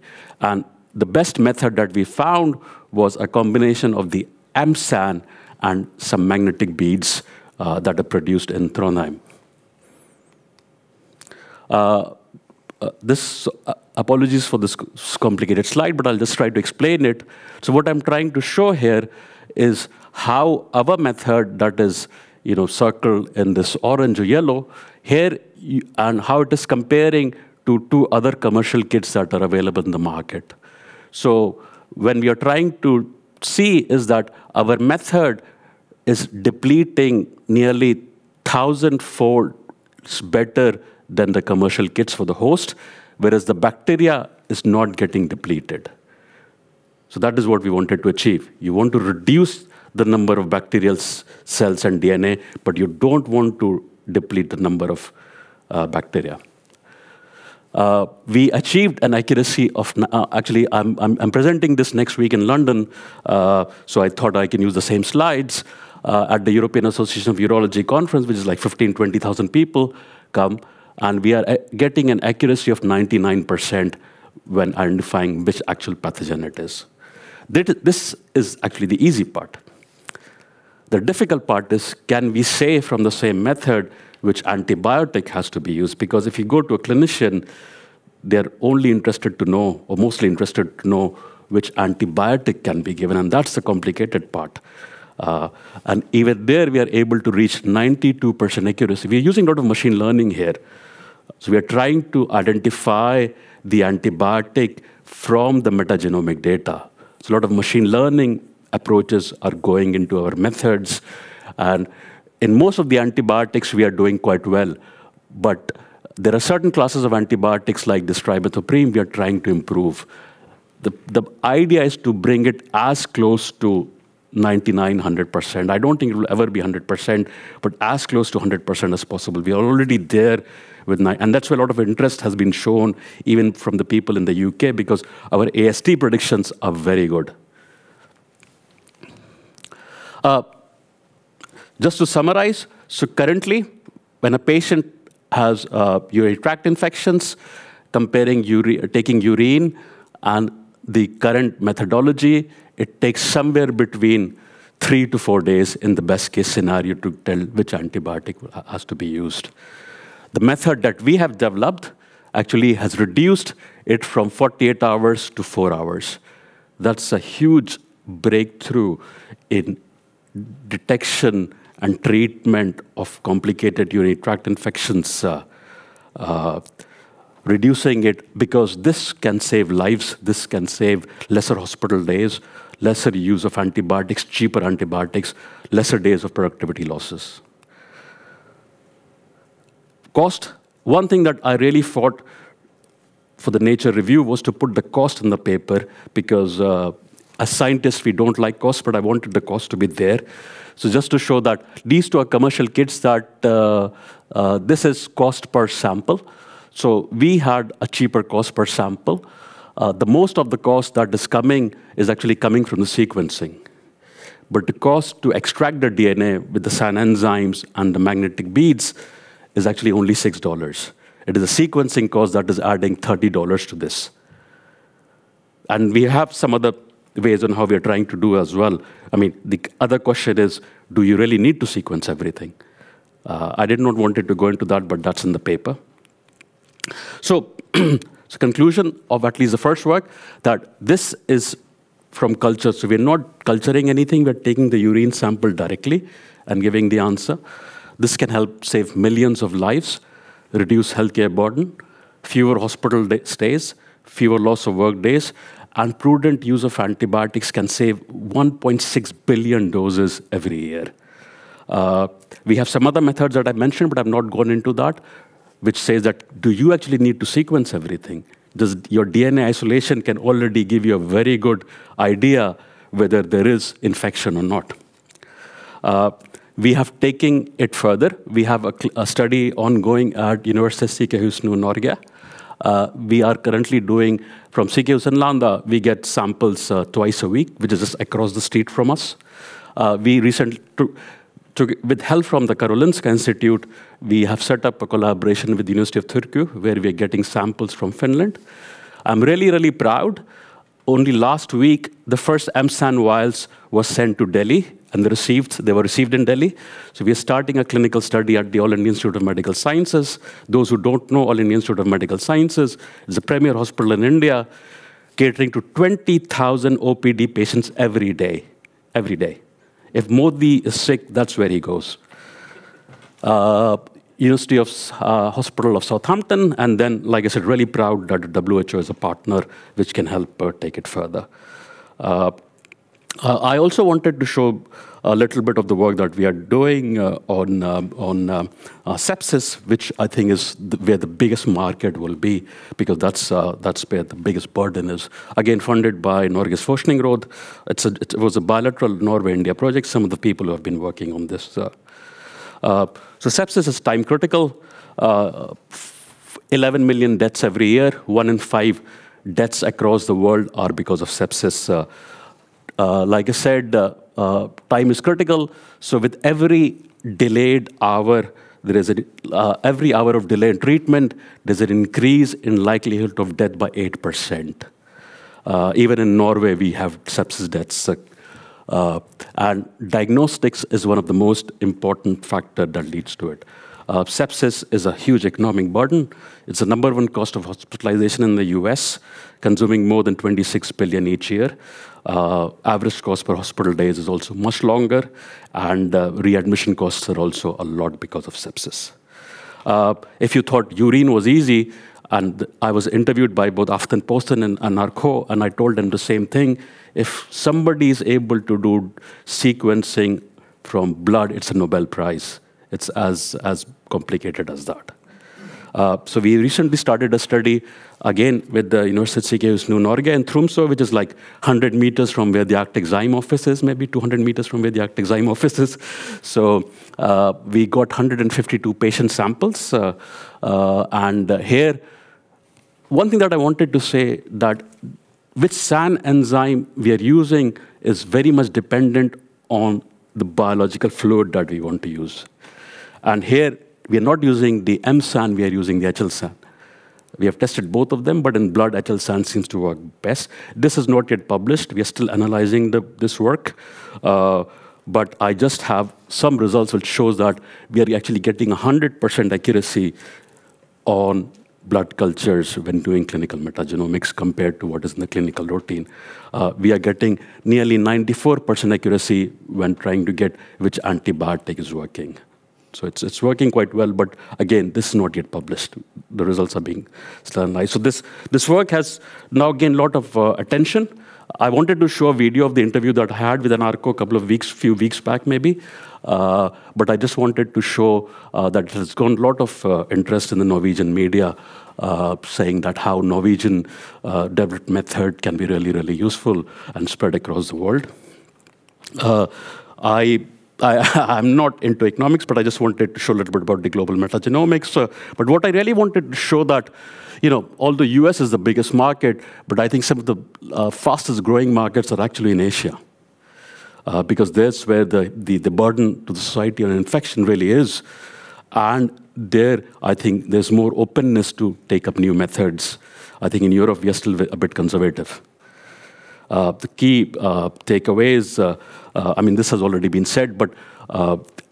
The best method that we found was a combination of the M-SAN and some magnetic beads that are produced in Trondheim. Apologies for this complicated slide, but I'll just try to explain it. What I'm trying to show here is how our method that is, you know, circled in this orange or yellow here and how it is comparing to two other commercial kits that are available in the market. When we are trying to see is that our method is depleting nearly 1,000-fold better than the commercial kits for the host, whereas the bacteria is not getting depleted. That is what we wanted to achieve. You want to reduce the number of bacterial cells and DNA, but you don't want to deplete the number of bacteria. We achieved an accuracy of actually I'm presenting this next week in London, so I thought I can use the same slides at the European Association of Urology conference, which is like 15,000-20,000 people come, and we are getting an accuracy of 99% when identifying which actual pathogen it is. This is actually the easy part. The difficult part is can we say from the same method which antibiotic has to be used? Because if you go to a clinician, they're only interested to know or mostly interested to know which antibiotic can be given, and that's the complicated part. Even there, we are able to reach 92% accuracy. We're using a lot of machine learning here. We are trying to identify the antibiotic from the metagenomic data. A lot of machine learning approaches are going into our methods, and in most of the antibiotics we are doing quite well. There are certain classes of antibiotics like this Trimethoprim we are trying to improve. The idea is to bring it as close to 99%, 100%. I don't think it will ever be 100%, but as close to 100% as possible. We are already there with. That's why a lot of interest has been shown even from the people in the U.K. because our antimicrobial susceptibility testing (AST) predictions are very good. Just to summarize, currently when a patient has urinary tract infections, taking urine and the current methodology, it takes somewhere between three to four days in the best case scenario to tell which antibiotic has to be used. The method that we have developed actually has reduced it from 48 hours to four hours. That's a huge breakthrough in detection and treatment of complicated urinary tract infections, reducing it because this can save lives, this can save lesser hospital days, lesser use of antibiotics, cheaper antibiotics, lesser days of productivity losses. Cost. One thing that I really fought for the Nature review was to put the cost in the paper because as scientists, we don't like cost, but I wanted the cost to be there. Just to show that these two are commercial kits that this is cost per sample. We had a cheaper cost per sample. The most of the cost that is coming is actually coming from the sequencing. The cost to extract the DNA with the SAN enzymes and the magnetic beads is actually only $6. It is a sequencing cost that is adding $30 to this. We have some other ways on how we are trying to do as well. I mean, the other question is, do you really need to sequence everything? I did not want it to go into that, but that's in the paper. The conclusion of at least the first work that this is from culture. We're not culturing anything. We're taking the urine sample directly and giving the answer. This can help save millions of lives, reduce healthcare burden, fewer hospital stays, fewer loss of work days, and prudent use of antibiotics can save 1.6 billion doses every year. We have some other methods that I mentioned, but I've not gone into that, which says, do you actually need to sequence everything. Your DNA isolation can already give you a very good idea whether there is infection or not. We have taken it further. We have a study ongoing at Universitetssykehuset Nord-Norge. We are currently doing from Sykehuset Innlandet, we get samples two times a week, which is just across the street from us. With help from the Karolinska Institutet, we have set up a collaboration with the University of Turku, where we are getting samples from Finland. I'm really, really proud. Only last week, the first M-SAN vials were sent to Delhi and received. They were received in Delhi. We are starting a clinical study at the All India Institute of Medical Sciences. Those who don't know All India Institute of Medical Sciences, it's a premier hospital in India catering to 20,000 OPD patients every day. Every day. If Modi is sick, that's where he goes. University Hospital Southampton, like I said, really proud that WHO is a partner which can help take it further. I also wanted to show a little bit of the work that we are doing on sepsis, which I think is where the biggest market will be because that's where the biggest burden is. Funded by Norges Forskningsråd. It was a bilateral Norway-India project, some of the people who have been working on this. Sepsis is time-critical. 11 million deaths every year. One in five deaths across the world are because of sepsis. Like I said, time is critical, so with every delayed hour, there is a, every hour of delayed treatment, there's an increase in likelihood of death by 8%. Even in Norway we have sepsis deaths. Diagnostics is one of the most important factor that leads to it. Sepsis is a huge economic burden. It's the number one cost of hospitalization in the US, consuming more than $26 billion each year. Average cost per hospital days is also much longer, and readmission costs are also a lot because of sepsis. If you thought urine was easy, and I was interviewed by both Aftenposten and NRK, and I told them the same thing, if somebody's able to do sequencing from blood, it's a Nobel Prize. It's as complicated as that. We recently started a study, again, with the University of Oslo, Norge, in Tromsø, which is, like, 100 meters from where the ArcticZymes office is, maybe 200 meters from where the ArcticZymes office is. We got 152 patient samples. Here, one thing that I wanted to say that which SAN enzyme we are using is very much dependent on the biological fluid that we want to use. Here we are not using the M-SAN, we are using the HL-SAN. We have tested both of them, but in blood, HL-SAN seems to work best. This is not yet published. We are still analyzing this work. I just have some results which shows that we are actually getting 100% accuracy on blood cultures when doing clinical metagenomics compared to what is in the clinical routine. We are getting nearly 94% accuracy when trying to get which antibiotic is working. It's working quite well. Again, this is not yet published. The results are being still analyzed. This work has now gained a lot of attention. I wanted to show a video of the interview that I had with NRK a couple of weeks, few weeks back maybe. I just wanted to show that it has gotten a lot of interest in the Norwegian media, saying that how Norwegian developed method can be really, really useful and spread across the world. I'm not into economics, but I just wanted to show a little bit about the global metagenomics. What I really wanted to show that, you know, although US is the biggest market, but I think some of the fastest-growing markets are actually in Asia, because that's where the burden to the society and infection really is. There, I think there's more openness to take up new methods. I think in Europe we are still a bit conservative. The key takeaways, I mean, this has already been said, but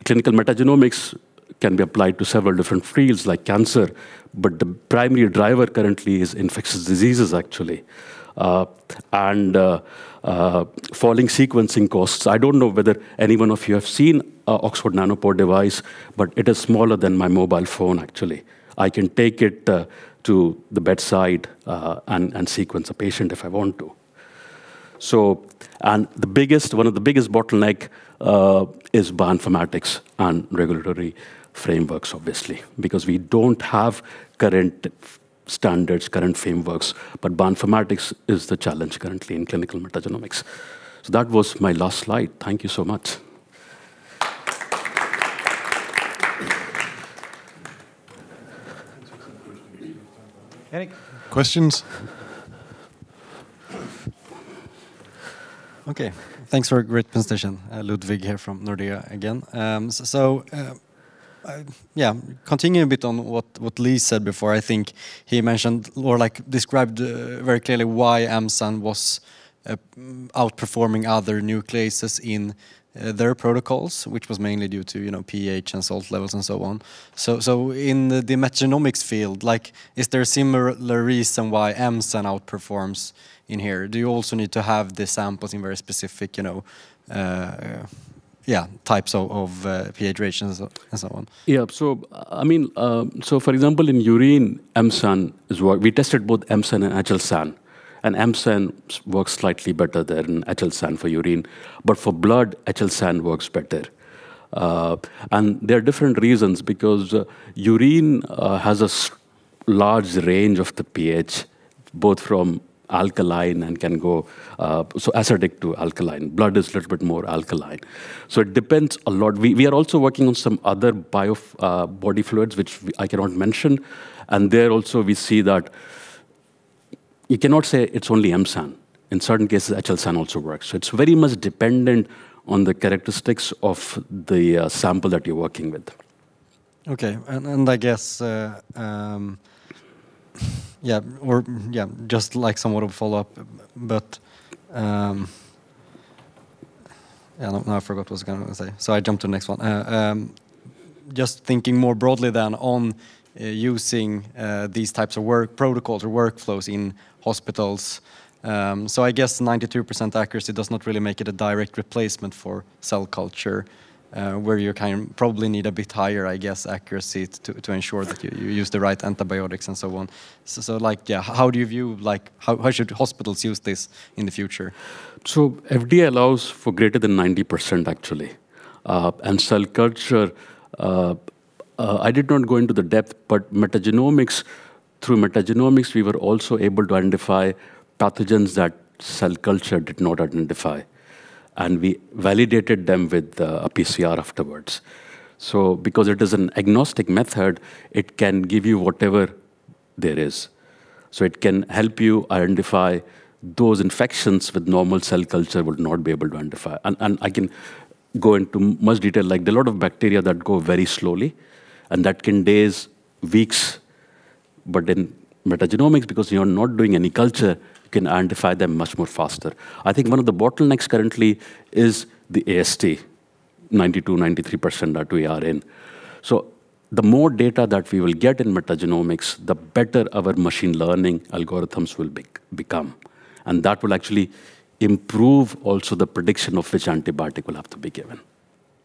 clinical metagenomics can be applied to several different fields like cancer, but the primary driver currently is infectious diseases, actually. Falling sequencing costs. I don't know whether any one of you have seen a Oxford Nanopore device, but it is smaller than my mobile phone actually. I can take it to the bedside and sequence a patient if I want to. One of the biggest bottleneck is Bioinformatics and regulatory frameworks, obviously. We don't have current standards, current frameworks, but Bioinformatics is the challenge currently in clinical Metagenomics. That was my last slide. Thank you so much. Any questions? Okay. Thanks for a great presentation. Ludvig here from Nordea again. continuing a bit on what Lee said before, I think he mentioned or, like, described very clearly why M-SAN was outperforming other Nucleases in their protocols, which was mainly due to, you know, pH and salt levels and so on. In the Metagenomics field, like, is there a similar reason why M-SAN outperforms in here? Do you also need to have the samples in very specific, you know, types of pH ranges and so on? Yeah. I mean, for example, in urine, We tested both M-SAN and HL-SAN. M-SAN works slightly better than HL-SAN for urine. For blood, HL-SAN works better. There are different reasons because urine has a large range of the pH, both from alkaline and can go so acidic to alkaline. Blood is a little bit more alkaline. It depends a lot. We are also working on some other body fluids, which we, I cannot mention. There also we see that you cannot say it's only M-SAN. In certain cases, HL-SAN also works. It's very much dependent on the characteristics of the sample that you're working with. Okay. I guess, yeah, or yeah, just like somewhat of a follow-up, but, yeah, now I forgot what I was gonna say, so I jump to the next one. Just thinking more broadly than on using these types of work protocols or workflows in hospitals, I guess 92% accuracy does not really make it a direct replacement for cell culture, where you kind of probably need a bit higher, I guess, accuracy to ensure that you use the right antibiotics and so on. Like, yeah, how do you view, like how should hospitals use this in the future? FDA allows for greater than 90% actually. And cell culture, I did not go into the depth, but metagenomics, through metagenomics, we were also able to identify pathogens that cell culture did not identify, and we validated them with a PCR afterwards. Because it is an agnostic method, it can give you whatever there is. It can help you identify those infections with normal cell culture would not be able to identify. I can go into much detail, like the lot of bacteria that go very slowly and that can days, weeks, but in metagenomics because you're not doing any culture, you can identify them much more faster. I think one of the bottlenecks currently is the AST 92%-93% that we are in. The more data that we will get in metagenomics, the better our machine learning algorithms will become, and that will actually improve also the prediction of which antibiotic will have to be given.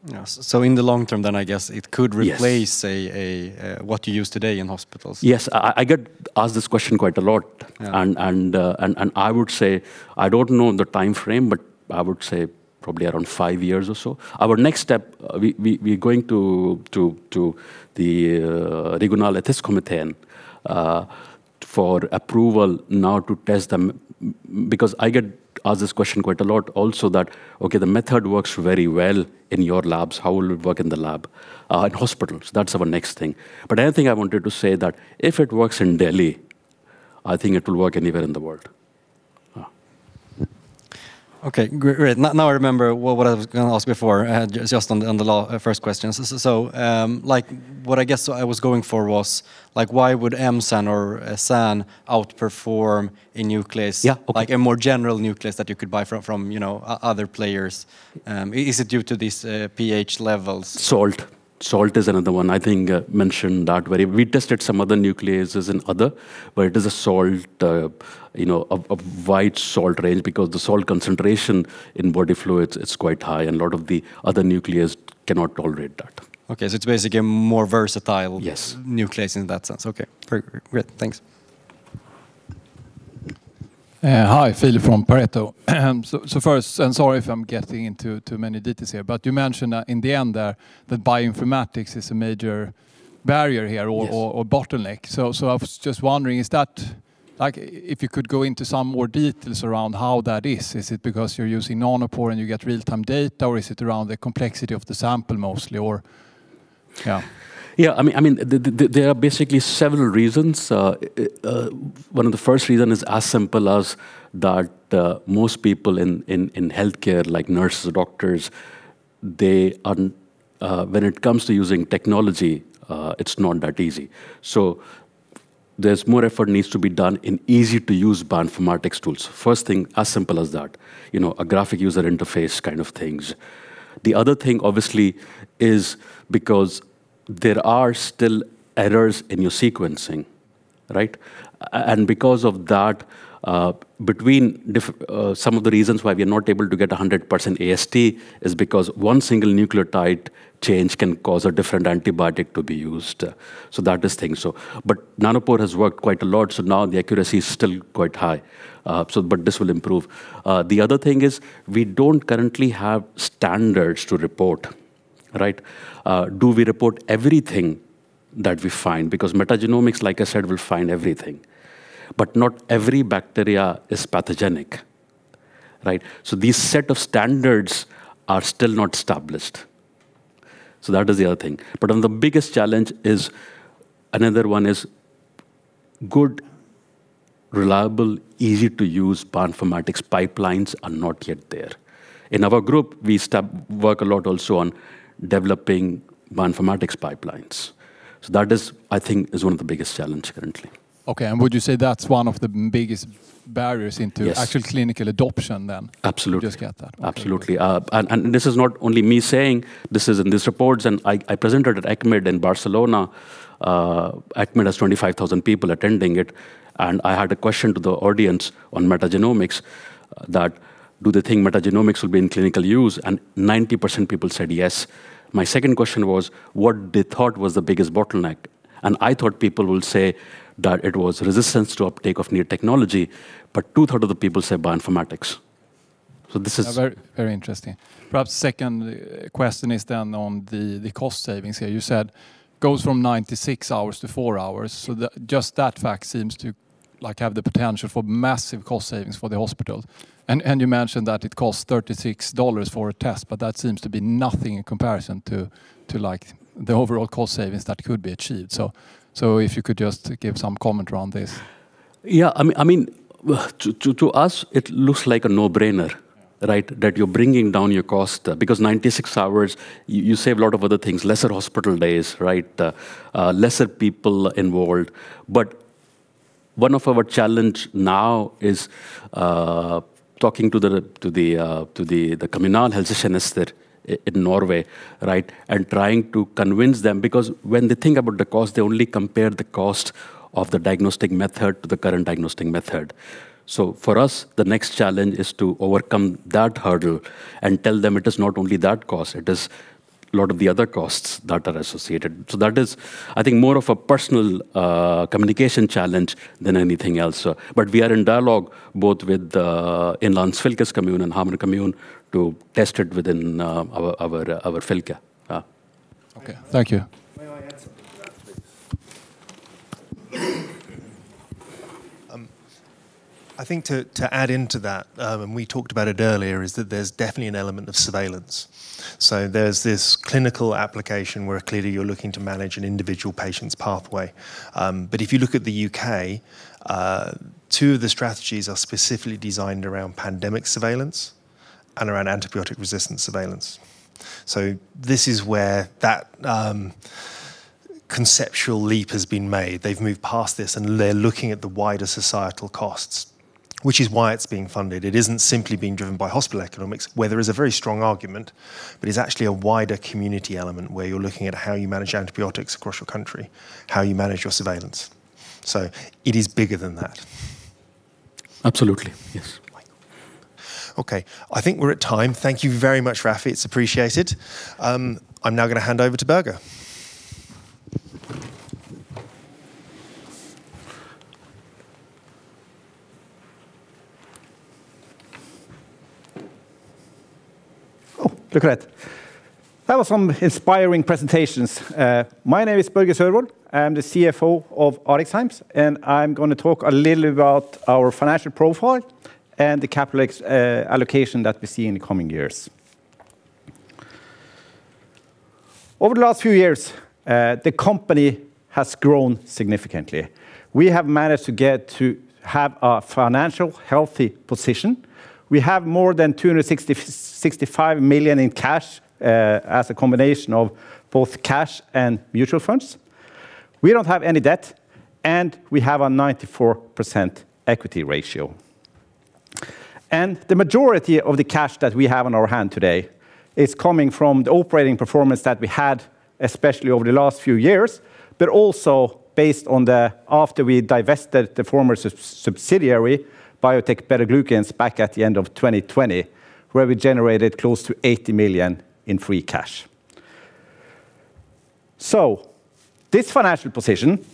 Yeah. in the long term then I guess. Yes ...replace a what you use today in hospitals. Yes. I get asked this question quite a lot. Yeah. I would say I don't know the timeframe, I would say probably around five years or so. Our next step, we're going to the regional ethics committee for approval now to test them because I get asked this question quite a lot also that, okay, the method works very well in your labs. How will it work in the lab in hospitals? That's our next thing. Another thing I wanted to say that if it works in Delhi, I think it will work anywhere in the world. Yeah. Okay. Great. Now I remember what I was gonna ask before, just on the first questions. Like, what I guess I was going for was like, why would M-SAN or SAN outperform a nuclease? Yeah. Okay. Like a more general nuclease that you could buy from, you know, other players. Is it due to these pH levels? Salt. Salt is another one I think mentioned that where we tested some other nucleases and other, where it is a salt, you know, a wide salt range because the salt concentration in body fluids is quite high and a lot of the other nuclease cannot tolerate that. Okay. It's basically a more versatile Yes nuclease in that sense. Okay. Great. Great. Thanks. Hi. Filip from Pareto. First, sorry if I'm getting into too many details here, you mentioned that in the end there that bioinformatics is a major barrier here. Yes or bottleneck. I was just wondering, is that like if you could go into some more details around how that is? Is it because you're using Nanopore and you get real-time data, or is it around the complexity of the sample mostly, or yeah? I mean, there are basically several reasons. One of the first reason is as simple as that, most people in healthcare, like nurses or doctors, they aren't, when it comes to using technology, it's not that easy. There's more effort needs to be done in easy-to-use bioinformatics tools. First thing, as simple as that, you know, a graphic user interface kind of things. The other thing obviously is because there are still errors in your sequencing, right? And because of that, some of the reasons why we are not able to get 100% AST is because one single nucleotide change can cause a different antibiotic to be used. That is thing. But Nanopore has worked quite a lot, now the accuracy is still quite high. But this will improve. The other thing is we don't currently have standards to report, right? Do we report everything that we find? Because metagenomics, like I said, will find everything, but not every bacteria is pathogenic, right? These set of standards are still not established. That is the other thing. On the biggest challenge is another one is good, reliable, easy-to-use bioinformatics pipelines are not yet there. In our group, we work a lot also on developing bioinformatics pipelines. That is, I think, is one of the biggest challenge currently. Okay. Would you say that's one of the biggest barriers into-? Yes actual clinical adoption then? Absolutely. Just get that. Okay. Absolutely. This is not only me saying, this is in these reports, and I presented at ECCMID in Barcelona. ECCMID has 25,000 people attending it, and I had a question to the audience on metagenomics that do they think metagenomics will be in clinical use, and 90% people said yes. My second question was what they thought was the biggest bottleneck, and I thought people will say that it was resistance to uptake of new technology, two thirds of the people say bioinformatics. This is Very interesting. Perhaps second question is then on the cost savings here. You said goes from 96 hours to 4 hours. Just that fact seems to like have the potential for massive cost savings for the hospital. You mentioned that it costs $36 for a test, but that seems to be nothing in comparison to like the overall cost savings that could be achieved. If you could just give some comment around this. Yeah, I mean, to us, it looks like a no-brainer, right? That you're bringing down your cost, because 96 hours, you save a lot of other things, lesser hospital days, right? lesser people involved. One of our challenge now is talking to the communal health system in Norway, right? trying to convince them because when they think about the cost, they only compare the cost of the diagnostic method to the current diagnostic method. For us, the next challenge is to overcome that hurdle and tell them it is not only that cost, it is a lot of the other costs that are associated. That is, I think, more of a personal communication challenge than anything else. We are in dialogue both with in Innlandet fylkeskommune and Hamar kommune to test it within our fylke. Okay. Thank you. May I add something to that, please? I think to add into that, we talked about it earlier, is that there's definitely an element of surveillance. There's this clinical application where clearly you're looking to manage an individual patient's pathway. If you look at the UK, two of the strategies are specifically designed around pandemic surveillance and around antibiotic resistance surveillance. This is where that conceptual leap has been made. They've moved past this, they're looking at the wider societal costs, which is why it's being funded. It isn't simply being driven by hospital economics, where there is a very strong argument, it's actually a wider community element where you're looking at how you manage antibiotics across your country, how you manage your surveillance. It is bigger than that. Absolutely. Yes. Okay. I think we're at time. Thank you very much, Rafi. It's appreciated. I'm now gonna hand over to Børge. That was some inspiring presentations. My name is Børge Sørvoll. I'm the CFO of ArcticZymes Technologies. I'm gonna talk a little about our financial profile and the capital allocation that we see in the coming years. Over the last few years, the company has grown significantly. We have managed to get to have a financial healthy position. We have more than 265 million in cash as a combination of both cash and mutual funds. We don't have any debt. We have a 94% equity ratio. The majority of the cash that we have on our hand today is coming from the operating performance that we had, especially over the last few years, but also based after we divested the former sub-subsidiary, Biotec BetaGlucans, back at the end of 2020, where we generated close to 80 million in free cash. This financial position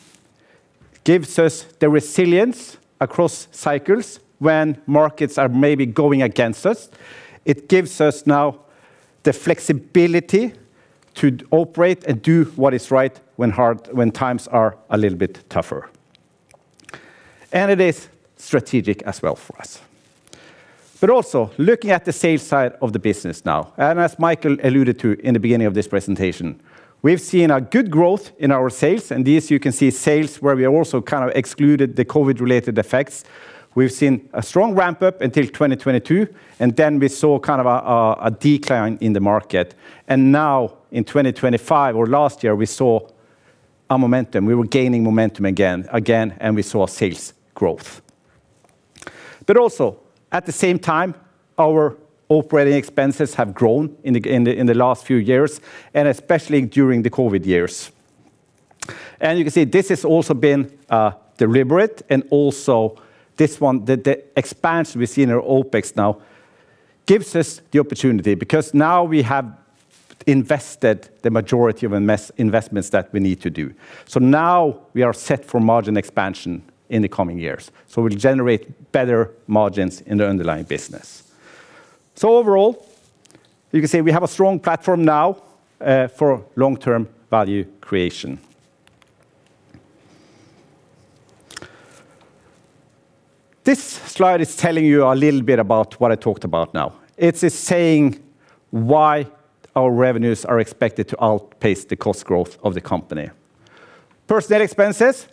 gives us the resilience across cycles when markets are maybe going against us. It gives us now the flexibility to operate and do what is right when times are a little bit tougher. It is strategic as well for us. Also, looking at the sales side of the business now, and as Michael alluded to in the beginning of this presentation, we've seen a good growth in our sales, and this you can see sales where we also kind of excluded the COVID-related effects. We've seen a strong ramp-up until 2022, then we saw kind of a decline in the market. Now in 2025 or last year, we saw a momentum. We were gaining momentum again, we saw sales growth. Also, at the same time, our operating expenses have grown in the last few years, especially during the COVID years. You can see this has also been deliberate and also this one, the expansion we see in our OpEx now gives us the opportunity because now we have invested the majority of investments that we need to do. Now we are set for margin expansion in the coming years, we'll generate better margins in the underlying business. Overall, you can see we have a strong platform now for long-term value creation. This slide is telling you a little bit about what I talked about now. It is saying why our revenues are expected to outpace the cost growth of the company. Personnel expenses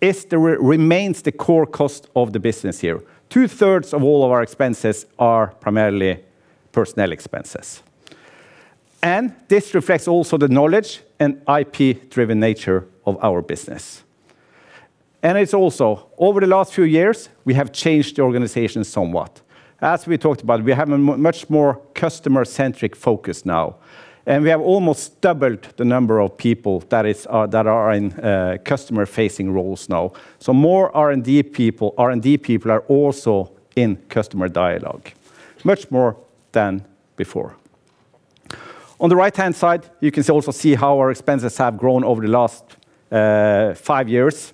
remains the core cost of the business here. 2/3 of all of our expenses are primarily personnel expenses. This reflects also the knowledge and IP-driven nature of our business. It's also, over the last few years, we have changed the organization somewhat. As we talked about, we have a much more customer-centric focus now, and we have almost doubled the number of people that are in customer-facing roles now. More R&D people, R&D people are also in customer dialogue, much more than before. On the right-hand side, you can also see how our expenses have grown over the last five years.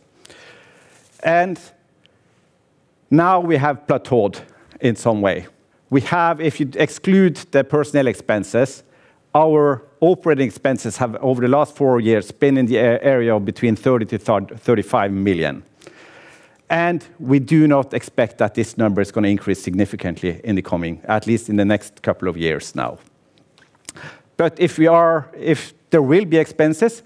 Now we have plateaued in some way. We have, if you exclude the personnel expenses, our operating expenses have, over the last four years, been in the area of between 30 million to 35 million. We do not expect that this number is gonna increase significantly in the coming at least in the next couple of years now. If there will be expenses,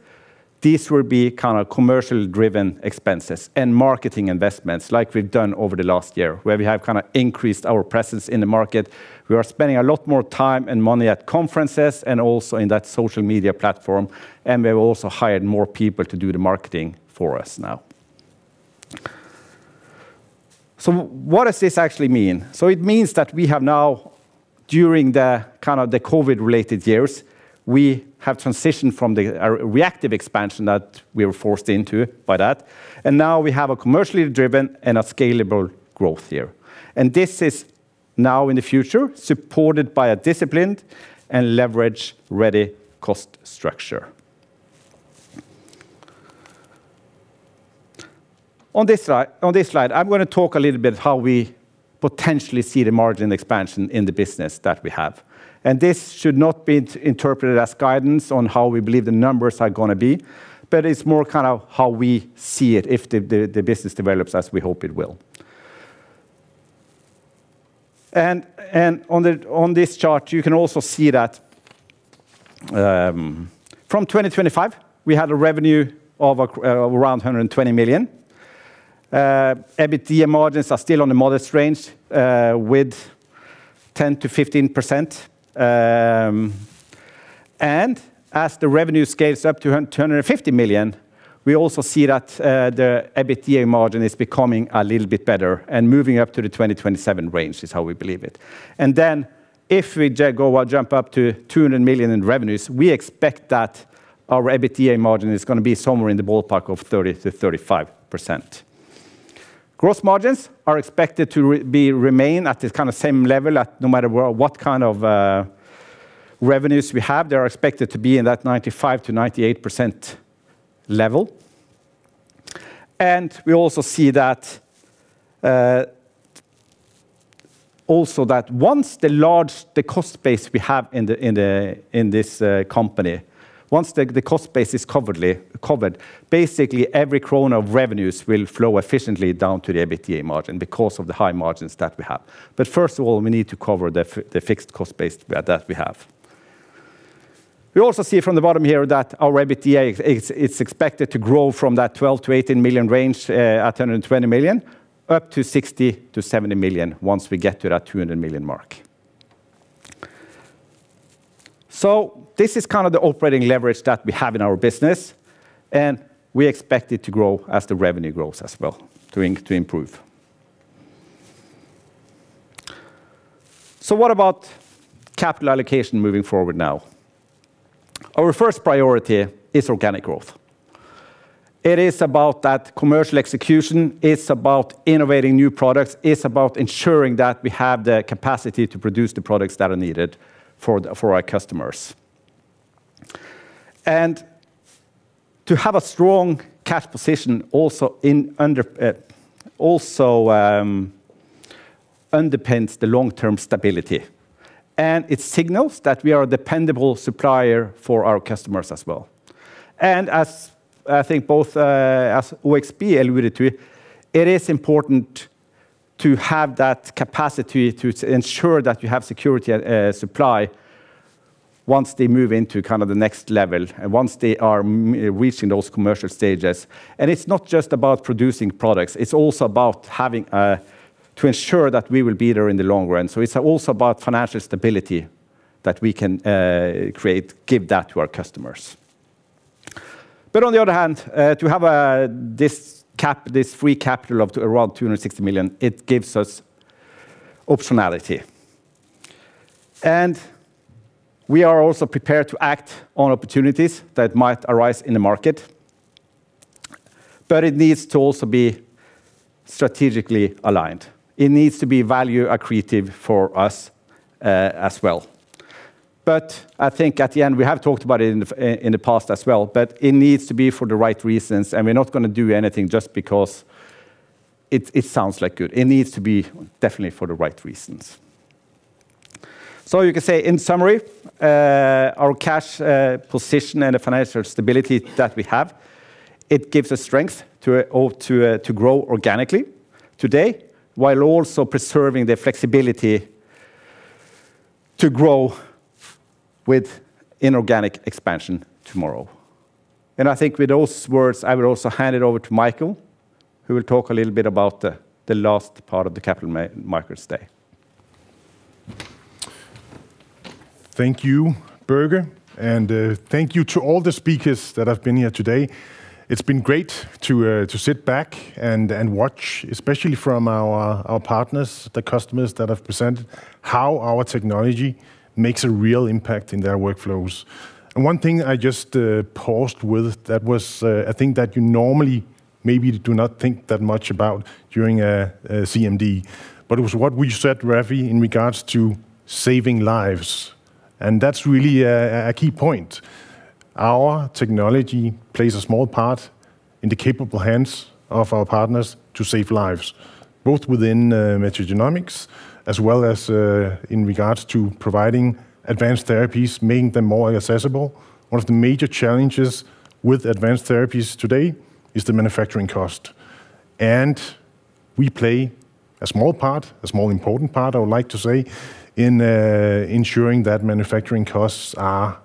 these will be kind of commercial driven expenses and marketing investments like we've done over the last year where we have kind of increased our presence in the market. We are spending a lot more time and money at conferences and also in that social media platform, and we've also hired more people to do the marketing for us now. What does this actually mean? It means that we have now, during the kind of the COVID related years, we have transitioned from the reactive expansion that we were forced into by that, and now we have a commercially driven and a scalable growth year. This is now in the future supported by a disciplined and leverage ready cost structure. On this slide, I'm going to talk a little bit how we potentially see the margin expansion in the business that we have. This should not be interpreted as guidance on how we believe the numbers are going to be, but it's more kind of how we see it if the business develops as we hope it will. On this chart, you can also see that from 2025 we had a revenue of around 120 million. EBITDA margins are still on the modest range, with 10%-15%. As the revenue scales up to 150 million, we also see that the EBITDA margin is becoming a little bit better and moving up to the 20%-27% range is how we believe it. If we jump up to 200 million in revenues, we expect that our EBITDA margin is going to be somewhere in the ballpark of 30%-35%. Gross margins are expected to remain at this kind of same level at no matter what kind of revenues we have, they are expected to be in that 95%-98% level. We also see that, also that once the cost base we have in this company, once the cost base is covered, basically every NOK of revenues will flow efficiently down to the EBITDA margin because of the high margins that we have. First of all, we need to cover the fixed cost base that we have. We also see from the bottom here that our EBITDA is expected to grow from that 12 million-18 million range, at 120 million, up to 60 million-70 million once we get to that 200 million mark. This is kind of the operating leverage that we have in our business, and we expect it to grow as the revenue grows as well to improve. What about capital allocation moving forward now? Our first priority is organic growth. It is about that commercial execution. It's about innovating new products. It's about ensuring that we have the capacity to produce the products that are needed for our customers. To have a strong cash position also underpins the long-term stability and it signals that we are a dependable supplier for our customers as well. As I think both as OXB alluded to, it is important to have that capacity to ensure that you have security supply once they move into kind of the next level and once they are reaching those commercial stages. It's not just about producing products, it's also about having to ensure that we will be there in the long run. It's also about financial stability that we can create, give that to our customers. On the other hand, to have this free capital of around 260 million, it gives us optionality. We are also prepared to act on opportunities that might arise in the market, but it needs to also be strategically aligned. It needs to be value accretive for us as well. I think at the end, we have talked about it in the past as well, but it needs to be for the right reasons and we're not going to do anything just because it sounds like good. It needs to be definitely for the right reasons. You can say in summary, our cash position and the financial stability that we have, it gives us strength to grow organically today while also preserving the flexibility to grow with inorganic expansion tomorrow. I think with those words, I will also hand it over to Michael who will talk a little bit about the last part of the Capital Markets Day. Thank you, Børge, and thank you to all the speakers that have been here today. It's been great to sit back and watch, especially from our partners, the customers that have presented how our technology makes a real impact in their workflows. One thing I just paused with that was, I think that you normally maybe do not think that much about during a CMD, but it was what you said, Rafi, in regards to saving lives, and that's really a key point. Our technology plays a small part in the capable hands of our partners to save lives, both within Metagenomics as well as in regards to providing advanced therapies, making them more accessible. One of the major challenges with advanced therapies today is the manufacturing cost. We play a small part, a small important part I would like to say, in ensuring that manufacturing costs are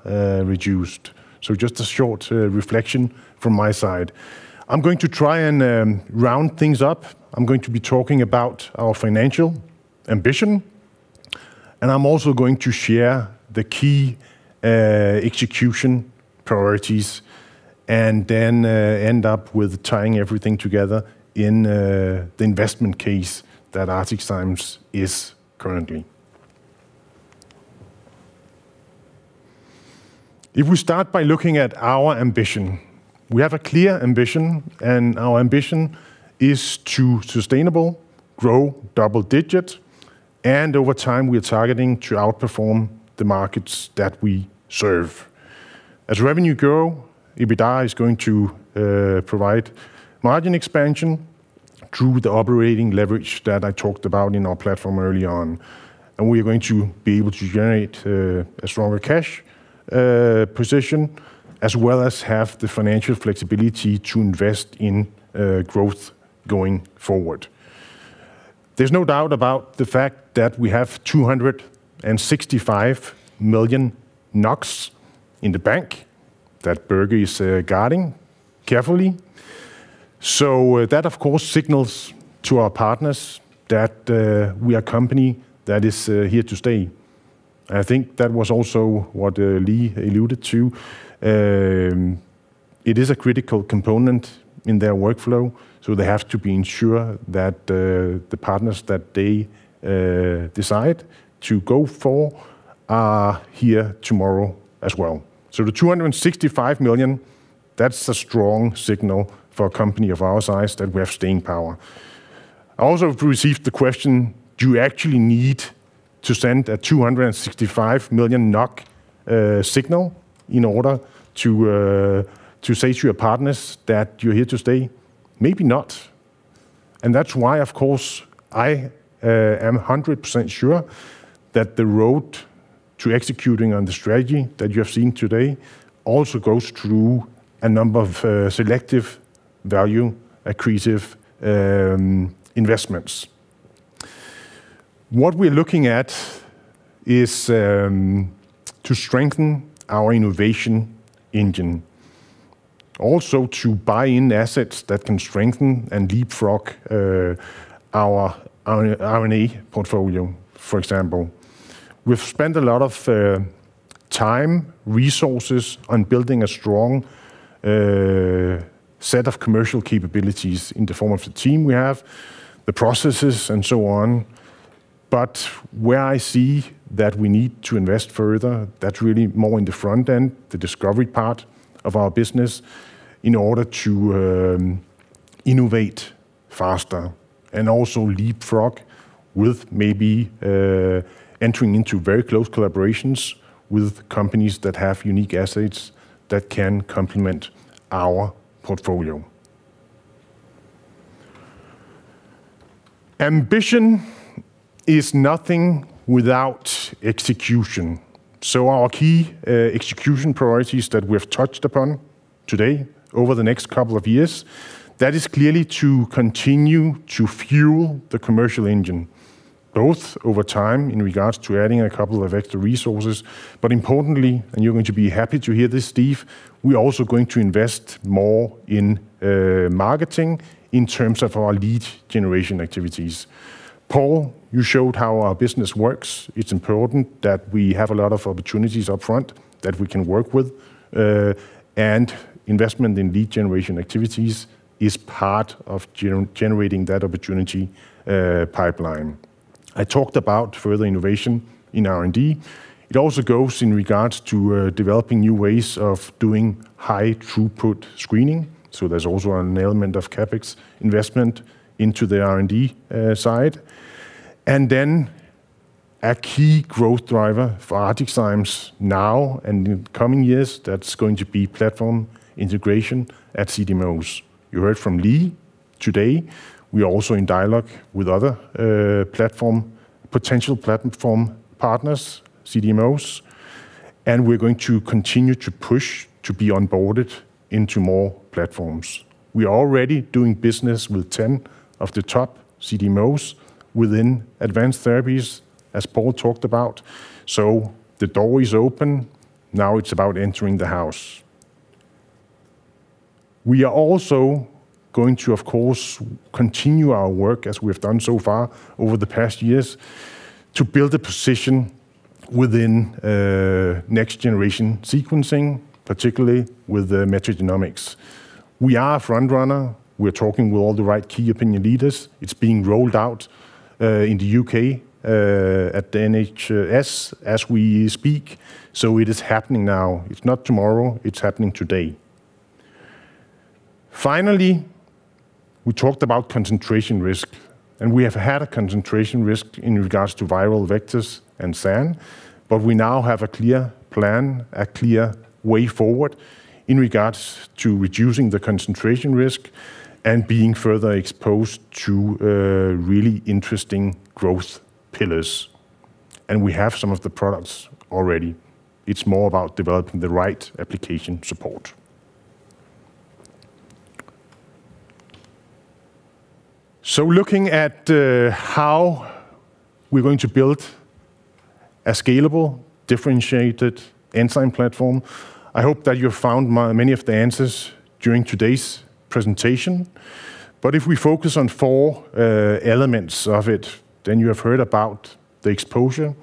reduced. Just a short reflection from my side. I'm going to try and round things up. I'm going to be talking about our financial ambition, and I'm also going to share the key execution priorities and then end up with tying everything together in the investment case that ArcticZymes is currently. If we start by looking at our ambition, we have a clear ambition, and our ambition is to sustainable grow double-digit, and over time, we are targeting to outperform the markets that we serve. As revenue grow, EBITDA is going to provide margin expansion through the operating leverage that I talked about in our platform early on. We are going to be able to generate a stronger cash position as well as have the financial flexibility to invest in growth going forward. There's no doubt about the fact that we have 265 million NOK in the bank that Børge is guarding carefully. That of course signals to our partners that we are a company that is here to stay. I think that was also what Lee alluded to. It is a critical component in their workflow, so they have to be ensure that the partners that they decide to go for are here tomorrow as well. The 265 million, that's a strong signal for a company of our size that we have staying power. I also have received the question, do you actually need to send a 265 million NOK signal in order to to say to your partners that you're here to stay? Maybe not. That's why, of course, I am 100% sure that the road to executing on the strategy that you have seen today also goes through a number of selective value accretive investments. What we're looking at is to strengthen our innovation engine. Also to buy in assets that can strengthen and leapfrog our R&E portfolio, for example. We've spent a lot of time, resources on building a strong set of commercial capabilities in the form of the team we have, the processes, and so on. Where I see that we need to invest further, that's really more in the front end, the discovery part of our business, in order to innovate faster and also leapfrog with maybe entering into very close collaborations with companies that have unique assets that can complement our portfolio. Ambition is nothing without execution. Our key execution priorities that we have touched upon today over the next couple of years, that is clearly to continue to fuel the commercial engine, both over time in regards to adding a couple of extra resources, but importantly, and you're going to be happy to hear this, Steve, we are also going to invest more in marketing in terms of our lead generation activities. Paul, you showed how our business works. It's important that we have a lot of opportunities up front that we can work with. Investment in lead generation activities is part of generating that opportunity, pipeline. I talked about further innovation in R&D. It also goes in regards to developing new ways of doing high throughput screening, so there's also an element of CapEx investment into the R&D, side. A key growth driver for ArcticZymes now and in coming years, that's going to be platform integration at CDMOs. You heard from Lee today. We are also in dialogue with other, platform, potential platform partners, CDMOs, and we're going to continue to push to be onboarded into more platforms. We are already doing business with 10 of the top CDMOs within advanced therapies, as Paul talked about. The door is open. Now it's about entering the house. We are also going to, of course, continue our work as we have done so far over the past years to build a position within next generation sequencing, particularly with the Metagenomics. We are a front runner. We are talking with all the right key opinion leaders. It's being rolled out in the U.K. at the NHS as we speak. It is happening now. It's not tomorrow, it's happening today. Finally, we talked about concentration risk. We have had a concentration risk in regards to viral vectors and SAN. We now have a clear plan, a clear way forward in regards to reducing the concentration risk and being further exposed to really interesting growth pillars. We have some of the products already. It's more about developing the right application support. Looking at how we're going to build a scalable, differentiated enzyme platform, I hope that you found many of the answers during today's presentation. If we focus on four elements of it, you have heard about the exposure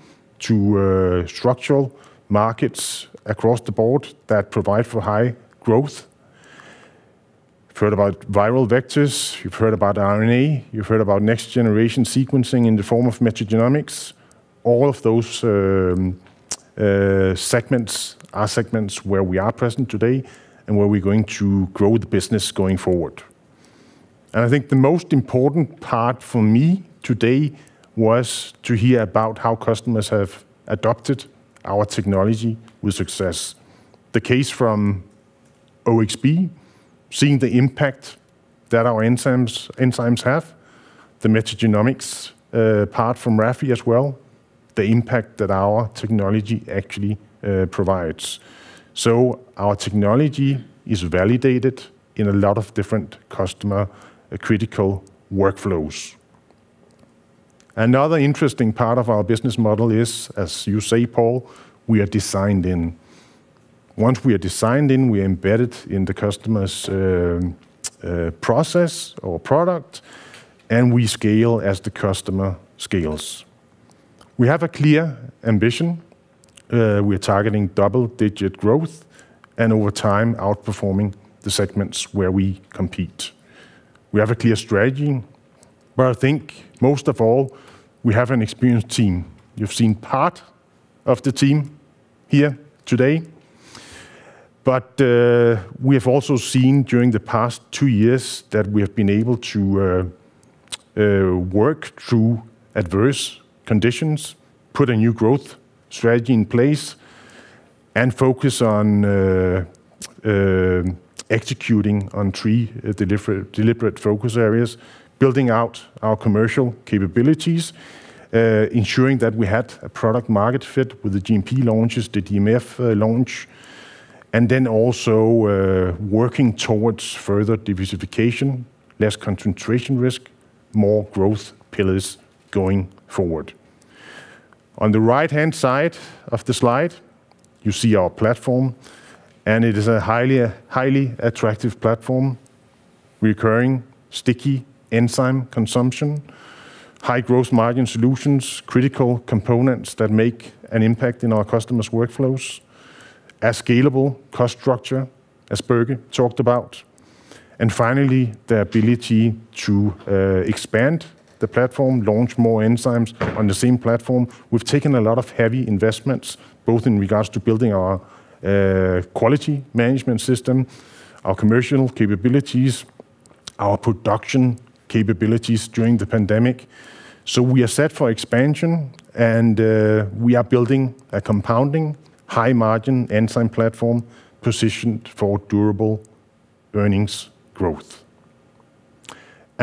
to structural markets across the board that provide for high growth. You've heard about viral vectors, you've heard about RNA, you've heard about Next-Generation Sequencing in the form of Metagenomics. All of those segments are segments where we are present today and where we're going to grow the business going forward. I think the most important part for me today was to hear about how customers have adopted our technology with success. The case from OXB, seeing the impact that our enzymes have, the metagenomics part from Rafi as well, the impact that our technology actually provides. Our technology is validated in a lot of different customer-critical workflows. Another interesting part of our business model is, as you say, Paul, we are designed in. Once we are designed in, we are embedded in the customer's process or product, and we scale as the customer scales. We have a clear ambition. We're targeting double-digit growth and over time outperforming the segments where we compete. We have a clear strategy, but I think most of all, we have an experienced team. You've seen part of the team here today, but we have also seen during the past two years that we have been able to work through adverse conditions, put a new growth strategy in place, and focus on executing on three deliberate focus areas, building out our commercial capabilities, ensuring that we had a product market fit with the GMP launches, the DMF launch, and then also working towards further diversification, less concentration risk, more growth pillars going forward. On the right-hand side of the slide, you see our platform, and it is a highly attractive platform, recurring sticky enzyme consumption, high growth margin solutions, critical components that make an impact in our customers' workflows, a scalable cost structure, as Birgit talked about. Finally, the ability to expand the platform, launch more enzymes on the same platform. We've taken a lot of heavy investments, both in regards to building our quality management system, our commercial capabilities, our production capabilities during the pandemic. We are set for expansion and we are building a compounding high margin enzyme platform positioned for durable earnings growth.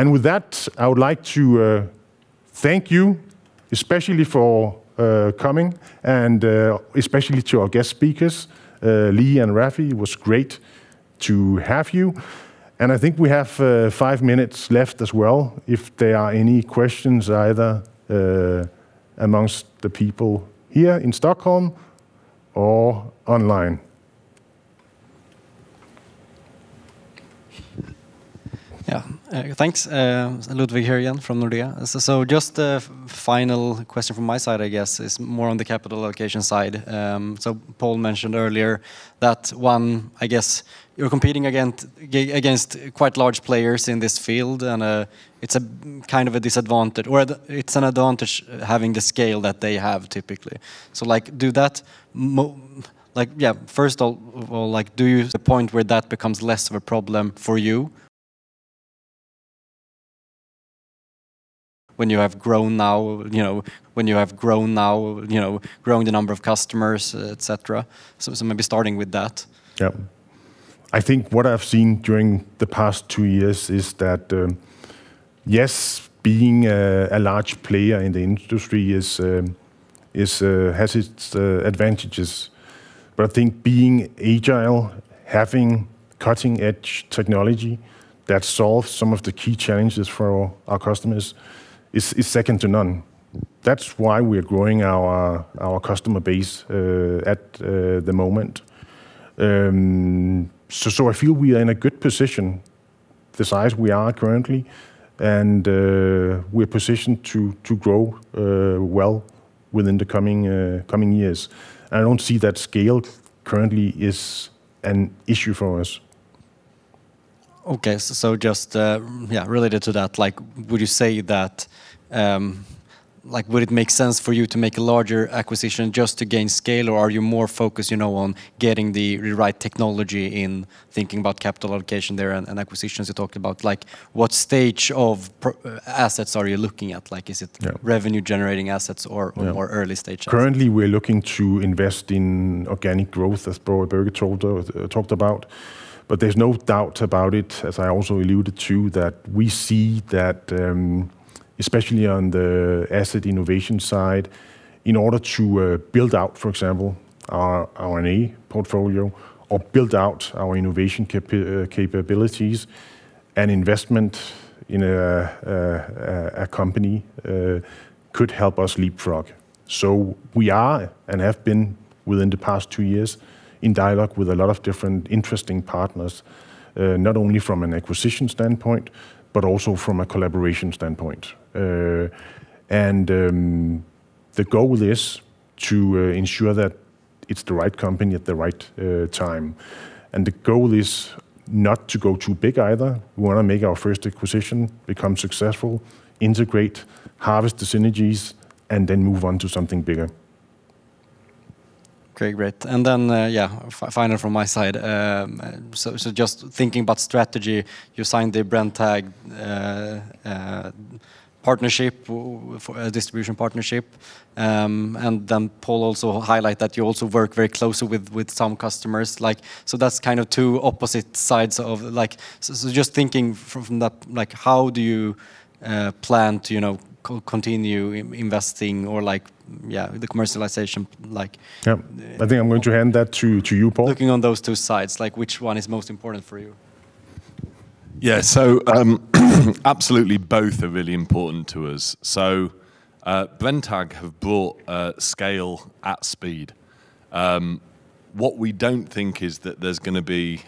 With that, I would like to thank you, especially for coming and especially to our guest speakers, Lee and Rafi, it was great to have you. I think we have five minutes left as well if there are any questions either amongst the people here in Stockholm or online. Yeah. Thanks. Ludvig here again from Nordea. Just a final question from my side, I guess, is more on the capital allocation side. Paul mentioned earlier that, one, I guess you're competing against against quite large players in this field and, it's a kind of a disadvantage or it's an advantage having the scale that they have typically. Like, yeah, first I'll like do you the point where that becomes less of a problem for you when you have grown now, you know, grown the number of customers, et cetera. Maybe starting with that. Yeah. I think what I've seen during the past two years is that, yes, being a large player in the industry is has its advantages. I think being agile, having cutting-edge technology that solves some of the key challenges for our customers is second to none. That's why we're growing our customer base at the moment. I feel we are in a good position the size we are currently, and we're positioned to grow well within the coming years. I don't see that scale currently is an issue for us. Okay. Just, yeah, related to that, like would you say that, like would it make sense for you to make a larger acquisition just to gain scale, or are you more focused, you know, on getting the right technology in thinking about capital allocation there and acquisitions you talked about? Like what stage of assets are you looking at? Yeah... revenue generating assets or- Yeah more early stage assets? Currently, we're looking to invest in organic growth, as Birgit told, talked about. There's no doubt about it, as I also alluded to, that we see that, especially on the asset innovation side, in order to build out, for example, our RNA portfolio or build out our innovation capabilities. An investment in a company could help us leapfrog. We are and have been within the past two years in dialogue with a lot of different interesting partners, not only from an acquisition standpoint, but also from a collaboration standpoint. The goal is to ensure that it's the right company at the right time. The goal is not to go too big either. We wanna make our first acquisition become successful, integrate, harvest the synergies, move on to something bigger. Okay, great. Yeah, final from my side. Just thinking about strategy, you signed the Brenntag partnership for a distribution partnership. Paul also highlight that you also work very closely with some customers. Like, so that's kind of two opposite sides of like... Just thinking from that, like, how do you plan to, you know, continue investing or like, yeah, the commercialization, like... I think I'm going to hand that to you, Paul. looking on those two sides, like, which one is most important for you? Absolutely both are really important to us. Brenntag have brought scale at speed. What we don't think is that there's gonna be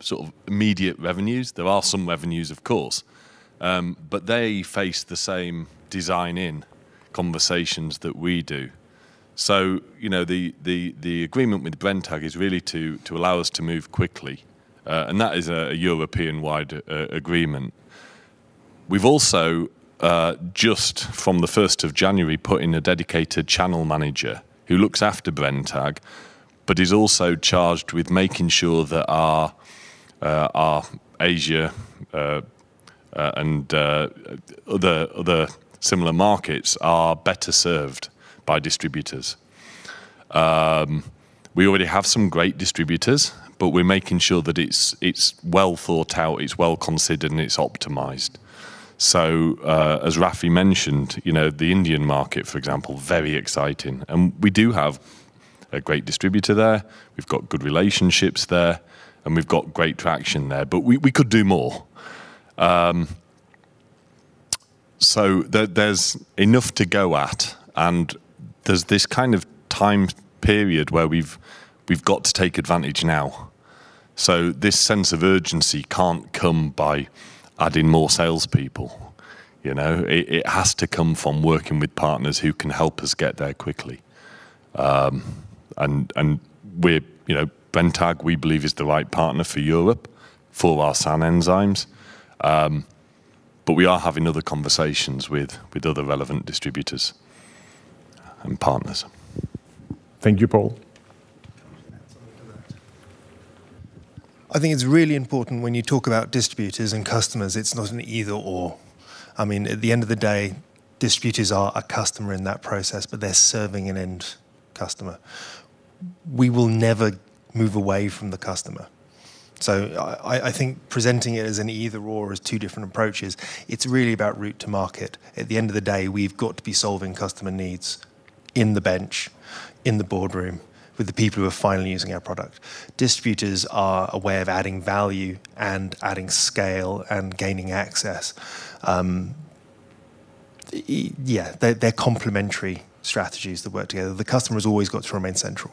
sort of immediate revenues. There are some revenues, of course, they face the same design-in conversations that we do. You know, the agreement with Brenntag is really to allow us to move quickly, that is a European-wide agreement. We've also just from the 1st of January, put in a dedicated channel manager who looks after Brenntag but is also charged with making sure that our Asia and other similar markets are better served by distributors. We already have some great distributors, we're making sure that it's well thought out, it's well considered, and it's optimized. As Rafi mentioned, you know, the Indian market, for example, very exciting, and we do have a great distributor there. We've got good relationships there, and we've got great traction there, but we could do more. There's enough to go at, and there's this kind of time period where we've got to take advantage now. This sense of urgency can't come by adding more salespeople, you know? It has to come from working with partners who can help us get there quickly. You know, Brenntag, we believe, is the right partner for Europe for our SAN enzymes, but we are having other conversations with other relevant distributors and partners. Thank you, Paul. I think it's really important when you talk about distributors and customers, it's not an either/or. I mean, at the end of the day, distributors are a customer in that process, but they're serving an end customer. We will never move away from the customer. I think presenting it as an either/or as two different approaches, it's really about route to market. At the end of the day, we've got to be solving customer needs in the bench, in the boardroom with the people who are finally using our product. Distributors are a way of adding value and adding scale and gaining access. Yeah, they're complementary strategies that work together. The customer's always got to remain central.